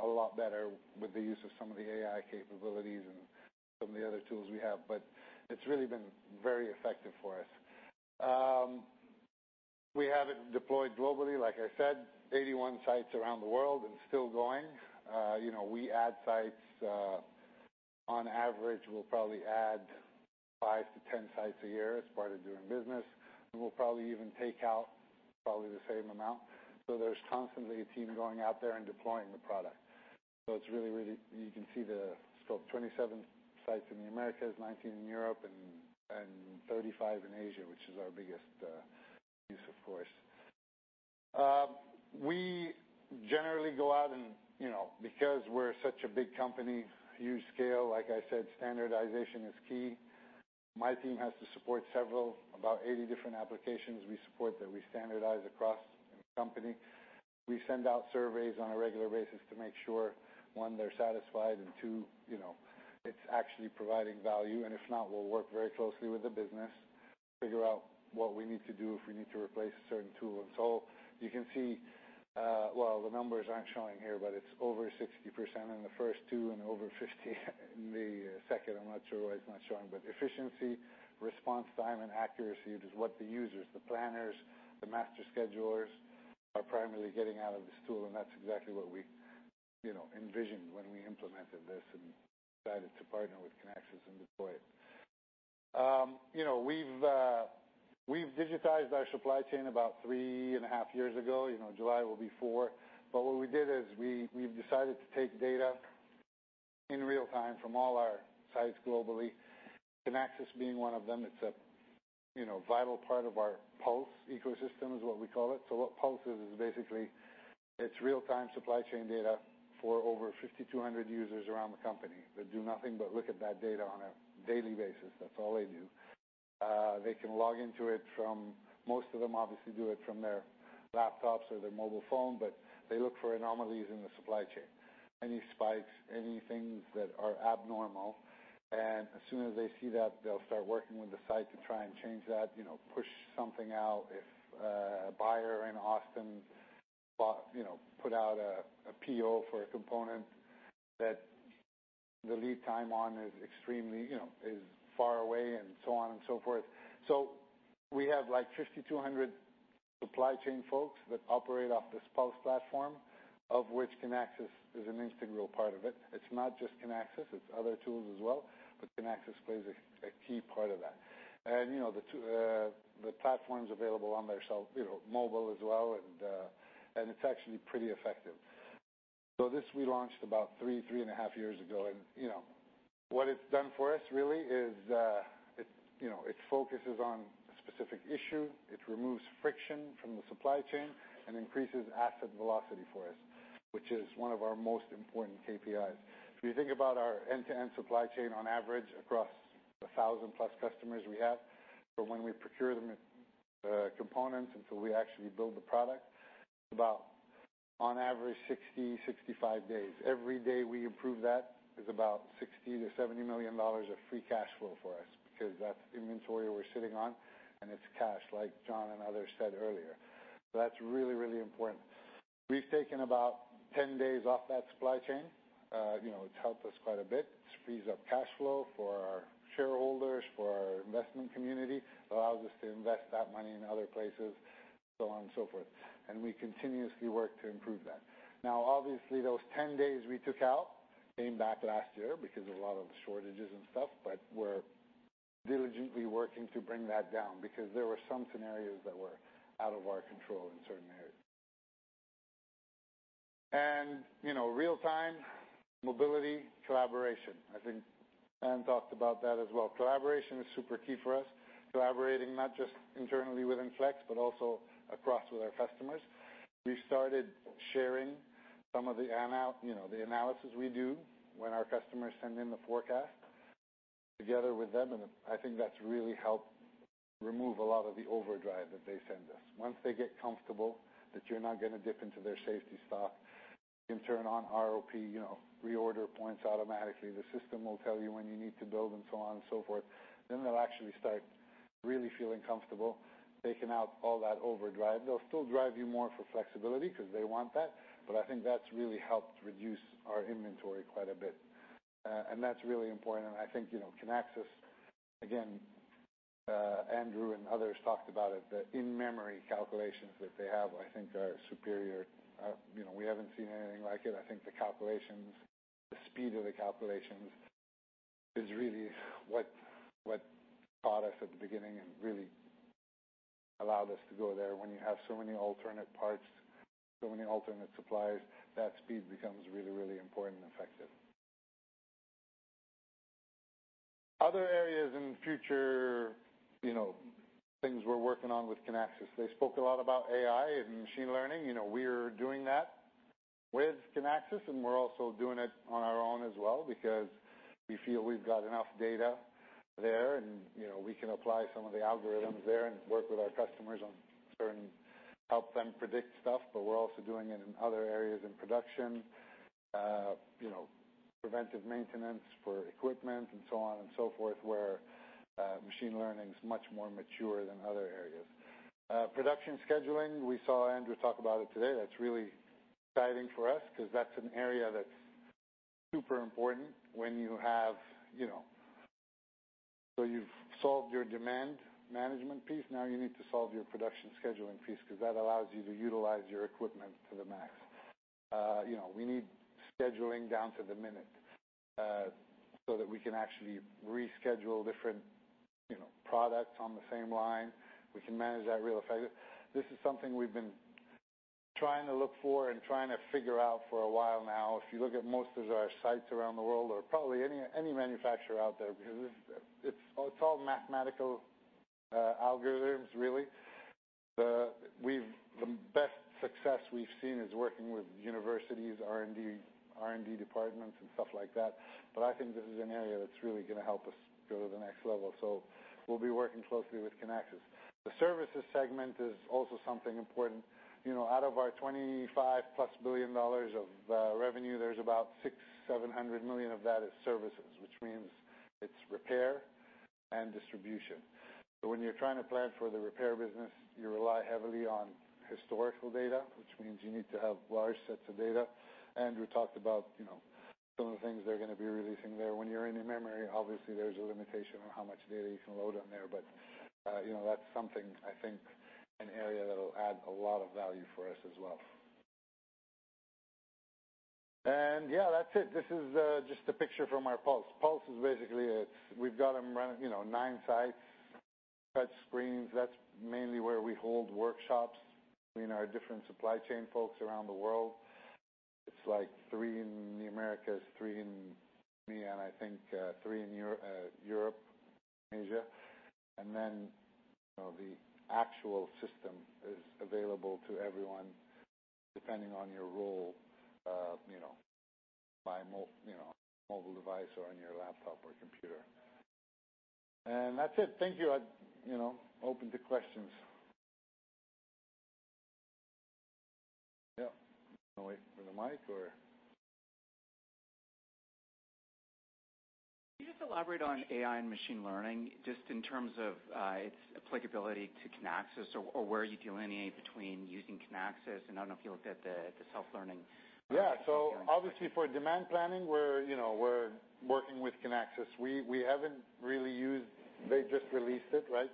G: a lot better with the use of some of the AI capabilities and some of the other tools we have. It's really been very effective for us. We have it deployed globally, like I said, 81 sites around the world and still going. We add sites. On average, we'll probably add 5 to 10 sites a year as part of doing business, and we'll probably even take out probably the same amount. There's constantly a team going out there and deploying the product. You can see the scope, 27 sites in the Americas, 19 in Europe, and 35 in Asia, which is our biggest piece, of course. We generally go out and because we're such a big company, huge scale, like I said, standardization is key. My team has to support several, about 80 different applications we support that we standardize across the company. We send out surveys on a regular basis to make sure, one, they're satisfied, and two, it's actually providing value, and if not, we'll work very closely with the business, figure out what we need to do if we need to replace a certain tool. You can see, well, the numbers aren't showing here, but it's over 60% in the first two and over 50 in the second. I'm not sure why it's not showing, efficiency, response time, and accuracy is what the users, the planners, the master schedulers, are primarily getting out of this tool, and that's exactly what we envisioned when we implemented this and decided to partner with Kinaxis and deploy it. We've digitized our supply chain about three and a half years ago. July will be four. What we did is we've decided to take data in real time from all our sites globally, Kinaxis being one of them. It's a vital part of our Pulse ecosystem, is what we call it. What Pulse is basically, it's real-time supply chain data for over 5,200 users around the company that do nothing but look at that data on a daily basis. That's all they do. They can log into it from Most of them obviously do it from their laptops or their mobile phone, but they look for anomalies in the supply chain. Any spikes, any things that are abnormal. As soon as they see that, they'll start working with the site to try and change that, push something out. If a buyer in Austin put out a PO for a component that the lead time on is far away and so on and so forth. We have 5,200 supply chain folks that operate off this Pulse platform, of which Kinaxis is an integral part of it. It's not just Kinaxis, it's other tools as well, Kinaxis plays a key part of that. The platform's available on their mobile as well, and it's actually pretty effective. This we launched about three and a half years ago, and what it's done for us, really, is it focuses on a specific issue, it removes friction from the supply chain, and increases asset velocity for us, which is one of our most important KPIs. If you think about our end-to-end supply chain on average across the 1,000 plus customers we have, from when we procure the components until we actually build the product, about on average, 60, 65 days. Every day we improve that is about 60 million-70 million dollars of free cash flow for us, because that's inventory we're sitting on, and it's cash, like John and others said earlier. That's really, really important. We've taken about 10 days off that supply chain. It's helped us quite a bit. It frees up cash flow for our shareholders, for our investment community. It allows us to invest that money in other places, so on and so forth. We continuously work to improve that. Obviously, those 10 days we took out came back last year because of a lot of shortages and stuff, but we're diligently working to bring that down because there were some scenarios that were out of our control in certain areas. Real time, mobility, collaboration. I think Anne talked about that as well. Collaboration is super key for us. Collaborating not just internally within Flex, but also across with our customers. We started sharing some of the analysis we do when our customers send in the forecast together with them, I think that's really helped remove a lot of the overdrive that they send us. Once they get comfortable that you're not going to dip into their safety stock, you can turn on ROP, reorder points automatically. The system will tell you when you need to build and so on and so forth. They'll actually start really feeling comfortable taking out all that overdrive. They'll still drive you more for flexibility because they want that, I think that's really helped reduce our inventory quite a bit. That's really important, I think Kinaxis, again, Andrew and others talked about it, the in-memory calculations that they have, I think are superior. We haven't seen anything like it. I think the calculations, the speed of the calculations is really what caught us at the beginning and really allowed us to go there. When you have so many alternate parts, so many alternate suppliers, that speed becomes really, really important and effective. Other areas in future things we're working on with Kinaxis. They spoke a lot about AI and machine learning. We're doing that with Kinaxis, we're also doing it on our own as well because we feel we've got enough data there, we can apply some of the algorithms there and work with our customers on certain Help them predict stuff, we're also doing it in other areas in production. Preventive maintenance for equipment and so on and so forth, where machine learning is much more mature than other areas. Production scheduling, we saw Andrew talk about it today. That's really exciting for us because that's an area that's super important when you have You've solved your demand management piece. You need to solve your production scheduling piece because that allows you to utilize your equipment to the max. We need scheduling down to the minute, that we can actually reschedule different products on the same line. We can manage that real effective. This is something we've been trying to look for and trying to figure out for a while now. If you look at most of our sites around the world, or probably any manufacturer out there, because it's all mathematical algorithms, really. The best success we've seen is working with universities, R&D departments, and stuff like that. I think this is an area that's really going to help us go to the next level. We'll be working closely with Kinaxis. The services segment is also something important. Out of our 25-plus billion dollars of revenue, there's about 600 million, 700 million of that is services, which means it's repair and distribution. When you're trying to plan for the repair business, you rely heavily on historical data, which means you need to have large sets of data. Andrew talked about some of the things they're going to be releasing there. When you're in-memory, obviously, there's a limitation on how much data you can load on there. That's something, I think, an area that'll add a lot of value for us as well. Yeah, that's it. This is just a picture from our Pulse. Pulse is basically, we've got them running nine sites, touch screens. That's mainly where we hold workshops between our different supply chain folks around the world. It's like three in the Americas, three in EMEA, and I think three in Europe, Asia. Then the actual system is available to everyone depending on your role, by mobile device or on your laptop or computer. That's it. Thank you. Open to questions. Yep. Want to wait for the mic, or?
F: Can you just elaborate on AI and machine learning, just in terms of its applicability to Kinaxis or where you delineate between using Kinaxis? I don't know if you looked at the self-learning.
G: Yeah. Obviously, for demand planning, we're working with Kinaxis. We haven't really. They just released it, right?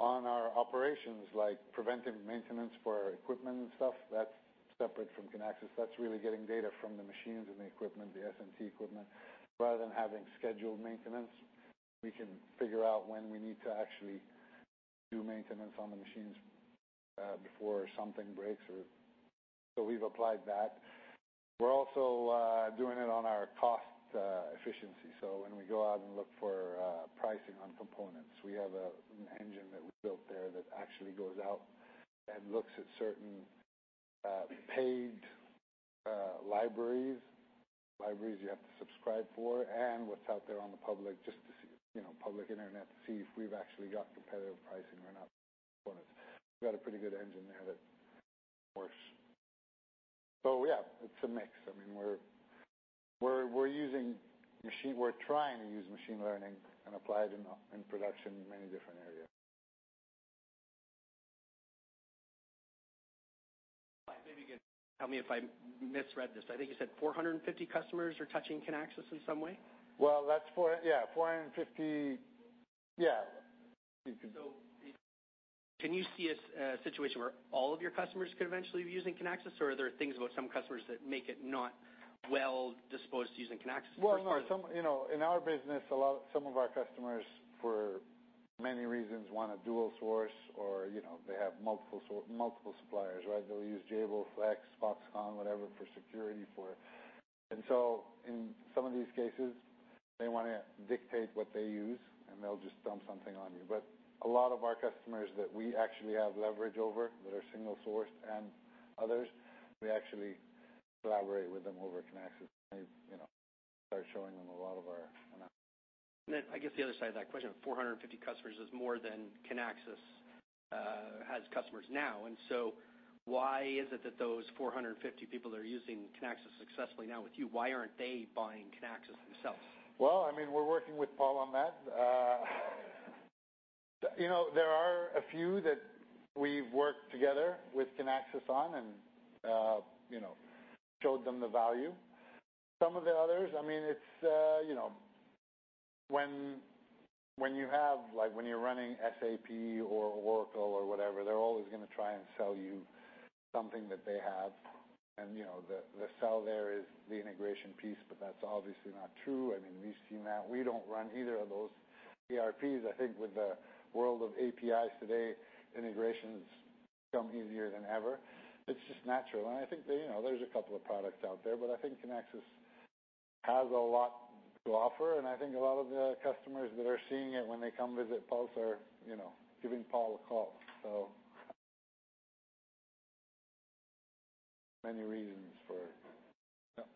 G: On our operations, like preventive maintenance for our equipment and stuff, that's separate from Kinaxis. That's really getting data from the machines and the equipment, the SMT equipment. Rather than having scheduled maintenance, we can figure out when we need to actually do maintenance on the machines before something breaks. We've applied that. We're also doing it on our cost efficiency. When we go out and look for pricing on components, we have an engine that we built there that actually goes out and looks at certain paid libraries you have to subscribe for, and what's out there on the public internet, to see if we've actually got competitive pricing or not for components. We've got a pretty good engine there that works. Yeah, it's a mix. We're trying to use machine learning and apply it in production in many different areas.
F: Maybe you can tell me if I misread this. I think you said 450 customers are touching Kinaxis in some way?
G: Well, Yeah. 450, yeah.
F: Can you see a situation where all of your customers could eventually be using Kinaxis, or are there things about some customers that make it not well-disposed to using Kinaxis?
G: Well, no. In our business, some of our customers, for many reasons, want to dual source or they have multiple suppliers. They'll use Jabil, Flex, Foxconn, whatever, for security. In some of these cases, they want to dictate what they use, and they'll just dump something on you. A lot of our customers that we actually have leverage over that are single sourced and others, we actually collaborate with them over Kinaxis and start showing them a lot of our-
F: I guess the other side of that question, if 450 customers is more than Kinaxis has customers now, why is it that those 450 people that are using Kinaxis successfully now with you, why aren't they buying Kinaxis themselves?
G: Well, we're working with Paul on that. There are a few that we've worked together with Kinaxis on and showed them the value. Some of the others, when you're running SAP or Oracle or whatever, they're always going to try and sell you something that they have. The sell there is the integration piece, but that's obviously not true. We've seen that. We don't run either of those ERPs. I think with the world of APIs today, integrations come easier than ever. It's just natural. I think there's a couple of products out there, but I think Kinaxis has a lot to offer, and I think a lot of the customers that are seeing it when they come visit Pulse are giving Paul a call. Many reasons for Yep.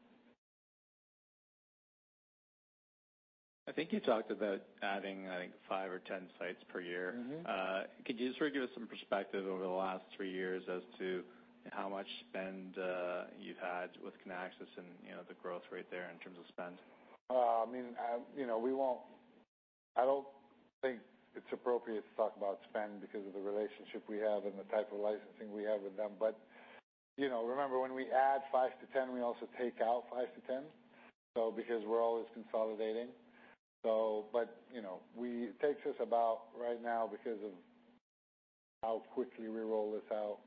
F: I think you talked about adding, I think, five or 10 sites per year. Could you just sort of give us some perspective over the last three years as to how much spend you've had with Kinaxis and the growth rate there in terms of spend?
G: I don't think it's appropriate to talk about spend because of the relationship we have and the type of licensing we have with them. Remember, when we add five to 10, we also take out five to 10, because we're always consolidating. It takes us about, right now, because of how quickly we roll this out,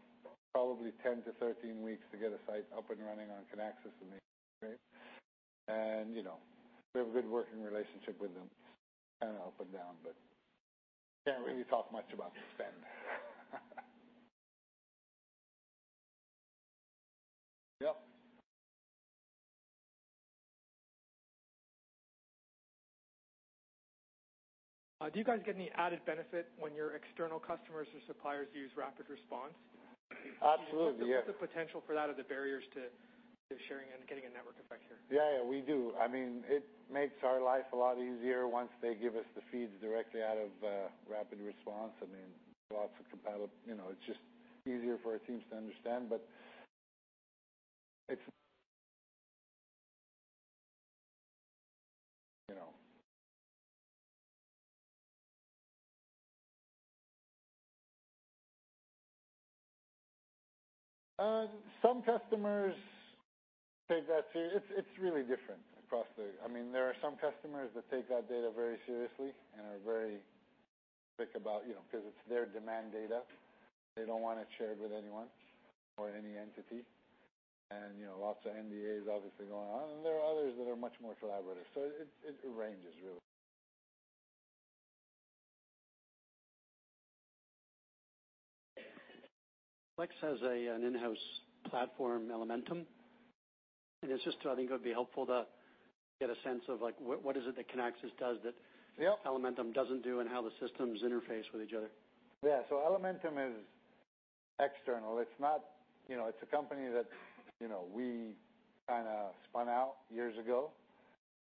G: probably 10 to 13 weeks to get a site up and running on Kinaxis and the rest. We have a good working relationship with them, kind of up and down, but can't really talk much about the spend. Yep.
F: Do you guys get any added benefit when your external customers or suppliers use RapidResponse?
G: Absolutely, Yeah.
F: What's the potential for that or the barriers to sharing and getting a network effect here?
G: Yeah, we do. It makes our life a lot easier once they give us the feeds directly out of RapidResponse. It's just easier for our teams to understand, but some customers take that seriously. It's really different across. There are some customers that take that data very seriously and are very thick about it, because it's their demand data. They don't want it shared with anyone or any entity. Lots of NDAs obviously going on. There are others that are much more collaborative. It ranges, really.
F: Flex has an in-house platform, Elementum. I think it would be helpful to get a sense of what is it that Kinaxis does that-
G: Yep
F: Elementum doesn't do and how the systems interface with each other.
G: Elementum is external. It's a company that we kind of spun out years ago.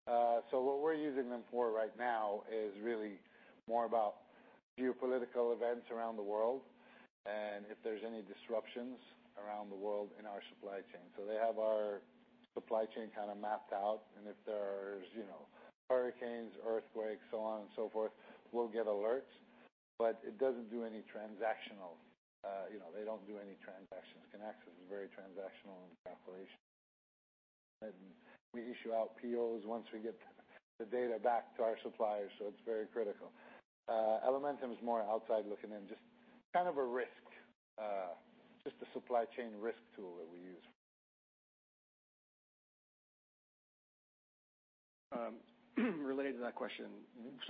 G: What we're using them for right now is really more about geopolitical events around the world and if there's any disruptions around the world in our supply chain. They have our supply chain kind of mapped out, and if there's hurricanes, earthquakes, so on and so forth, we'll get alerts, but it doesn't do any transactional. They don't do any transactions. Kinaxis is very transactional in calculation, and we issue out POs once we get the data back to our suppliers. It's very critical. Elementum is more outside looking in, just kind of a risk, just a supply chain risk tool that we use.
F: Related to that question,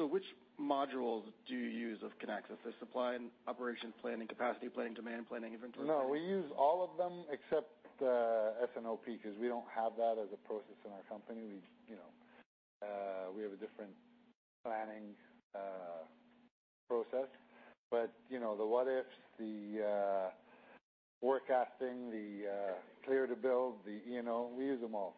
F: which modules do you use of Kinaxis? The supply and operations planning, capacity planning, demand planning, inventory-
G: We use all of them except S&OP because we don't have that as a process in our company. We have a different planning process. The what-ifs, the forecasting, the clear to build, the E&O, we use them all.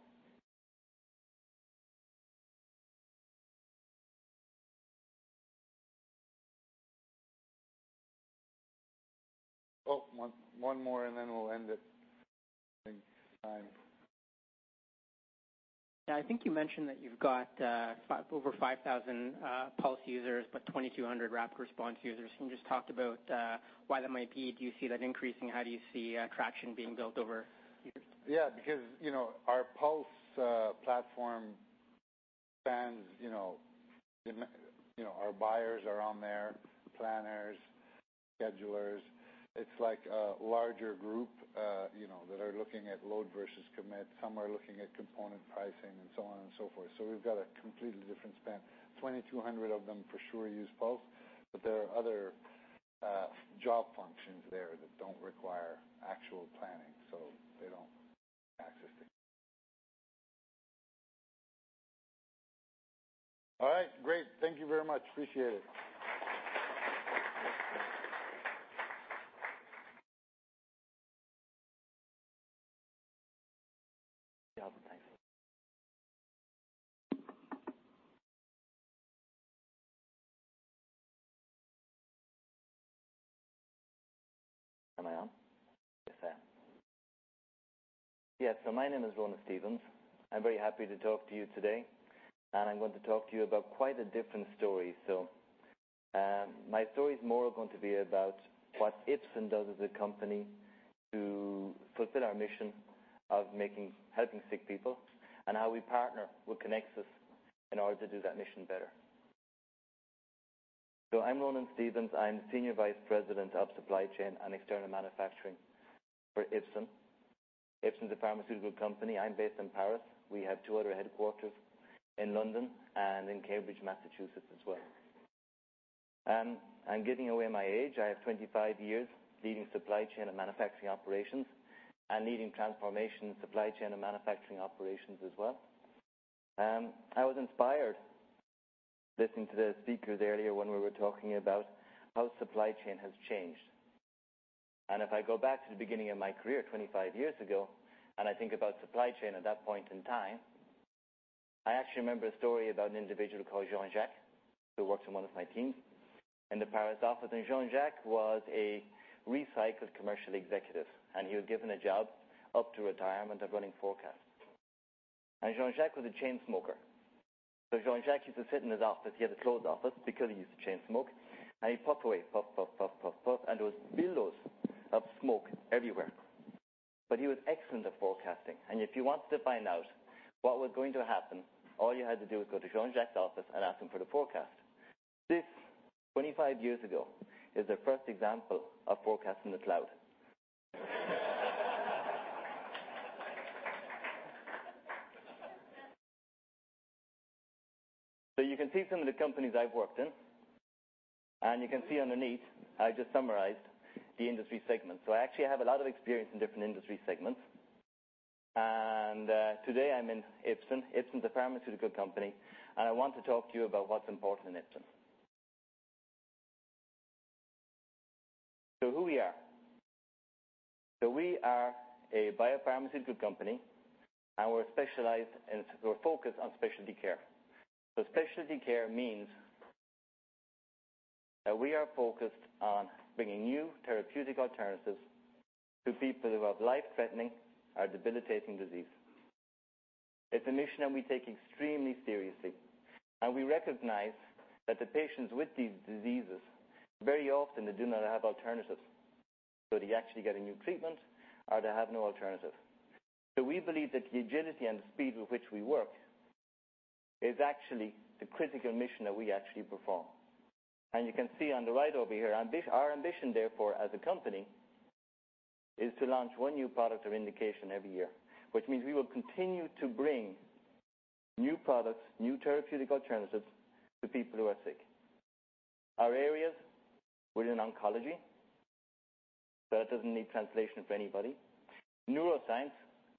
G: One more, we'll end it. I think it's time.
F: I think you mentioned that you've got over 5,000 Pulse users, 2,200 RapidResponse users. Can you just talk about why that might be? Do you see that increasing? How do you see traction being built over users?
G: Yeah. Our buyers are on there, the planners, schedulers. It's like a larger group that are looking at load versus commit. Some are looking at component pricing and so on and so forth. We've got a completely different span. 2,200 of them for sure use Pulse. There are other job functions there that don't require actual planning, so they don't access the All right. Great. Thank you very much. Appreciate it.
H: Am I on? Yes, I am. Yeah. My name is Ronan Stephens. I'm very happy to talk to you today, and I'm going to talk to you about quite a different story. My story's more going to be about what Ipsen does as a company to fulfill our mission of helping sick people, and how we partner with Kinaxis in order to do that mission better. I'm Ronan Stephens. I'm Senior Vice President of Supply Chain and External Manufacturing for Ipsen. Ipsen's a pharmaceutical company. I'm based in Paris. We have two other headquarters in London and in Cambridge, Massachusetts as well. I'm giving away my age. I have 25 years leading supply chain and manufacturing operations and leading transformation supply chain and manufacturing operations as well. I was inspired listening to the speakers earlier when we were talking about how supply chain has changed. If I go back to the beginning of my career 25 years ago, and I think about supply chain at that point in time, I actually remember a story about an individual called Jean-Jacques, who worked in one of my teams in the Paris office. Jean-Jacques was a recycled commercial executive, and he was given a job up to retirement of running forecasts. Jean-Jacques was a chain smoker. Jean-Jacques used to sit in his office. He had a closed office because he used to chain smoke, and he'd puff away, puff, puff. There was billows of smoke everywhere. He was excellent at forecasting. If you wanted to find out what was going to happen, all you had to do was go to Jean-Jacques' office and ask him for the forecast. This, 25 years ago, is the first example of forecast in the cloud. You can see some of the companies I've worked in, and you can see underneath, I just summarized the industry segments. I actually have a lot of experience in different industry segments. Today I'm in Ipsen. Ipsen is a pharmaceutical company, and I want to talk to you about what's important in Ipsen. Who we are. We are a biopharmaceutical company, and we're specialized and we're focused on specialty care. Specialty care means that we are focused on bringing new therapeutic alternatives to people who have life-threatening or debilitating disease. It's a mission that we take extremely seriously, and we recognize that the patients with these diseases, very often they do not have alternatives. They actually get a new treatment, or they have no alternative. We believe that the agility and the speed with which we work is actually the critical mission that we actually perform. You can see on the right over here, our ambition, therefore, as a company, is to launch one new product or indication every year, which means we will continue to bring new products, new therapeutic alternatives to people who are sick. Our areas within oncology, that doesn't need translation for anybody, neuroscience,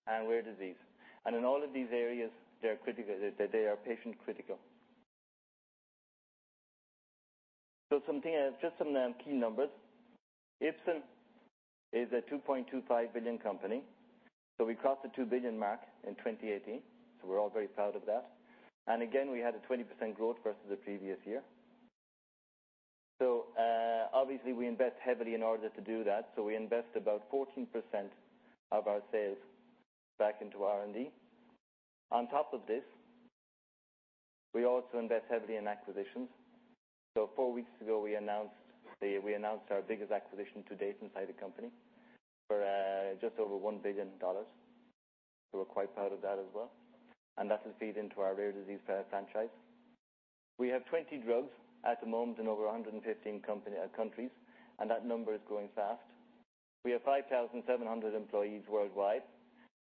H: and rare disease. In all of these areas, they are patient-critical. Just some key numbers. Ipsen is a 2.25 billion company. We crossed the 2 billion mark in 2018, so we're all very proud of that. Again, we had a 20% growth versus the previous year. Obviously, we invest heavily in order to do that. We invest about 14% of our sales back into R&D. On top of this, we also invest heavily in acquisitions. Four weeks ago, we announced our biggest acquisition to date inside the company for just over 1 billion dollars. We're quite proud of that as well, and that will feed into our rare disease franchise. We have 20 drugs at the moment in over 115 countries, and that number is growing fast. We have 5,700 employees worldwide.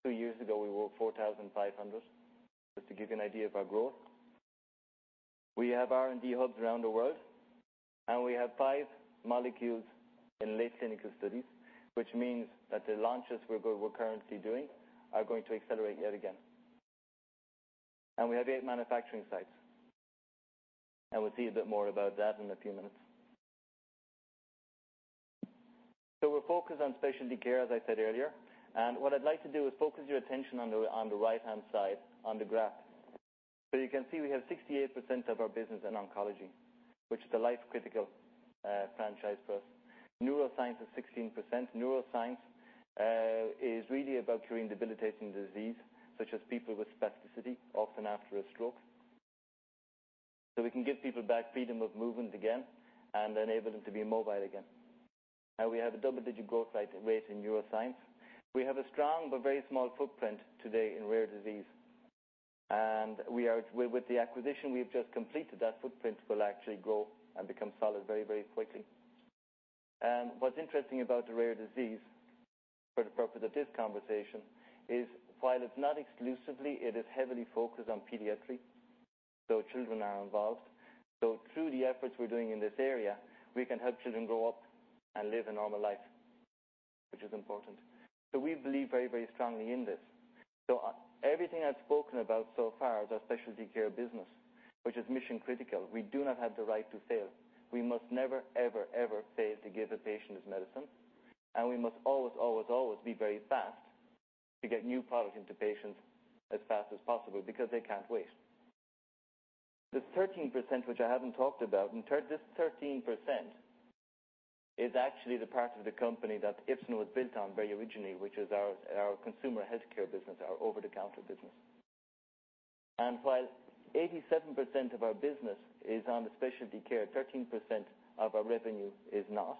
H: Two years ago, we were 4,500, just to give you an idea of our growth. We have R&D hubs around the world, and we have five molecules in late clinical studies, which means that the launches we're currently doing are going to accelerate yet again. We have eight manufacturing sites, and we'll see a bit more about that in a few minutes. We're focused on specialty care, as I said earlier. What I'd like to do is focus your attention on the right-hand side on the graph. You can see we have 68% of our business in oncology, which is a life-critical franchise for us. Neuroscience is 16%. Neuroscience is really about curing debilitating disease, such as people with spasticity, often after a stroke. We can give people back freedom of movement again and enable them to be mobile again. We have a double-digit growth rate in neuroscience. We have a strong but very small footprint today in rare disease. With the acquisition we've just completed, that footprint will actually grow and become solid very quickly. What's interesting about the rare disease, for the purpose of this conversation, is while it's not exclusively, it is heavily focused on pediatric. Children are involved. Through the efforts we're doing in this area, we can help children grow up and live a normal life, which is important. We believe very strongly in this. Everything I've spoken about so far is our specialty care business, which is mission-critical. We do not have the right to fail. We must never, ever fail to give a patient his medicine, and we must always be very fast to get new product into patients as fast as possible because they can't wait. This 13%, which I haven't talked about, in turn, this 13% is actually the part of the company that Ipsen was built on very originally, which is our consumer healthcare business, our over-the-counter business. While 87% of our business is on the specialty care, 13% of our revenue is not.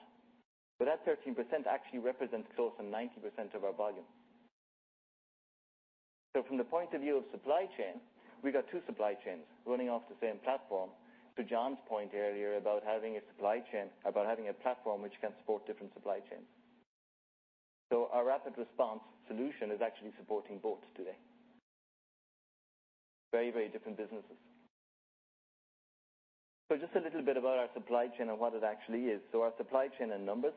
H: That 13% actually represents close to 90% of our volume. From the point of view of supply chain, we've got two supply chains running off the same platform. To John's point earlier about having a platform which can support different supply chains. Our RapidResponse solution is actually supporting both today. Very different businesses. Just a little bit about our supply chain and what it actually is. Our supply chain in numbers.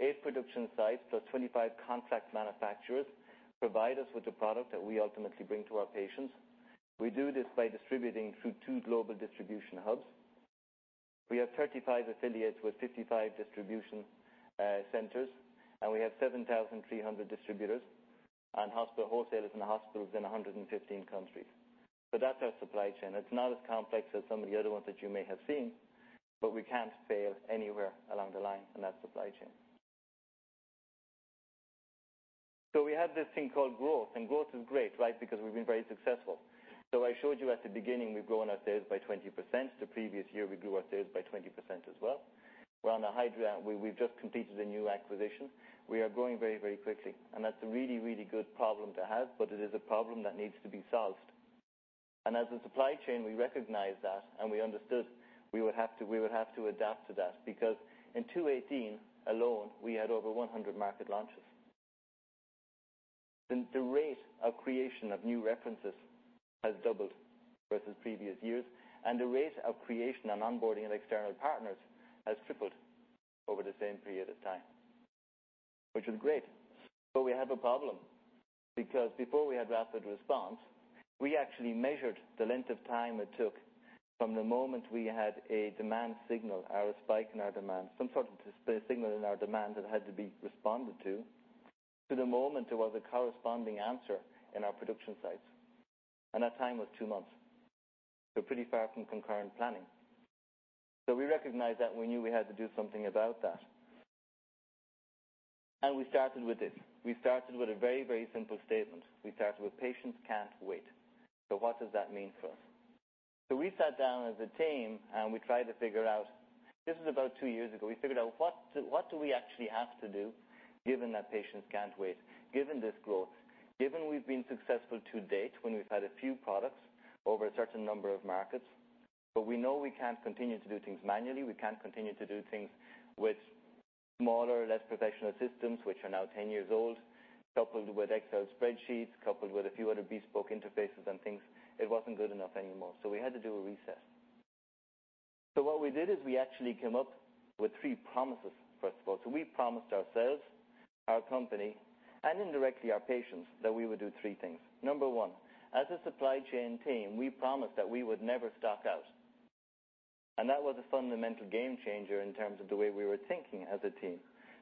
H: Eight production sites plus 25 contract manufacturers provide us with the product that we ultimately bring to our patients. We do this by distributing through two global distribution hubs. We have 35 affiliates with 55 distribution centers, and we have 7,300 distributors and wholesalers in hospitals in 115 countries. That's our supply chain. It's not as complex as some of the other ones that you may have seen, but we can't fail anywhere along the line in that supply chain. We have this thing called growth, and growth is great, right? We've been very successful. I showed you at the beginning, we've grown our sales by 20%. The previous year, we grew our sales by 20% as well. We're on a high ground. We've just completed a new acquisition. We are growing very quickly, and that's a really good problem to have, but it is a problem that needs to be solved. As a supply chain, we recognize that, and we understood we would have to adapt to that because in 2018 alone, we had over 100 market launches. The rate of creation of new references has doubled versus previous years, and the rate of creation and onboarding of external partners has tripled over the same period of time, which is great. We have a problem, because before we had RapidResponse, we actually measured the length of time it took from the moment we had a demand signal or a spike in our demand, some sort of signal in our demand that had to be responded to the moment there was a corresponding answer in our production sites, and that time was two months. Pretty far from concurrent planning. We recognized that, and we knew we had to do something about that. We started with this. We started with a very, very simple statement. We started with, "Patients can't wait." What does that mean for us? We sat down as a team, and we tried to figure out. This was about two years ago. We figured out what do we actually have to do given that patients can't wait, given this growth, given we've been successful to date when we've had a few products over a certain number of markets. We know we can't continue to do things manually. We can't continue to do things with smaller, less professional systems, which are now 10 years old, coupled with Excel spreadsheets, coupled with a few other bespoke interfaces and things. It wasn't good enough anymore. We had to do a reassess. What we did is we actually came up with three promises, first of all. We promised ourselves, our company, and indirectly our patients, that we would do three things. Number one, as a supply chain team, we promised that we would never stock out. That was a fundamental game changer in terms of the way we were thinking as a team,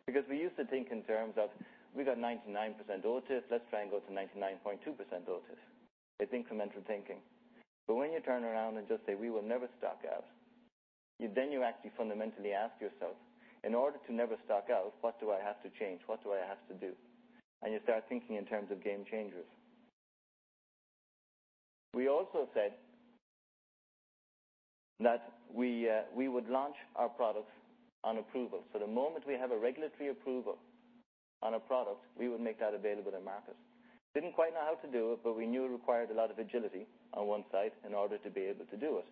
H: because we used to think in terms of, we've got 99% OTIF, let's try and go to 99.2% OTIF. It's incremental thinking. When you turn around and just say, "We will never stock out," then you actually fundamentally ask yourself, in order to never stock out, what do I have to change? What do I have to do? You start thinking in terms of game changers. We also said that we would launch our products on approval. The moment we have a regulatory approval on a product, we would make that available to market. Didn't quite know how to do it, but we knew it required a lot of agility on one side in order to be able to do it.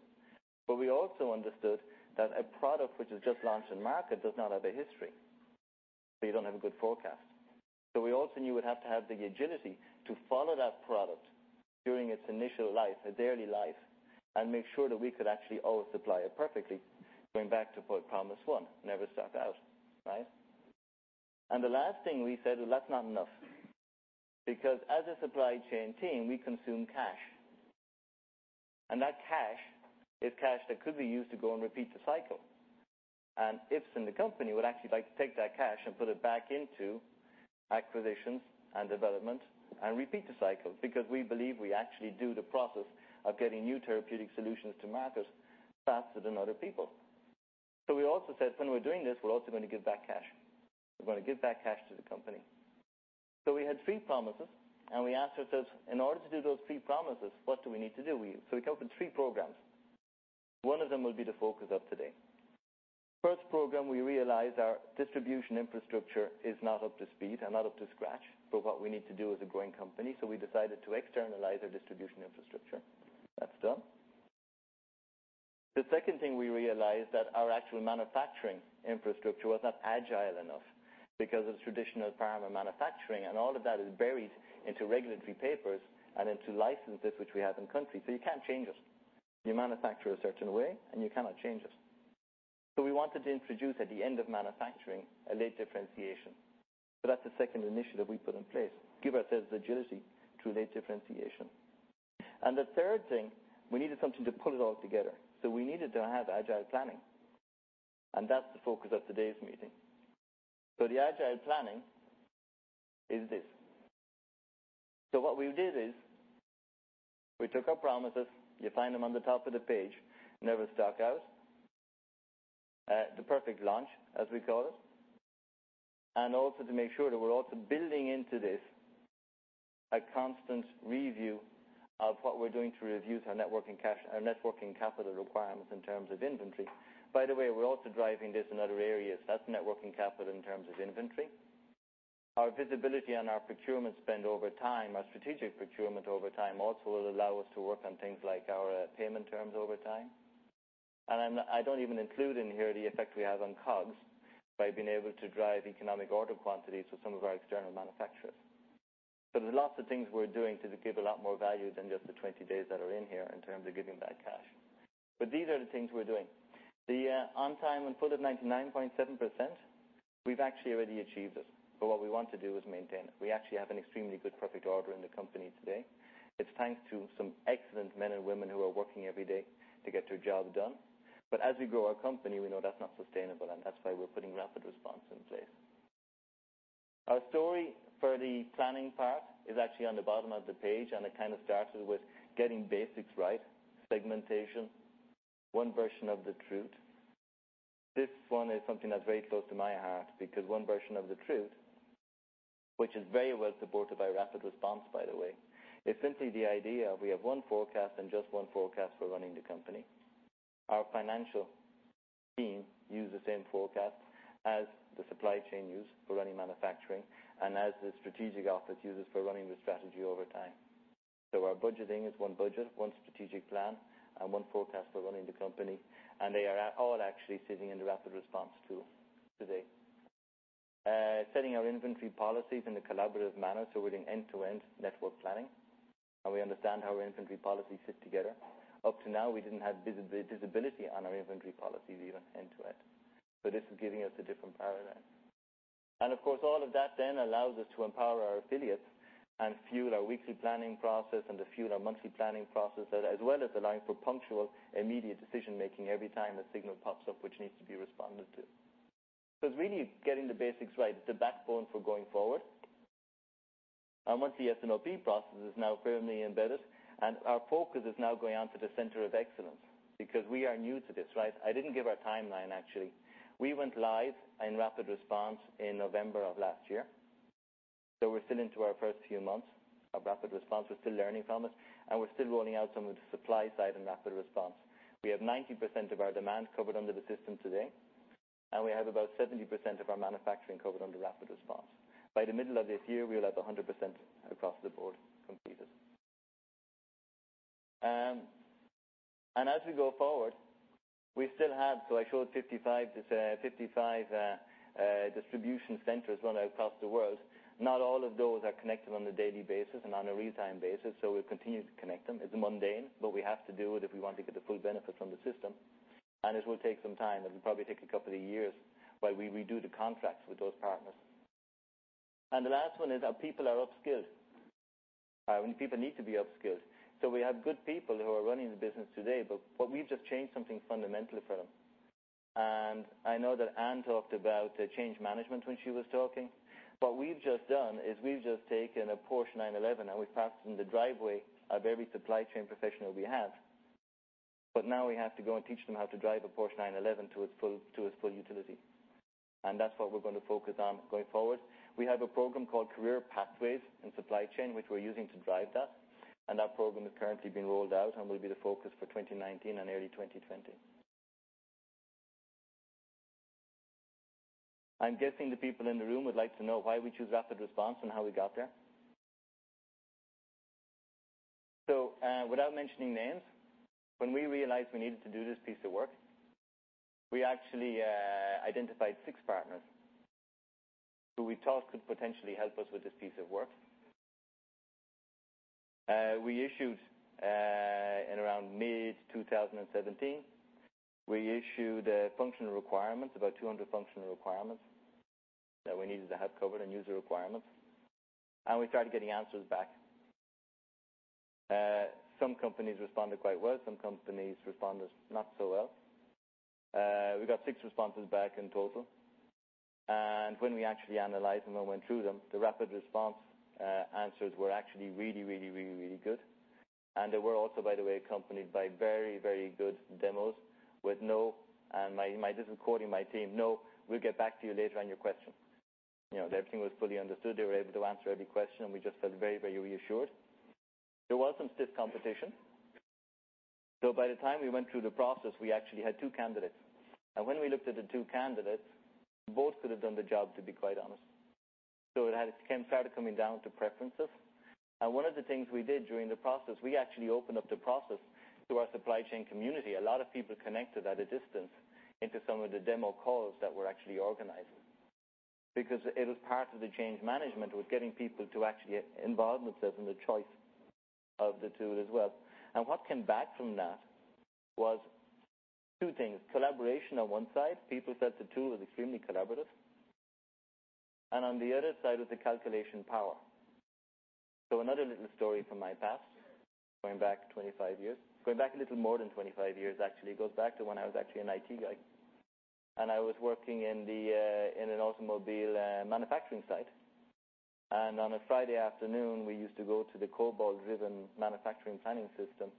H: We also understood that a product which is just launched in market does not have a history, so you don't have a good forecast. We also knew it would have to have the agility to follow that product during its initial life, its early life, and make sure that we could actually always supply it perfectly, going back to promise one, never stock out. Right? The last thing we said, "Well, that's not enough." As a supply chain team, we consume cash. That cash is cash that could be used to go and repeat the cycle. Ipsen the company, would actually like to take that cash and put it back into acquisitions and development and repeat the cycle, because we believe we actually do the process of getting new therapeutic solutions to market faster than other people. We also said when we're doing this, we're also going to give back cash. We're going to give back cash to the company. We had 3 promises, and we asked ourselves, in order to do those 3 promises, what do we need to do? We came up with 3 programs. One of them will be the focus of today. First program, we realized our distribution infrastructure is not up to speed and not up to scratch for what we need to do as a growing company. We decided to externalize our distribution infrastructure. That's done. The second thing we realized that our actual manufacturing infrastructure was not agile enough because of traditional pharma manufacturing, and all of that is buried into regulatory papers and into licenses which we have in country. You can't change it. You manufacture a certain way, and you cannot change it. We wanted to introduce, at the end of manufacturing, a late differentiation. That's the second initiative we put in place, give ourselves agility through late differentiation. The third thing, we needed something to pull it all together. We needed to have agile planning, and that's the focus of today's meeting. The agile planning is this. What we did is we took our promises. You find them on the top of the page. Never stock out. The perfect launch, as we call it. Also to make sure that we're also building into this a constant review of what we're doing to review our net working capital requirements in terms of inventory. By the way, we're also driving this in other areas. That's net working capital in terms of inventory. Our visibility on our procurement spend over time, our strategic procurement over time also will allow us to work on things like our payment terms over time. I don't even include in here the effect we have on COGS by being able to drive economic order quantities with some of our external manufacturers. There's lots of things we're doing to give a lot more value than just the 20 days that are in here in terms of giving back cash. These are the things we're doing. The on time when pulled at 99.7%, we've actually already achieved this, but what we want to do is maintain it. We actually have an extremely good perfect order in the company today. It's thanks to some excellent men and women who are working every day to get their job done. As we grow our company, we know that's not sustainable, and that's why we're putting RapidResponse in place. Our story for the planning part is actually on the bottom of the page, it kind of starts with getting basics right. Segmentation, one version of the truth. This one is something that's very close to my heart because one version of the truth, which is very well supported by RapidResponse, by the way, is simply the idea of we have one forecast and just one forecast for running the company. Our financial team use the same forecast as the supply chain use for running manufacturing and as the strategic office uses for running the strategy over time. So our budgeting is one budget, one strategic plan, and one forecast for running the company. They are all actually sitting in the RapidResponse tool today. Setting our inventory policies in a collaborative manner, we're doing end-to-end network planning, and we understand how our inventory policies fit together. Up to now, we didn't have visibility on our inventory policies even end to end. This is giving us a different paradigm. Of course, all of that then allows us to empower our affiliates and fuel our weekly planning process and to fuel our monthly planning process, as well as allowing for punctual, immediate decision-making every time a signal pops up, which needs to be responded to. It's really getting the basics right, the backbone for going forward. Once the S&OP process is now firmly embedded, our focus is now going on to the center of excellence, because we are new to this. I didn't give our timeline, actually. We went live in RapidResponse in November of last year. We're still into our first few months of RapidResponse. We're still learning from it, and we're still rolling out some of the supply side in RapidResponse. We have 90% of our demand covered under the system today, we have about 70% of our manufacturing covered under RapidResponse. By the middle of this year, we'll have 100% across the board completed. As we go forward, we still have I showed 55 distribution centers run across the world. Not all of those are connected on a daily basis and on a real-time basis, we'll continue to connect them. It's mundane, we have to do it if we want to get the full benefit from the system. It will take some time, it'll probably take a couple of years while we redo the contracts with those partners. The last one is our people are upskilled. People need to be upskilled. We have good people who are running the business today, but we've just changed something fundamental for them. I know that Anne talked about change management when she was talking. What we've just done is we've just taken a Porsche 911, and we've parked it in the driveway of every supply chain professional we have. Now we have to go and teach them how to drive a Porsche 911 to its full utility. That's what we're going to focus on going forward. We have a program called Career Pathways in supply chain, which we're using to drive that. That program has currently been rolled out and will be the focus for 2019 and early 2020. I'm guessing the people in the room would like to know why we choose RapidResponse and how we got there. Without mentioning names, when we realized we needed to do this piece of work, we actually identified six partners who we thought could potentially help us with this piece of work. In around mid-2017, we issued a functional requirement, about 200 functional requirements, that we needed to have covered and user requirements. We started getting answers back. Some companies responded quite well, some companies responded not so well. We got six responses back in total. When we actually analyzed them and went through them, the RapidResponse answers were actually really, really, really good. They were also, by the way, accompanied by very, very good demos with no, and this is quoting my team, no, "We'll get back to you later on your question." Everything was fully understood. They were able to answer every question. We just felt very, very reassured. There was some stiff competition. By the time we went through the process, we actually had two candidates. When we looked at the two candidates, both could have done the job, to be quite honest. It started coming down to preferences. One of the things we did during the process, we actually opened up the process to our supply chain community. A lot of people connected at a distance into some of the demo calls that we're actually organizing. Because it was part of the change management, was getting people to actually involvement themselves in the choice of the tool as well. What came back from that was two things, collaboration on one side, people said the tool was extremely collaborative. On the other side was the calculation power. Another little story from my past, going back 25 years. Going back a little more than 25 years, actually. It goes back to when I was actually an IT guy, and I was working in an automobile manufacturing site. On a Friday afternoon, we used to go to the COBOL-driven manufacturing planning system.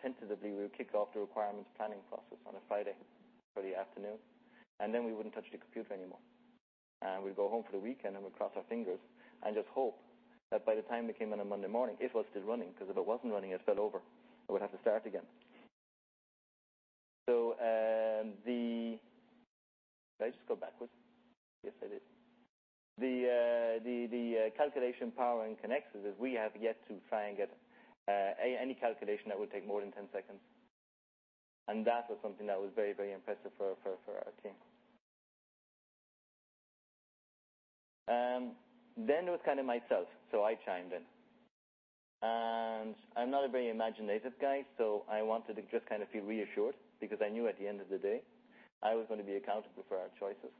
H: Tentatively we would kick off the requirements planning process on a Friday early afternoon, and then we wouldn't touch the computer anymore. We'd go home for the weekend, and we'd cross our fingers and just hope that by the time we came in on Monday morning, it was still running, because if it wasn't running, it fell over, and we'd have to start again. The Did I just go backwards? Yes, I did. The calculation power in Kinaxis is we have yet to try and get any calculation that would take more than 10 seconds. That was something that was very, very impressive for our team. It was kind of myself, so I chimed in. I'm not a very imaginative guy, I wanted to just kind of feel reassured because I knew at the end of the day, I was going to be accountable for our choices.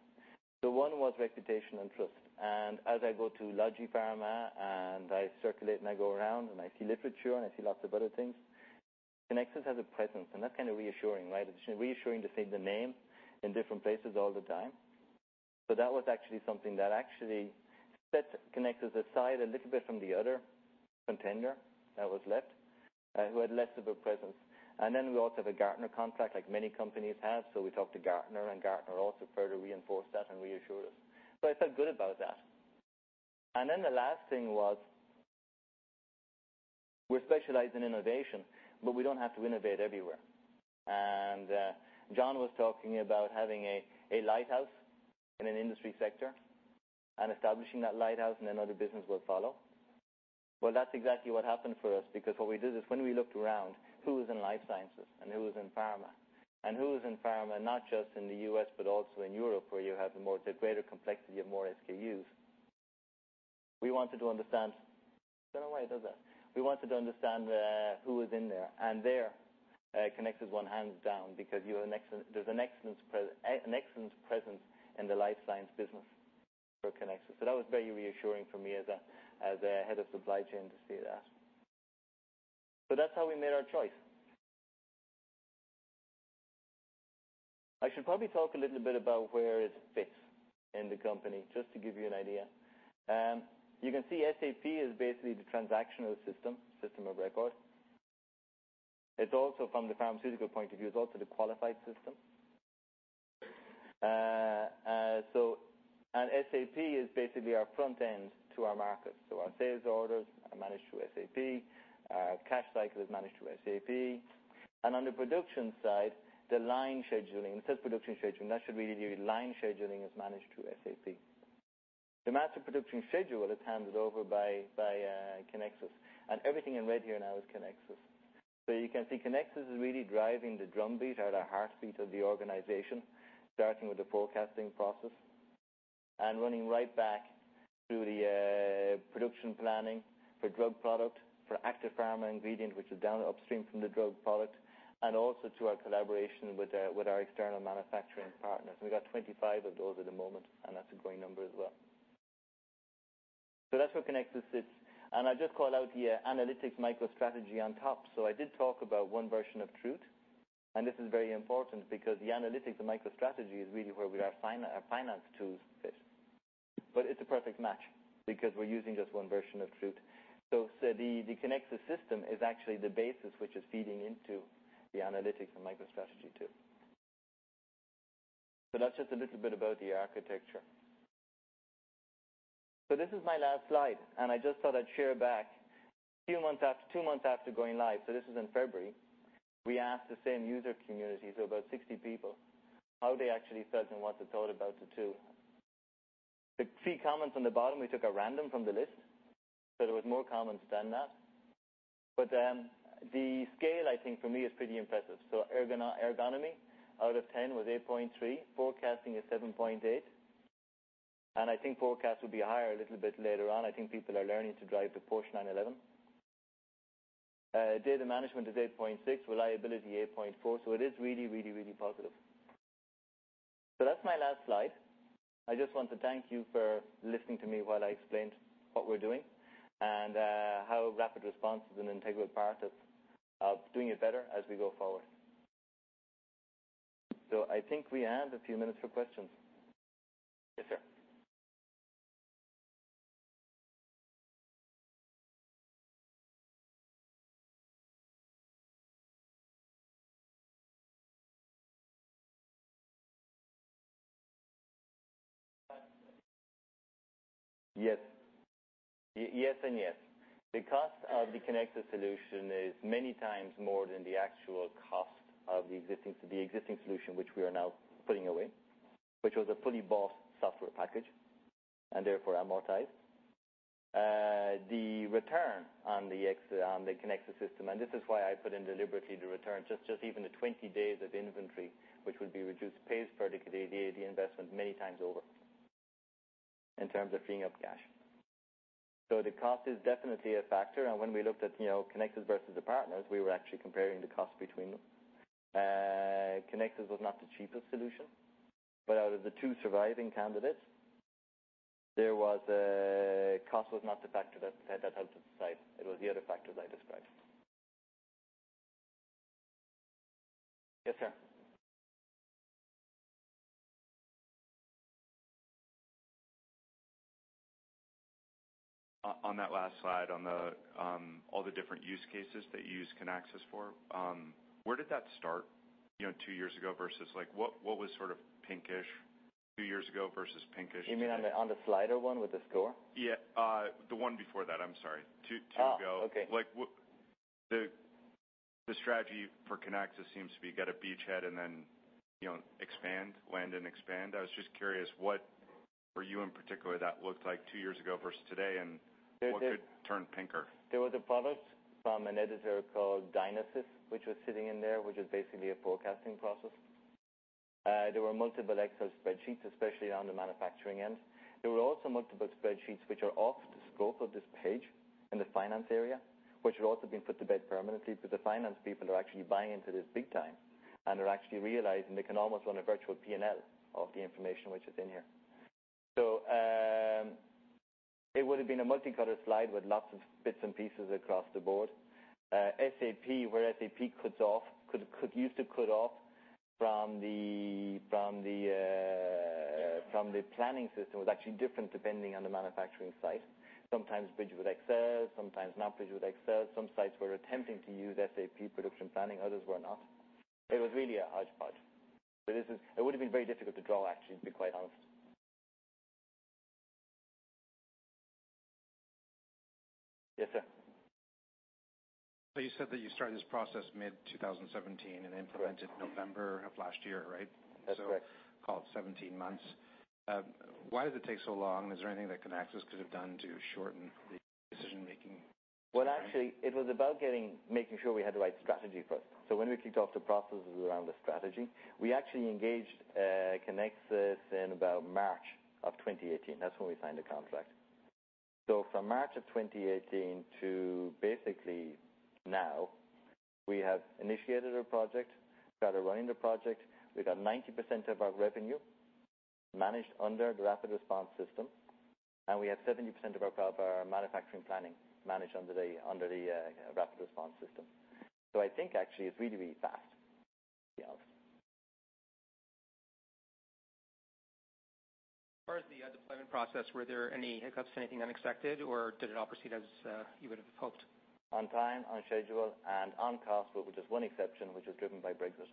H: One was reputation and trust. As I go to LogiPharma, and I circulate and I go around, and I see literature, and I see lots of other things, Kinaxis has a presence, and that's kind of reassuring. It's reassuring to see the name in different places all the time. That was actually something that actually set Kinaxis aside a little bit from the other contender that was left, who had less of a presence. We also have a Gartner contract, like many companies have. We talked to Gartner, and Gartner also further reinforced that and reassured us. I felt good about that. The last thing was. We're specialized in innovation, but we don't have to innovate everywhere. John was talking about having a lighthouse in an industry sector and establishing that lighthouse, and other business will follow. Well, that's exactly what happened for us, because what we did is when we looked around who was in life sciences and who was in pharma, and who was in pharma, not just in the U.S., but also in Europe, where you have the more, the greater complexity of more SKUs. We wanted to understand. Don't know why it does that. We wanted to understand who was in there. There, Kinaxis one hands down, because there's an excellent presence in the life science business for Kinaxis. That was very reassuring for me as a head of supply chain to see that. That's how we made our choice. I should probably talk a little bit about where it fits in the company, just to give you an idea. You can see SAP is basically the transactional system of record. It's also from the pharmaceutical point of view, it's also the qualified system. SAP is basically our front end to our markets. Our sales orders are managed through SAP. Our cash cycle is managed through SAP. On the production side, the line scheduling. It says production scheduling. That should really be line scheduling is managed through SAP. The master production schedule is handed over by Kinaxis. Everything in red here now is Kinaxis. You can see Kinaxis is really driving the drumbeat or the heartbeat of the organization, starting with the forecasting process and running right back through the production planning for drug product, for active pharma ingredient, which is down upstream from the drug product, and also to our collaboration with our external manufacturing partners. We've got 25 of those at the moment, and that's a growing number as well. That's where Kinaxis sits. I just call out here analytics MicroStrategy on top. I did talk about one version of truth, and this is very important because the analytics and MicroStrategy is really where our finance tools fit. It's a perfect match because we're using just one version of truth. The Kinaxis system is actually the basis which is feeding into the analytics and MicroStrategy, too. That's just a little bit about the architecture. This is my last slide, and I just thought I'd share back. Two months after going live, this is in February, we asked the same user community, about 60 people, how they actually felt and what they thought about the tool. The three comments on the bottom, we took at random from the list, but there was more comments than that. The scale, I think, for me, is pretty impressive. Ergonomy out of 10 was 8.3. Forecasting is 7.8, and I think forecast will be higher a little bit later on. I think people are learning to drive the Porsche 911. Data management is 8.6. Reliability, 8.4. It is really positive. That's my last slide. I just want to thank you for listening to me while I explained what we're doing and how RapidResponse is an integral part of doing it better as we go forward. I think we have a few minutes for questions. Yes, sir. Yes. Yes and yes. The cost of the Kinaxis solution is many times more than the actual cost of the existing solution, which we are now putting away, which was a fully bought software package, and therefore amortized. The return on the Kinaxis system, this is why I put in deliberately the return, just even the 20 days of inventory, which would be reduced, pays for the investment many times over in terms of freeing up cash. The cost is definitely a factor. When we looked at Kinaxis versus the partners, we were actually comparing the cost between them. Kinaxis was not the cheapest solution, but out of the two surviving candidates, cost was not the factor that helped us decide. It was the other factors I described. Yes, sir.
F: On that last slide, on all the different use cases that you use Kinaxis for, where did that start two years ago versus what was sort of pinkish two years ago versus pinkish today?
H: You mean on the slider 1 with the score?
F: Yeah. The one before that, I'm sorry. Two ago.
H: Oh, okay.
F: The strategy for Kinaxis seems to be get a beachhead and then expand, land and expand. I was just curious what for you in particular that looked like two years ago versus today, and what could turn pinker?
H: There was a product from an editor called DynaSys, which was sitting in there, which is basically a forecasting process. There were multiple Excel spreadsheets, especially on the manufacturing end. There were also multiple spreadsheets which are off the scope of this page in the finance area, which have also been put to bed permanently because the finance people are actually buying into this big time, and they're actually realizing they can almost run a virtual P&L of the information which is in here. It would have been a multicolored slide with lots of bits and pieces across the board. SAP, where SAP used to cut off from the planning system was actually different depending on the manufacturing site. Sometimes bridged with Excel, sometimes not bridged with Excel. Some sites were attempting to use SAP production planning, others were not. It was really a hodgepodge. It would have been very difficult to draw, actually, to be quite honest. Yes, sir.
F: You said that you started this process mid-2017 and implemented November of last year, right?
H: That's correct.
F: Call it 17 months. Why does it take so long? Is there anything that Kinaxis could have done to shorten the decision-making?
H: Well, actually, it was about making sure we had the right strategy first. When we kicked off the processes around the strategy, we actually engaged Kinaxis in about March of 2018. That's when we signed the contract. From March of 2018 to basically now, we have initiated a project, got it running the project. We've got 90% of our revenue managed under the RapidResponse system, and we have 70% of our manufacturing planning managed under the RapidResponse system. I think actually it's really, really fast. Yeah.
F: As far as the deployment process, were there any hiccups, anything unexpected, or did it all proceed as you would have hoped?
H: On time, on schedule, and on cost, with just one exception, which was driven by Brexit.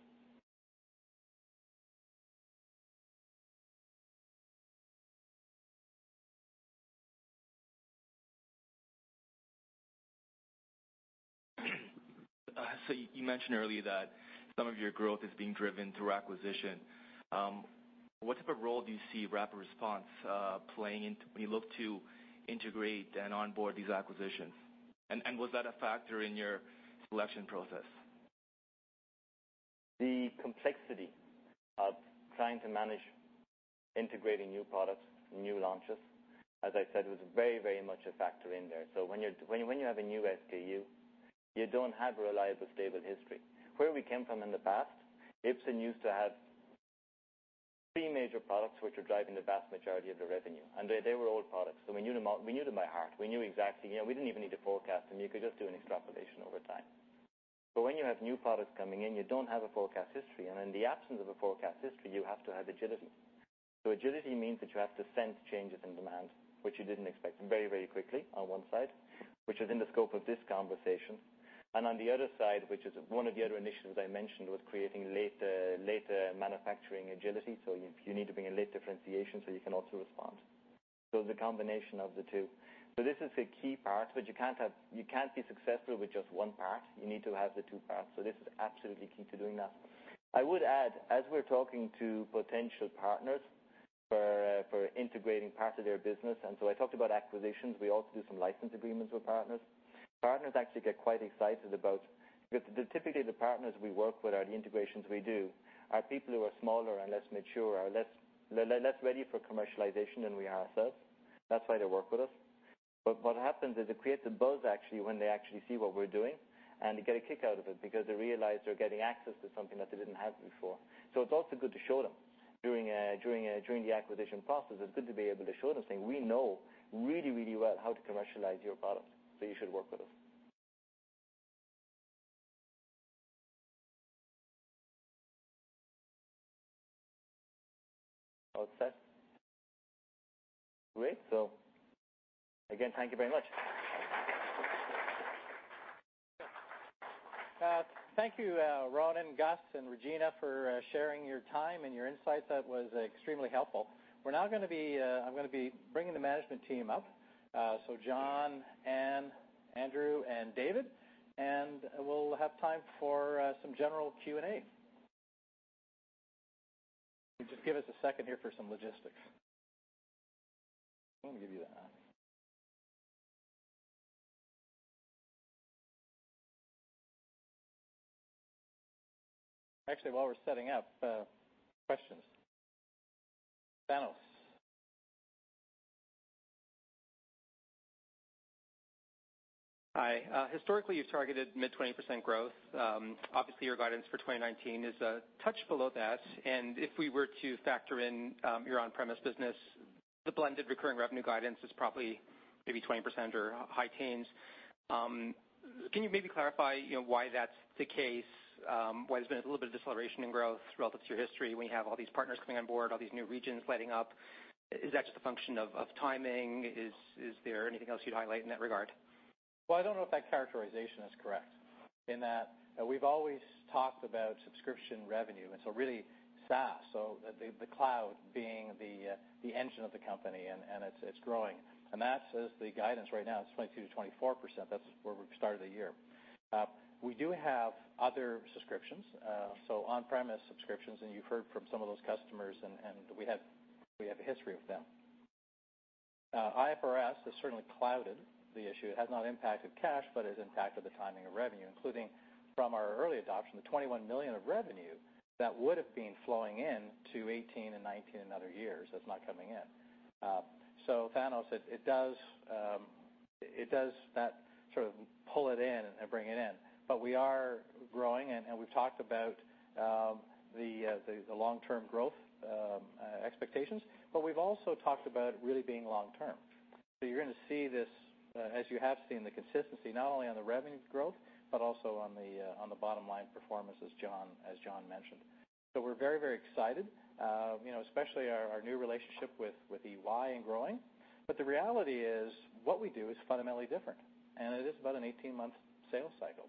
F: You mentioned earlier that some of your growth is being driven through acquisition. What type of role do you see RapidResponse playing into when you look to integrate and onboard these acquisitions? Was that a factor in your selection process?
H: The complexity of trying to manage integrating new products, new launches, as I said, was very, very much a factor in there. When you have a new SKU, you don't have reliable, stable history. Where we came from in the past, Ipsen used to have three major products which were driving the vast majority of the revenue, and they were old products. We knew them by heart. We knew exactly. We didn't even need to forecast them. You could just do an extrapolation over time. When you have new products coming in, you don't have a forecast history, and in the absence of a forecast history, you have to have agility. Agility means that you have to sense changes in demand, which you didn't expect very, very quickly on one side, which is in the scope of this conversation. On the other side, which is one of the other initiatives I mentioned, was creating later manufacturing agility. You need to bring a late differentiation so you can also respond. The combination of the two. This is a key part, but you can't be successful with just one part. You need to have the two parts. This is absolutely key to doing that. I would add, as we're talking to potential partners for integrating parts of their business. I talked about acquisitions. We also do some license agreements with partners. Partners actually get quite excited because typically the partners we work with or the integrations we do are people who are smaller and less mature or less ready for commercialization than we are ourselves. That's why they work with us. What happens is it creates a buzz, actually, when they actually see what we're doing, and they get a kick out of it because they realize they're getting access to something that they didn't have before. It's also good to show them during the acquisition process. It's good to be able to show them, saying, "We know really, really well how to commercialize your product, so you should work with us." All set? Great. Again, thank you very much.
A: Thank you, Ronan, Gus, and Regina, for sharing your time and your insights. That was extremely helpful. I'm going to be bringing the management team up. John, Anne, Andrew, and David. We'll have time for some general Q&A. If you just give us a second here for some logistics. Let me give you that. Actually, while we're setting up, questions. Thanos.
F: Hi. Historically, you've targeted mid-20% growth. If we were to factor in your on-premise business, the blended recurring revenue guidance is probably maybe 20% or high teens. Can you maybe clarify why that's the case, why there's been a little bit of deceleration in growth relative to your history when you have all these partners coming on board, all these new regions lighting up? Is that just a function of timing? Is there anything else you'd highlight in that regard?
A: I don't know if that characterization is correct, in that we've always talked about subscription revenue, and so really, SaaS, so the cloud being the engine of the company, and it's growing. That says the guidance right now is 22%-24%. That's where we've started the year. We do have other subscriptions, so on-premise subscriptions, and you've heard from some of those customers, and we have a history with them. IFRS has certainly clouded the issue. It has not impacted cash, but it has impacted the timing of revenue, including from our early adoption, the 21 million of revenue that would've been flowing into 2018 and 2019 and other years, that's not coming in. So Thanos, it does sort of pull it in and bring it in. We are growing, and we've talked about the long-term growth expectations, but we've also talked about it really being long term. So you're going to see this, as you have seen the consistency, not only on the revenue growth, but also on the bottom line performance, as John mentioned. So we're very, very excited, especially our new relationship with EY and growing. The reality is, what we do is fundamentally different, and it is about an 18-month sales cycle.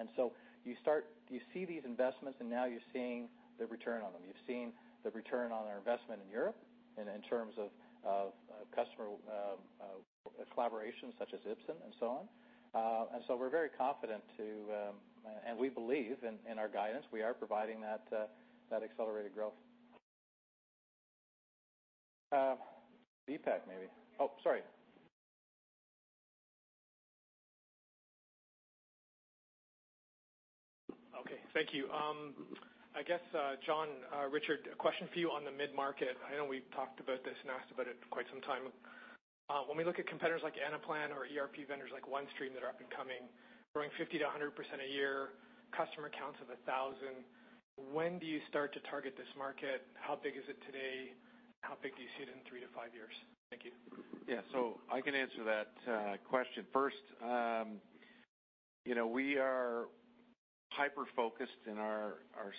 A: You see these investments, and now you're seeing the return on them. You're seeing the return on our investment in Europe, and in terms of customer collaboration such as Ipsen and so on. We're very confident to and we believe in our guidance, we are providing that accelerated growth. Deepak, maybe. Oh, sorry.
F: Okay. Thank you. I guess, John, Richard, a question for you on the mid-market. I know we've talked about this and asked about it quite some time. When we look at competitors like Anaplan or ERP vendors like OneStream that are up and coming, growing 50%-100% a year, customer counts of 1,000, when do you start to target this market? How big is it today? How big do you see it in three to five years? Thank you. Yeah. I can answer that question. First, we are hyper-focused in our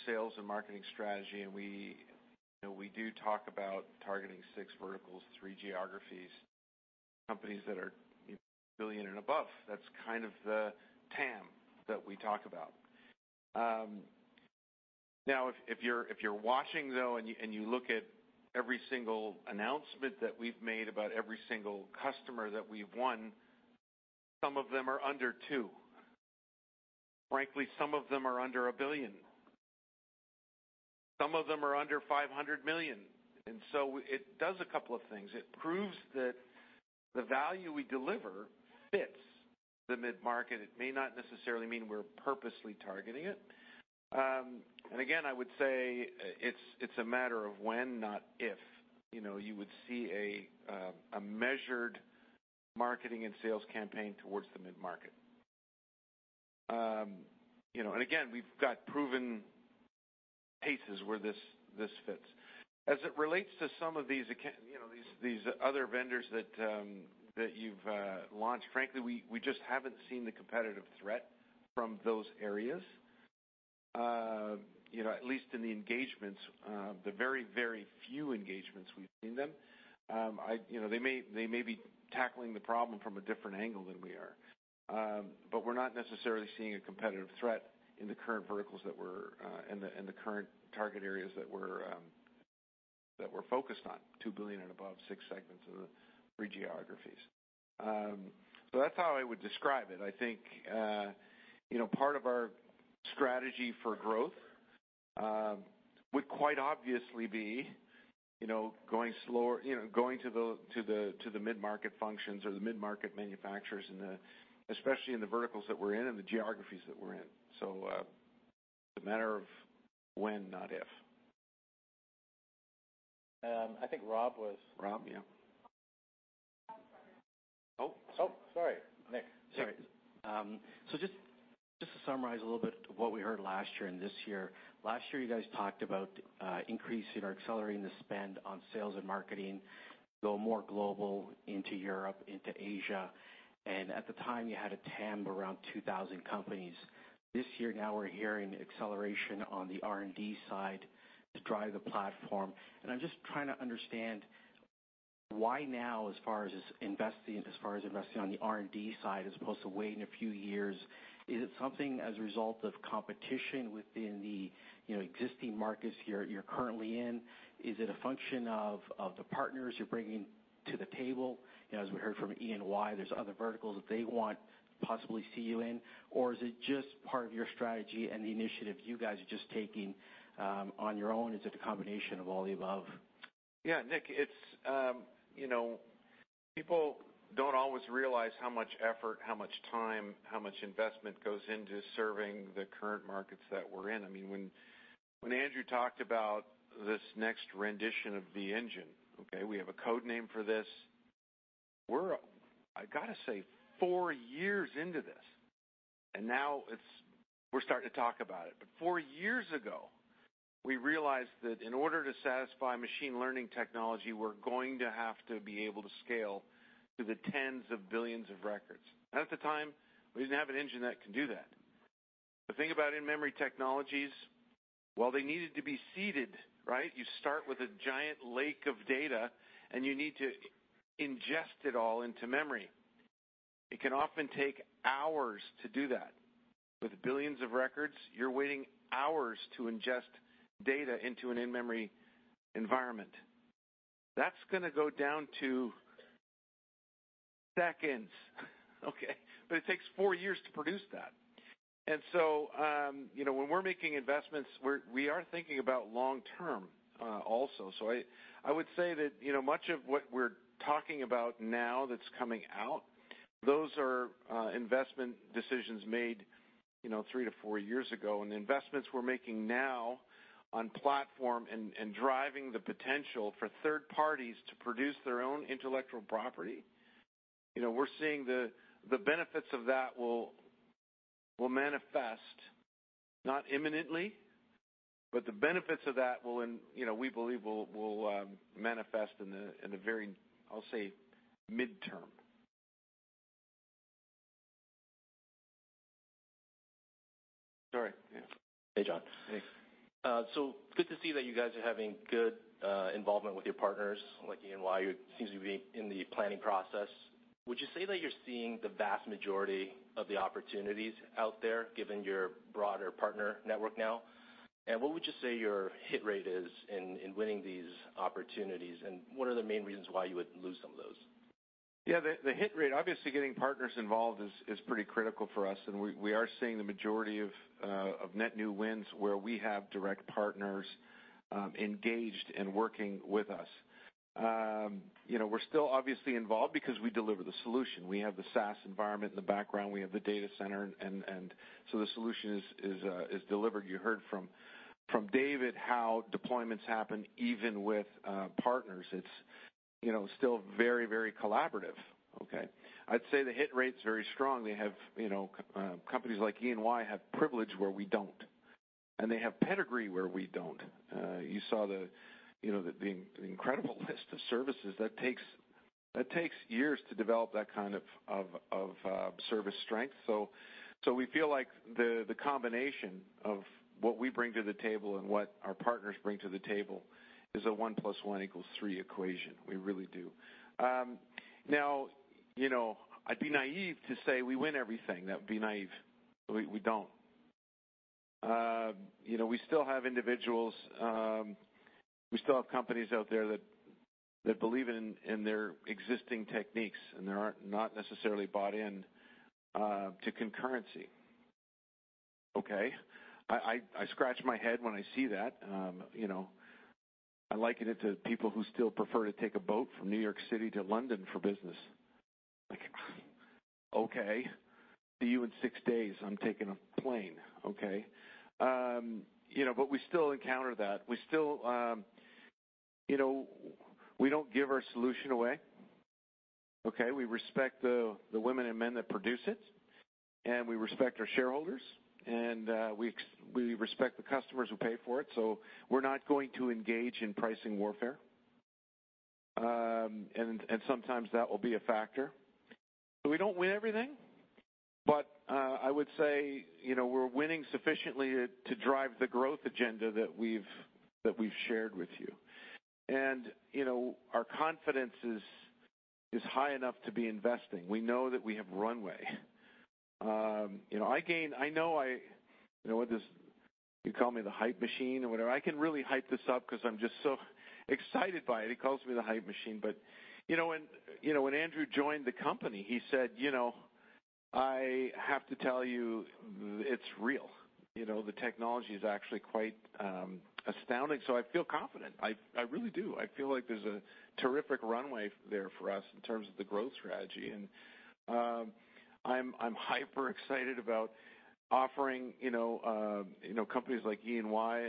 F: sales and marketing strategy. We do talk about targeting six verticals, three geographies, companies that are billion and above. That's kind of the TAM that we talk about. If you're watching though, you look at every single announcement that we've made about every single customer that we've won, some of them are under 2 billion. Frankly, some of them are under a billion. Some of them are under 500 million. It does a couple of things. It proves that the value we deliver fits the mid-market. It may not necessarily mean we're purposely targeting it. Again, I would say it's a matter of when, not if, you would see a measured marketing and sales campaign towards the mid-market. Again, we've got proven cases where this fits. As it relates to some of these other vendors that you've launched, frankly, we just haven't seen the competitive threat from those areas. At least in the engagements, the very few engagements we've seen them. They may be tackling the problem from a different angle than we are. We're not necessarily seeing a competitive threat in the current target areas that we're focused on, 2 billion and above, six segments of the three geographies. That's how I would describe it. I think, part of our strategy for growth would quite obviously be, going to the mid-market functions or the mid-market manufacturers, especially in the verticals that we're in and the geographies that we're in. It's a matter of when, not if.
A: I think Rob was- Rob, yeah. Oh. Sorry. Nick.
F: Sorry. Just to summarize a little bit of what we heard last year and this year. Last year, you guys talked about increasing or accelerating the spend on sales and marketing, go more global into Europe, into Asia. At the time, you had a TAM around 2,000 companies. This year, now we're hearing acceleration on the R&D side to drive the platform. I'm just trying to understand why now, as far as investing on the R&D side, as opposed to waiting a few years. Is it something as a result of competition within the existing markets you're currently in? Is it a function of the partners you're bringing to the table? As we heard from EY, there's other verticals that they want to possibly see you in, or is it just part of your strategy and the initiative you guys are just taking on your own? Is it a combination of all the above? Yeah, Nick, people don't always realize how much effort, how much time, how much investment goes into serving the current markets that we're in. When Andrew talked about this next rendition of the engine, okay, we have a code name for this. We're, I gotta say, 4 years into this. Now we're starting to talk about it. 4 years ago, we realized that in order to satisfy machine learning technology, we're going to have to be able to scale to the tens of billions of records. At the time, we didn't have an engine that can do that. The thing about in-memory technologies, while they needed to be seeded, right? You start with a giant lake of data, and you need to ingest it all into memory. It can often take hours to do that. With billions of records, you're waiting hours to ingest data into an in-memory environment. That's gonna go down to seconds, okay? It takes 4 years to produce that. When we're making investments, we are thinking about long term, also. I would say that, much of what we're talking about now that's coming out, those are investment decisions made 3 to 4 years ago. The investments we're making now on platform and driving the potential for third parties to produce their own intellectual property. We're seeing the benefits of that will manifest not imminently, but the benefits of that, we believe, will manifest in the very, I'll say midterm. All right. Yeah. Hey, John. Hey. Good to see that you guys are having good involvement with your partners, like EY, who seems to be in the planning process. Would you say that you're seeing the vast majority of the opportunities out there, given your broader partner network now? What would you say your hit rate is in winning these opportunities, and what are the main reasons why you would lose some of those? Yeah, the hit rate, obviously getting partners involved is pretty critical for us. We are seeing the majority of net new wins where we have direct partners engaged and working with us. We're still obviously involved because we deliver the solution. We have the SaaS environment in the background. We have the data center. The solution is delivered. You heard from David how deployments happen even with partners. It's still very collaborative. Okay. I'd say the hit rate's very strong. Companies like EY have privilege where we don't, and they have pedigree where we don't. You saw the incredible list of services. That takes years to develop that kind of service strength. We feel like the combination of what we bring to the table and what our partners bring to the table is a one plus one equals three equation. We really do. Now, I'd be naive to say we win everything. That would be naive. We don't. We still have individuals, we still have companies out there that believe in their existing techniques, and they're not necessarily bought in to concurrency. Okay? I scratch my head when I see that. I liken it to people who still prefer to take a boat from New York City to London for business. Like, okay, see you in six days. I'm taking a plane. Okay? We still encounter that. We don't give our solution away. Okay? We respect the women and men that produce it. We respect our shareholders, and we respect the customers who pay for it. We're not going to engage in pricing warfare. Sometimes that will be a factor. We don't win everything, but I would say we're winning sufficiently to drive the growth agenda that we've shared with you. Our confidence is high enough to be investing. We know that we have runway. You call me the hype machine or whatever. I can really hype this up because I'm just so excited by it. He calls me the hype machine. When Andrew joined the company, he said, "I have to tell you, it's real." The technology is actually quite astounding. I feel confident. I really do. I feel like there's a terrific runway there for us in terms of the growth strategy. I'm hyper excited about offering companies like EY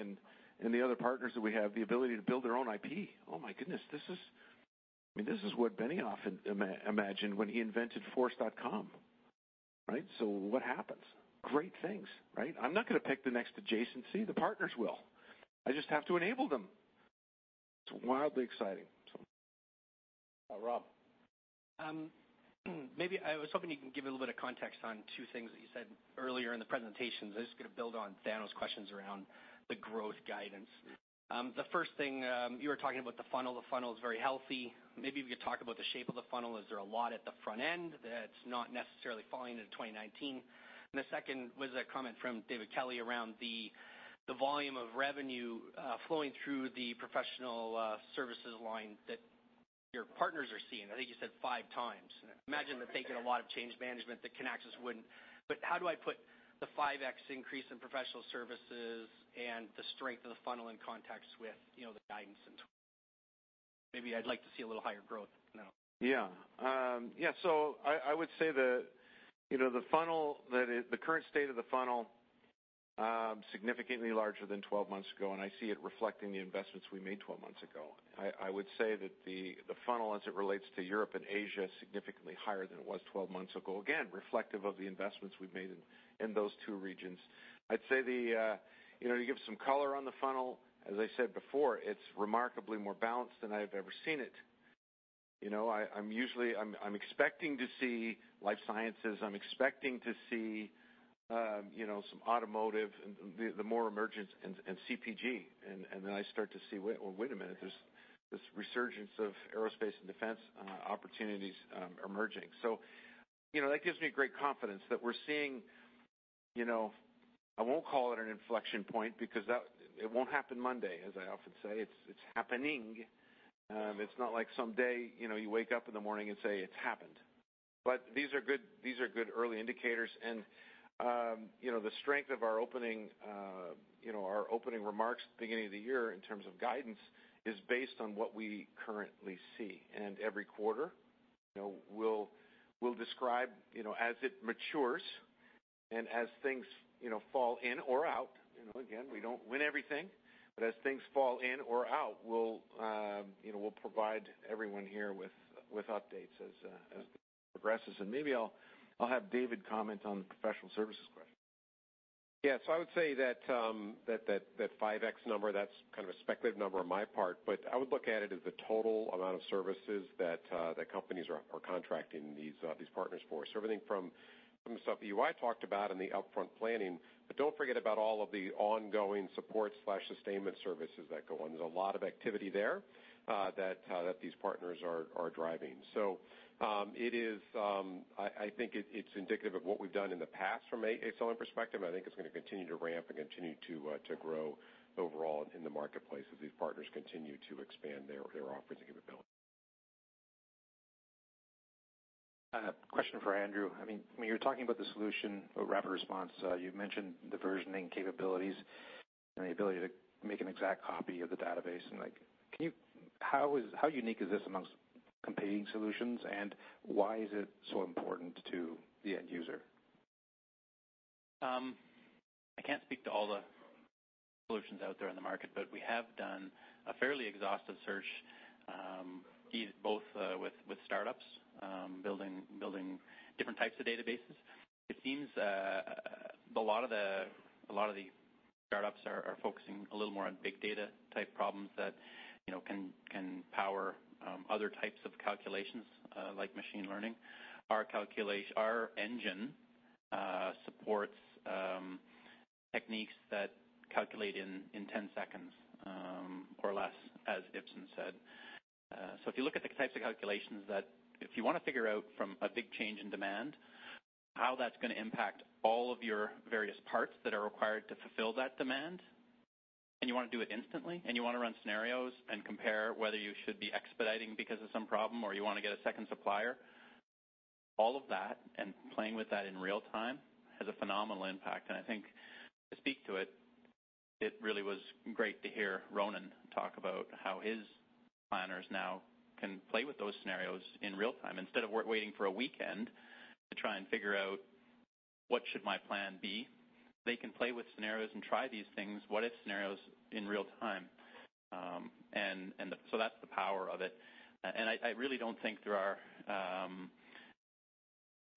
F: and the other partners that we have the ability to build their own IP. Oh my goodness. This is what Benioff imagined when he invented Force.com, right? What happens? Great things, right? I'm not going to pick the next adjacency. The partners will. I just have to enable them. It's wildly exciting. Rob. Maybe I was hoping you can give a little bit of context on two things that you said earlier in the presentation. I'm just going to build on Daniel's questions around the growth guidance. The first thing, you were talking about the funnel. The funnel is very healthy. Maybe if you could talk about the shape of the funnel. Is there a lot at the front end that's not necessarily falling into 2019? The second was a comment from David Kelly around the volume of revenue flowing through the professional services line that your partners are seeing. I think you said five times. I imagine they're taking a lot of change management that Kinaxis wouldn't. How do I put the 5x increase in professional services and the strength of the funnel in context with the guidance? Maybe I'd like to see a little higher growth now. Yeah. I would say the current state of the funnel, significantly larger than 12 months ago, and I see it reflecting the investments we made 12 months ago. I would say that the funnel as it relates to Europe and Asia, significantly higher than it was 12 months ago, again, reflective of the investments we've made in those two regions. I'd say to give some color on the funnel, as I said before, it's remarkably more balanced than I've ever seen it. I'm expecting to see life sciences. I'm expecting to see some automotive and the more emergent, and CPG. Then I start to see, wait a minute. There's this resurgence of aerospace and defense opportunities emerging. That gives me great confidence that we're seeing, I won't call it an inflection point because it won't happen Monday, as I often say. It's happening. It's not like some day, you wake up in the morning and say it's happened. These are good early indicators, and the strength of our opening remarks at the beginning of the year in terms of guidance is based on what we currently see. Every quarter, we'll describe as it matures and as things fall in or out, again, we don't win everything, but as things fall in or out, we'll provide everyone here with updates as it progresses. Maybe I'll have David comment on the professional services question.
D: Yes, I would say that 5x number, that's kind of a speculative number on my part, but I would look at it as the total amount of services that companies are contracting these partners for. Everything from the stuff that you and I talked about and the upfront planning, don't forget about all of the ongoing support/sustainment services that go on. There's a lot of activity there that these partners are driving. I think it's indicative of what we've done in the past from a selling perspective. I think it's going to continue to ramp and continue to grow overall in the marketplace as these partners continue to expand their offerings and capabilities.
F: A question for Andrew. When you're talking about the solution for RapidResponse, you mentioned the versioning capabilities and the ability to make an exact copy of the database. How unique is this amongst competing solutions, and why is it so important to the end user?
C: I can't speak to all the solutions out there in the market, we have done a fairly exhaustive search, both with startups building different types of databases. It seems a lot of the startups are focusing a little more on big data type problems that can power other types of calculations, like machine learning. Our engine supports techniques that calculate in 10 seconds or less, as Ipsen said. If you look at the types of calculations that, if you want to figure out from a big change in demand, how that's going to impact all of your various parts that are required to fulfill that demand, you want to do it instantly, you want to run scenarios and compare whether you should be expediting because of some problem, or you want to get a second supplier, all of that, and playing with that in real time, has a phenomenal impact. I think, to speak to it really was great to hear Ronan talk about how his planners now can play with those scenarios in real time. Instead of waiting for a weekend to try and figure out what should my plan be, they can play with scenarios and try these things, what-if scenarios, in real time. That's the power of it. I really don't think there are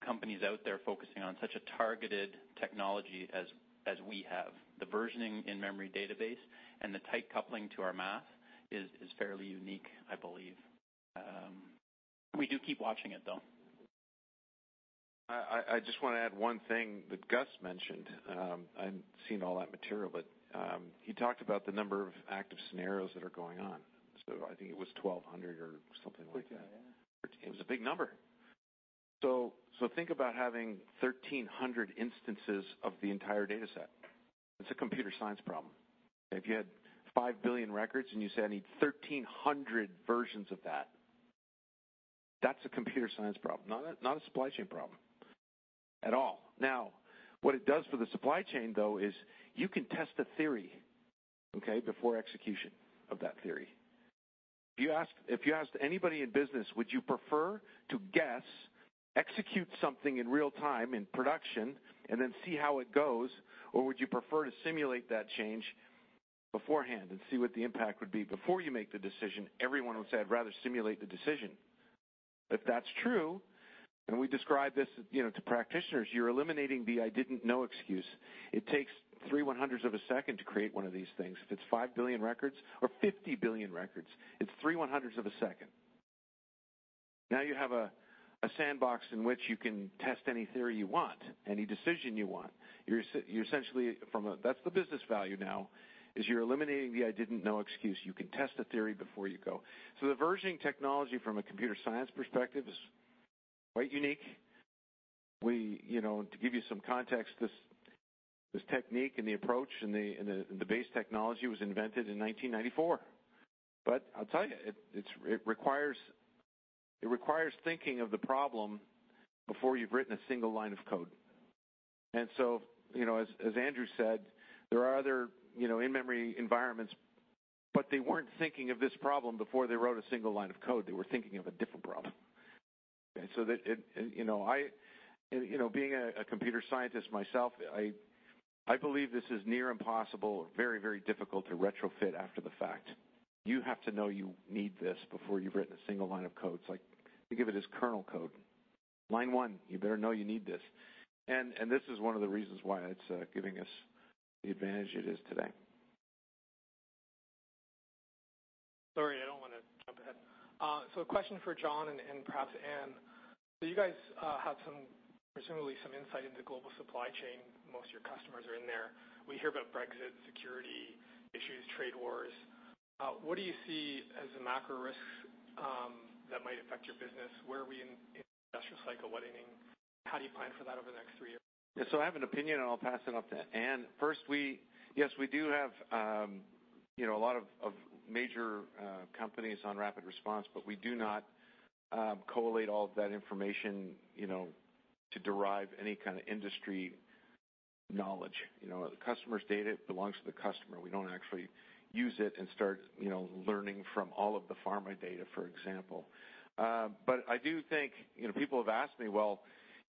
C: companies out there focusing on such a targeted technology as we have. The versioning in-memory database and the tight coupling to our math is fairly unique, I believe. We do keep watching it, though. I just want to add one thing that Gus mentioned. I haven't seen all that material, but he talked about the number of active scenarios that are going on. I think it was 1,200 or something like that.
F: Yeah. It was a big number. Think about having 1,300 instances of the entire data set. It's a computer science problem. If you had 5 billion records and you say, "I need 1,300 versions of that," that's a computer science problem, not a supply chain problem at all. What it does for the supply chain, though, is you can test a theory, okay, before execution of that theory. If you asked anybody in business, would you prefer to guess, execute something in real time in production, and then see how it goes, or would you prefer to simulate that change beforehand and see what the impact would be before you make the decision? Everyone would say, "I'd rather simulate the decision." If that's true, we describe this to practitioners, you're eliminating the, "I didn't know" excuse. It takes three one-hundredths of a second to create one of these things. If it's 5 billion records or 50 billion records, it's three one-hundredths of a second. Now you have a sandbox in which you can test any theory you want, any decision you want. That's the business value now, is you're eliminating the, "I didn't know" excuse. You can test a theory before you go. The versioning technology from a computer science perspective is quite unique. To give you some context, this technique and the approach and the base technology was invented in 1994. I'll tell you, it requires thinking of the problem before you've written a single line of code. As Andrew said, there are other in-memory environments, but they weren't thinking of this problem before they wrote a single line of code. They were thinking of a different problem. Being a computer scientist myself, I believe this is near impossible or very difficult to retrofit after the fact. You have to know you need this before you've written a single line of code. Think of it as kernel code. Line one, you better know you need this. This is one of the reasons why it's giving us the advantage it is today. Sorry, I don't want to jump ahead. A question for John and perhaps Anne. You guys have, presumably, some insight into global supply chain. Most of your customers are in there. We hear about Brexit, security issues, trade wars. What do you see as a macro risk that might affect your business? Where are we in the industrial cycle? What inning? How do you plan for that over the next three years? I have an opinion, and I'll pass it off to Anne. First, yes, we do have a lot of major companies on RapidResponse, we do not collate all of that information to derive any kind of industry knowledge. The customer's data belongs to the customer. We don't actually use it and start learning from all of the pharma data, for example. I do think, people have asked me, "Well,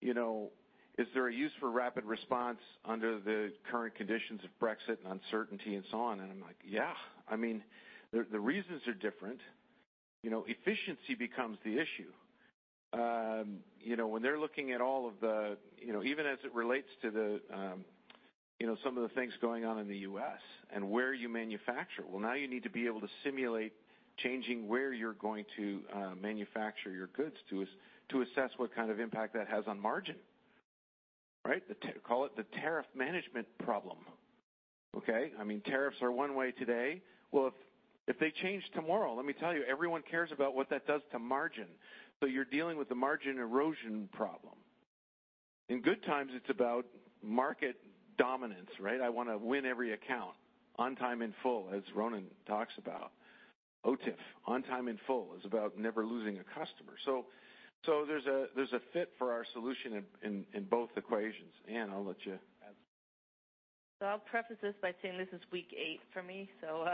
F: is there a use for RapidResponse under the current conditions of Brexit and uncertainty and so on?" I'm like, "Yeah." The reasons are different. Efficiency becomes the issue when they're looking at all of the, even as it relates to some of the things going on in the U.S. and where you manufacture. Now you need to be able to simulate changing where you're going to manufacture your goods to assess what kind of impact that has on margin. Call it the tariff management problem. Okay. Tariffs are one way today. If they change tomorrow, let me tell you, everyone cares about what that does to margin. You're dealing with the margin erosion problem. In good times, it's about market dominance, right. I want to win every account on time and full, as Ronan talks about. OTIF, on time and full, is about never losing a customer. There's a fit for our solution in both equations. Anne, I'll let you add.
B: I'll preface this by saying this is week eight for me, so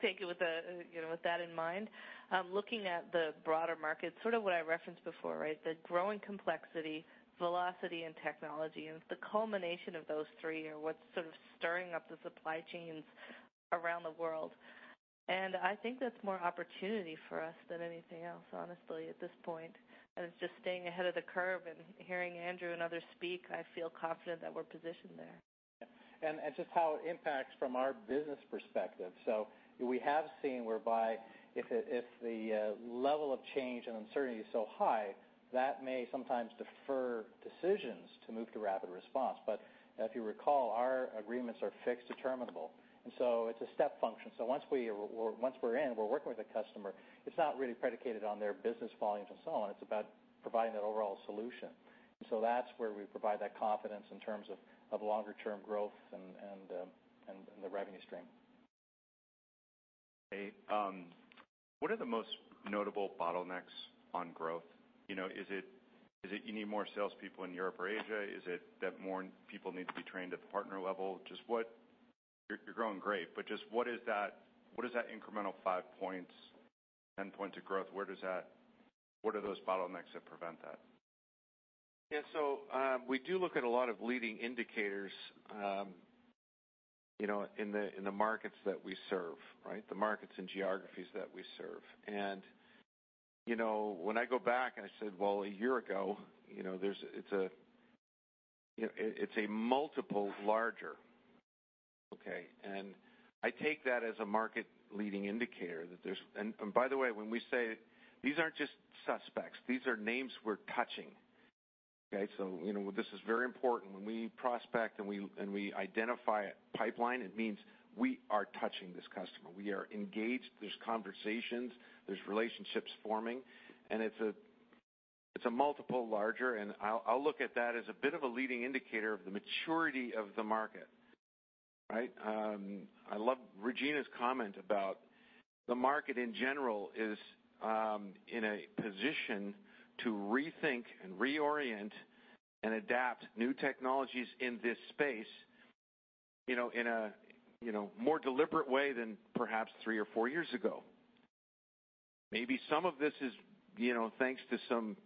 B: take it with that in mind. Looking at the broader market, sort of what I referenced before. The growing complexity, velocity in technology, and the culmination of those three are what's sort of stirring up the supply chains around the world. I think that's more opportunity for us than anything else, honestly, at this point. It's just staying ahead of the curve, and hearing Andrew and others speak, I feel confident that we're positioned there.
A: Just how it impacts from our business perspective. We have seen whereby if the level of change and uncertainty is so high, that may sometimes defer decisions to move to RapidResponse. If you recall, our agreements are fixed determinable, and so it's a step function. Once we're in, we're working with a customer, it's not really predicated on their business volumes and so on. It's about providing that overall solution. That's where we provide that confidence in terms of longer-term growth and the revenue stream.
F: Hey, what are the most notable bottlenecks on growth? Is it you need more salespeople in Europe or Asia? Is it that more people need to be trained at the partner level? You're growing great, but just what is that incremental 5 points, 10 points to growth? What are those bottlenecks that prevent that? Yeah. We do look at a lot of leading indicators in the markets that we serve. The markets and geographies that we serve. When I go back and I said, well, a year ago, it's a multiple larger. Okay? I take that as a market leading indicator that there's by the way, when we say These aren't just suspects, these are names we're touching. Okay? This is very important. When we prospect and we identify a pipeline, it means we are touching this customer. We are engaged, there's conversations, there's relationships forming, and it's a multiple larger, and I'll look at that as a bit of a leading indicator of the maturity of the market. I love Regina's comment about the market, in general, is in a position to rethink and reorient and adapt new technologies in this space in a more deliberate way than perhaps three or four years ago. Maybe some of this is thanks to some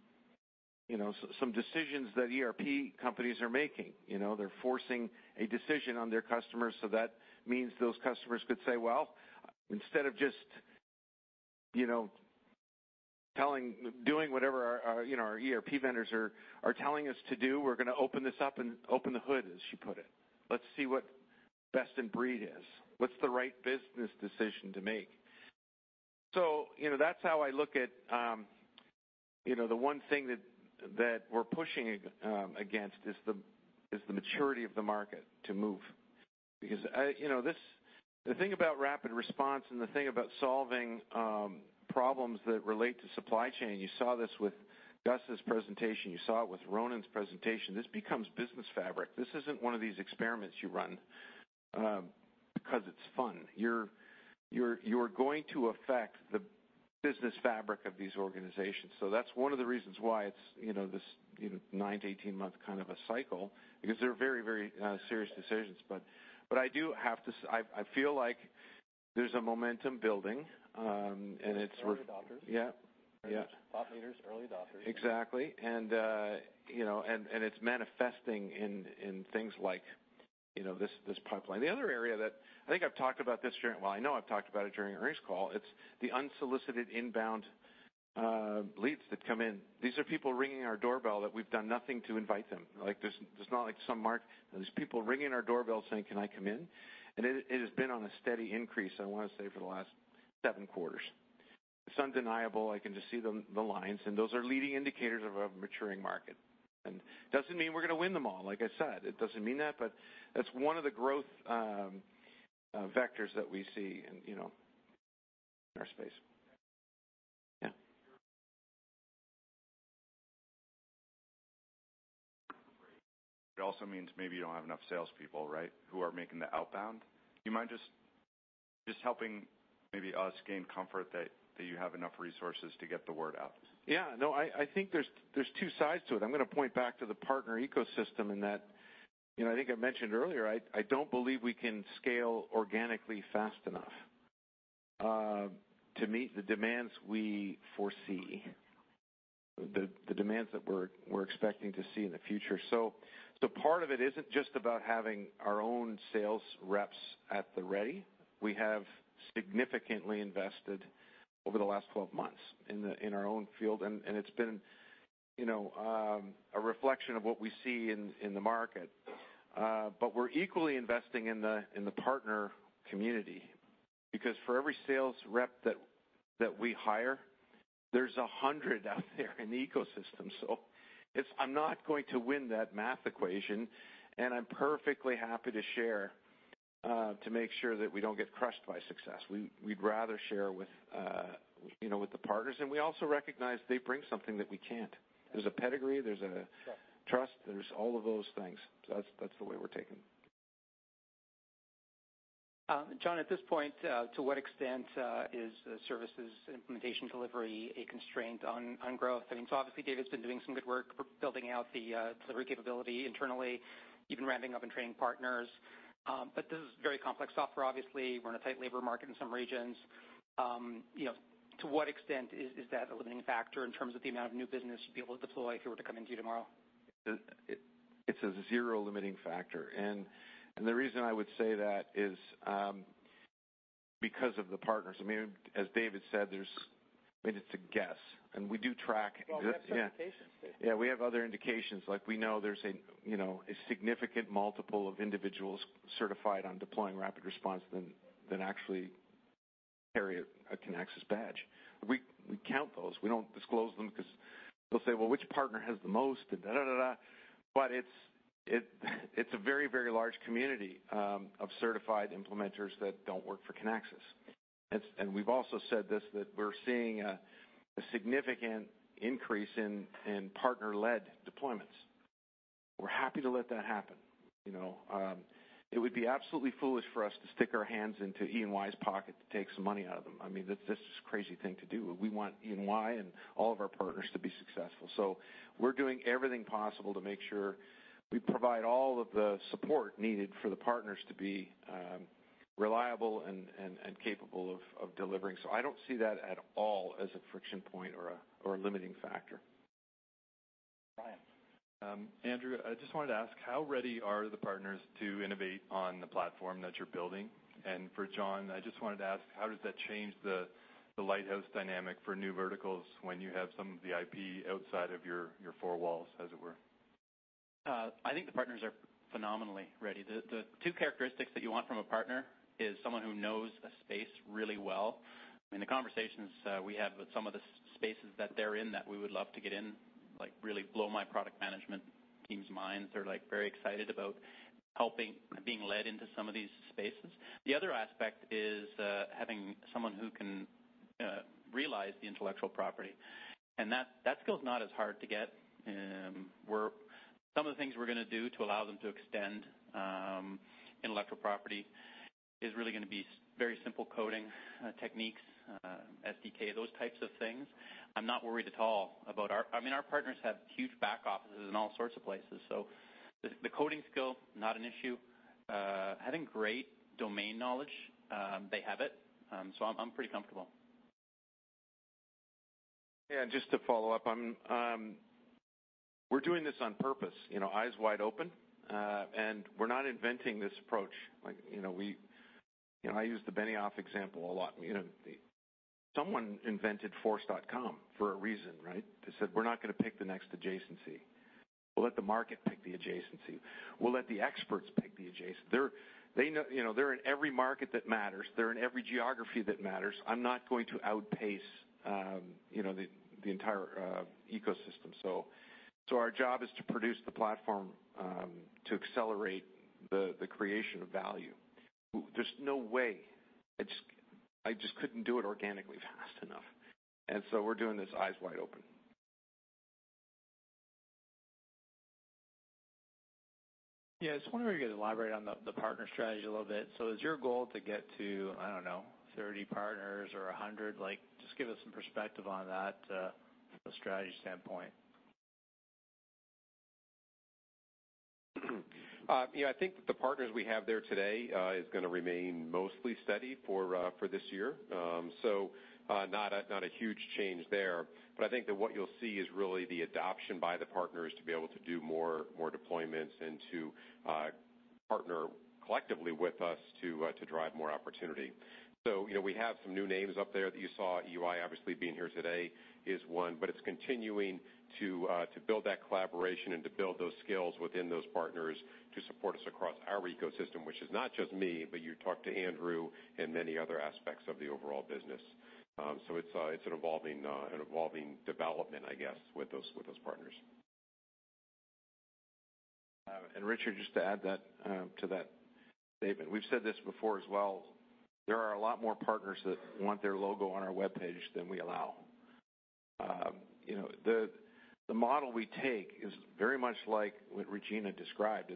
F: decisions that ERP companies are making. They're forcing a decision on their customers, that means those customers could say, "Well, instead of just doing whatever our ERP vendors are telling us to do, we're going to open this up and open the hood," as she put it. Let's see what best in breed is. What's the right business decision to make? That's how I look at the one thing that we're pushing against, is the maturity of the market to move. The thing about RapidResponse and the thing about solving problems that relate to supply chain, you saw this with Gus's presentation, you saw it with Ronan's presentation, this becomes business fabric. This isn't one of these experiments you run because it's fun. You're going to affect the business fabric of these organizations. That's one of the reasons why it's this nine to 18-month kind of a cycle, because they're very serious decisions. I feel like there's a momentum building.
A: Early adopters. Yeah. Thought leaders, early adopters. Exactly. It's manifesting in things like this pipeline. The other area that, I think I've talked about this during, I know I've talked about it during earnings call, it's the unsolicited inbound leads that come in. These are people ringing our doorbell that we've done nothing to invite them. There's not like some mark. There's people ringing our doorbell saying, "Can I come in?" It has been on a steady increase, I want to say, for the last seven quarters. It's undeniable. I can just see the lines, those are leading indicators of a maturing market. Doesn't mean we're going to win them all, like I said. It doesn't mean that, but that's one of the growth vectors that we see in our space. Yeah.
F: It also means maybe you don't have enough salespeople who are making the outbound. Do you mind just helping maybe us gain comfort that you have enough resources to get the word out? No, I think there's two sides to it. I'm going to point back to the partner ecosystem in that, I think I mentioned earlier, I don't believe we can scale organically fast enough to meet the demands we foresee, the demands that we're expecting to see in the future. Part of it isn't just about having our own sales reps at the ready. We have significantly invested over the last 12 months in our own field, and it's been a reflection of what we see in the market. We're equally investing in the partner community, because for every sales rep that we hire, there's 100 out there in the ecosystem. I'm not going to win that math equation, I'm perfectly happy to share to make sure that we don't get crushed by success. We'd rather share with the partners. We also recognize they bring something that we can't. There's a pedigree, there's a trust, there's all of those things. That's the way we're taking it. John, at this point, to what extent is services implementation delivery a constraint on growth? Obviously, David's been doing some good work building out the delivery capability internally, even ramping up and training partners. This is very complex software, obviously. We're in a tight labor market in some regions. To what extent is that a limiting factor in terms of the amount of new business you'd be able to deploy if it were to come into you tomorrow? It's a zero limiting factor. The reason I would say that is because of the partners. As David said, it's a guess, we do track.
D: Well, we have indications. Yeah, we have other indications. We know there's a significant multiple of individuals certified on deploying RapidResponse than actually carry a Kinaxis badge. We count those. We don't disclose them because they'll say, "Well, which partner has the most?" And da, da. It's a very large community of certified implementers that don't work for Kinaxis. We've also said this, that we're seeing a significant increase in partner-led deployments. We're happy to let that happen. It would be absolutely foolish for us to stick our hands into EY's pocket to take some money out of them. That's just a crazy thing to do. We want EY and all of our partners to be successful. We're doing everything possible to make sure we provide all of the support needed for the partners to be reliable and capable of delivering. I don't see that at all as a friction point or a limiting factor. Brian.
F: Andrew, I just wanted to ask, how ready are the partners to innovate on the platform that you're building? For John, I just wanted to ask, how does that change the lighthouse dynamic for new verticals when you have some of the IP outside of your four walls, as it were?
C: I think the partners are phenomenally ready. The two characteristics that you want from a partner is someone who knows the space really well, the conversations we have with some of the spaces that they're in that we would love to get in really blow my product management team's minds. They're very excited about helping, being led into some of these spaces. The other aspect is having someone who can realize the intellectual property, that skill's not as hard to get. Some of the things we're going to do to allow them to extend intellectual property is really going to be very simple coding techniques, SDK, those types of things. I'm not worried at all. Our partners have huge back offices in all sorts of places, the coding skill, not an issue. Having great domain knowledge, they have it. I'm pretty comfortable. Yeah, just to follow up, we're doing this on purpose, eyes wide open. We're not inventing this approach. I use the Benioff example a lot. Someone invented Force.com for a reason, right? They said, "We're not going to pick the next adjacency. We'll let the market pick the adjacency. We'll let the experts pick the adjacent." They're in every market that matters. They're in every geography that matters. I'm not going to outpace the entire ecosystem. Our job is to produce the platform to accelerate the creation of value. There's no way. I just couldn't do it organically fast enough. We're doing this eyes wide open.
F: Yeah, I was wondering if you could elaborate on the partner strategy a little bit. Is your goal to get to, I don't know, 30 partners or 100? Just give us some perspective on that from a strategy standpoint.
D: I think that the partners we have there today is going to remain mostly steady for this year. Not a huge change there, I think that what you'll see is really the adoption by the partners to be able to do more deployments and to partner collectively with us to drive more opportunity. We have some new names up there that you saw. EY obviously being here today is one, but it's continuing to build that collaboration and to build those skills within those partners to support us across our ecosystem, which is not just me, but you talk to Andrew and many other aspects of the overall business. It's an evolving development, I guess, with those partners. Richard, just to add to that statement. We've said this before as well, there are a lot more partners that want their logo on our webpage than we allow. The model we take is very much like what Regina described.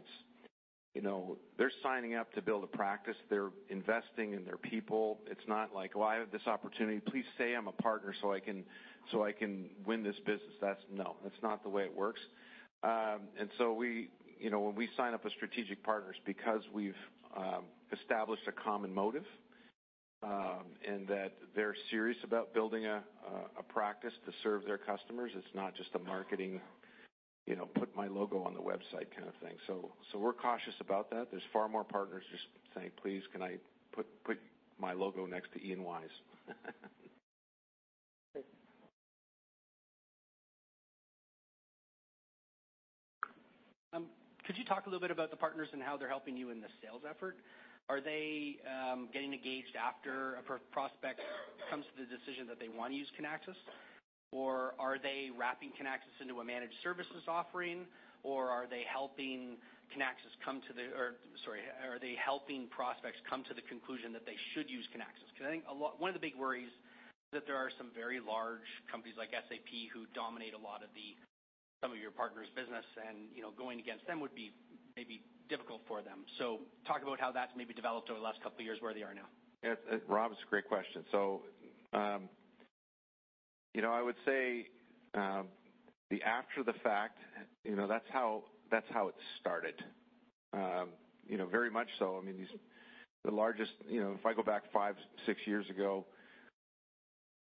D: They're signing up to build a practice. They're investing in their people. It's not like, "Well, I have this opportunity. Please say I'm a partner so I can win this business." No, that's not the way it works. When we sign up with strategic partners, because we've established a common motive, and that they're serious about building a practice to serve their customers, it's not just a marketing 'Put my logo on the website' kind of thing. We're cautious about that. There's far more partners just saying, "Please can I put my logo next to EY's?
F: Could you talk a little bit about the partners and how they're helping you in the sales effort? Are they getting engaged after a prospect comes to the decision that they want to use Kinaxis, or are they wrapping Kinaxis into a managed services offering? Are they helping prospects come to the conclusion that they should use Kinaxis? I think one of the big worries is that there are some very large companies like SAP who dominate a lot of some of your partners' business, and going against them would be maybe difficult for them. Talk about how that's maybe developed over the last couple of years, where they are now. Rob, it's a great question. I would say the after the fact, that's how it started. Very much so. If I go back 5, 6 years ago,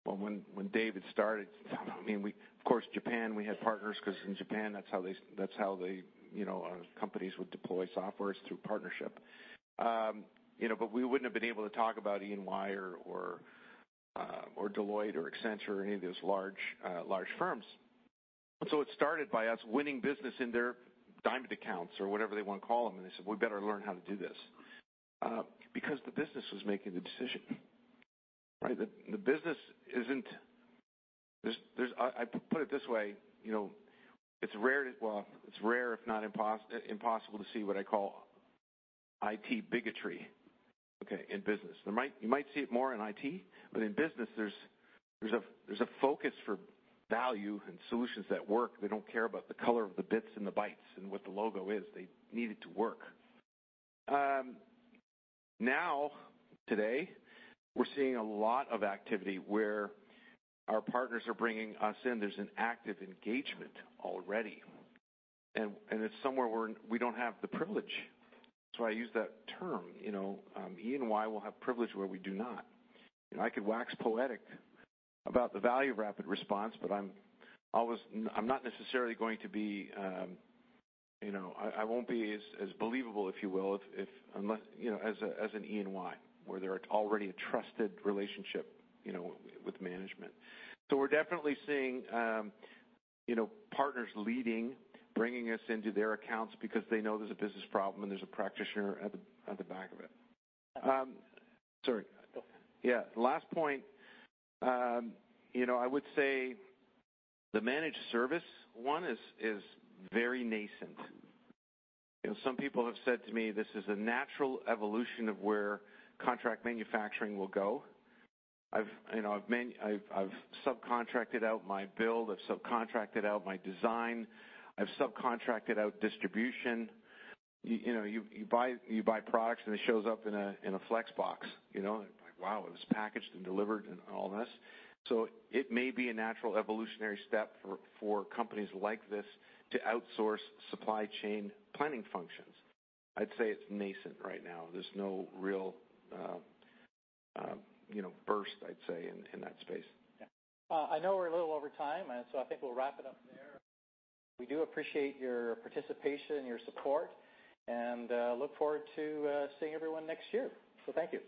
F: when David started, of course, Japan, we had partners because in Japan, that's how the companies would deploy software, through partnership. We wouldn't have been able to talk about EY or Deloitte or Accenture or any of those large firms. It started by us winning business in their diamond accounts or whatever they want to call them, and they said, "We better learn how to do this." The business was making the decision, right? I put it this way, it's rare if not impossible to see what I call IT bigotry, okay, in business. You might see it more in IT, but in business, there's a focus for value and solutions that work. They don't care about the color of the bits and the bytes and what the logo is. They need it to work. Today, we're seeing a lot of activity where our partners are bringing us in. There's an active engagement already, and it's somewhere where we don't have the privilege. That's why I use that term. EY will have privilege where we do not. I could wax poetic about the value of RapidResponse, but I won't be as believable, if you will, as an EY, where there's already a trusted relationship with management. We're definitely seeing partners leading, bringing us into their accounts because they know there's a business problem and there's a practitioner at the back of it. Sorry. Go. Yeah. Last point. I would say the managed service one is very nascent. Some people have said to me this is a natural evolution of where contract manufacturing will go. I've subcontracted out my build, I've subcontracted out my design, I've subcontracted out distribution. You buy products, and it shows up in a Flex box. Like, wow, it was packaged and delivered and all this. It may be a natural evolutionary step for companies like this to outsource supply chain planning functions. I'd say it's nascent right now. There's no real burst, I'd say, in that space.
A: Yeah. I know we're a little over time, I think we'll wrap it up there. We do appreciate your participation and your support, look forward to seeing everyone next year. Thank you.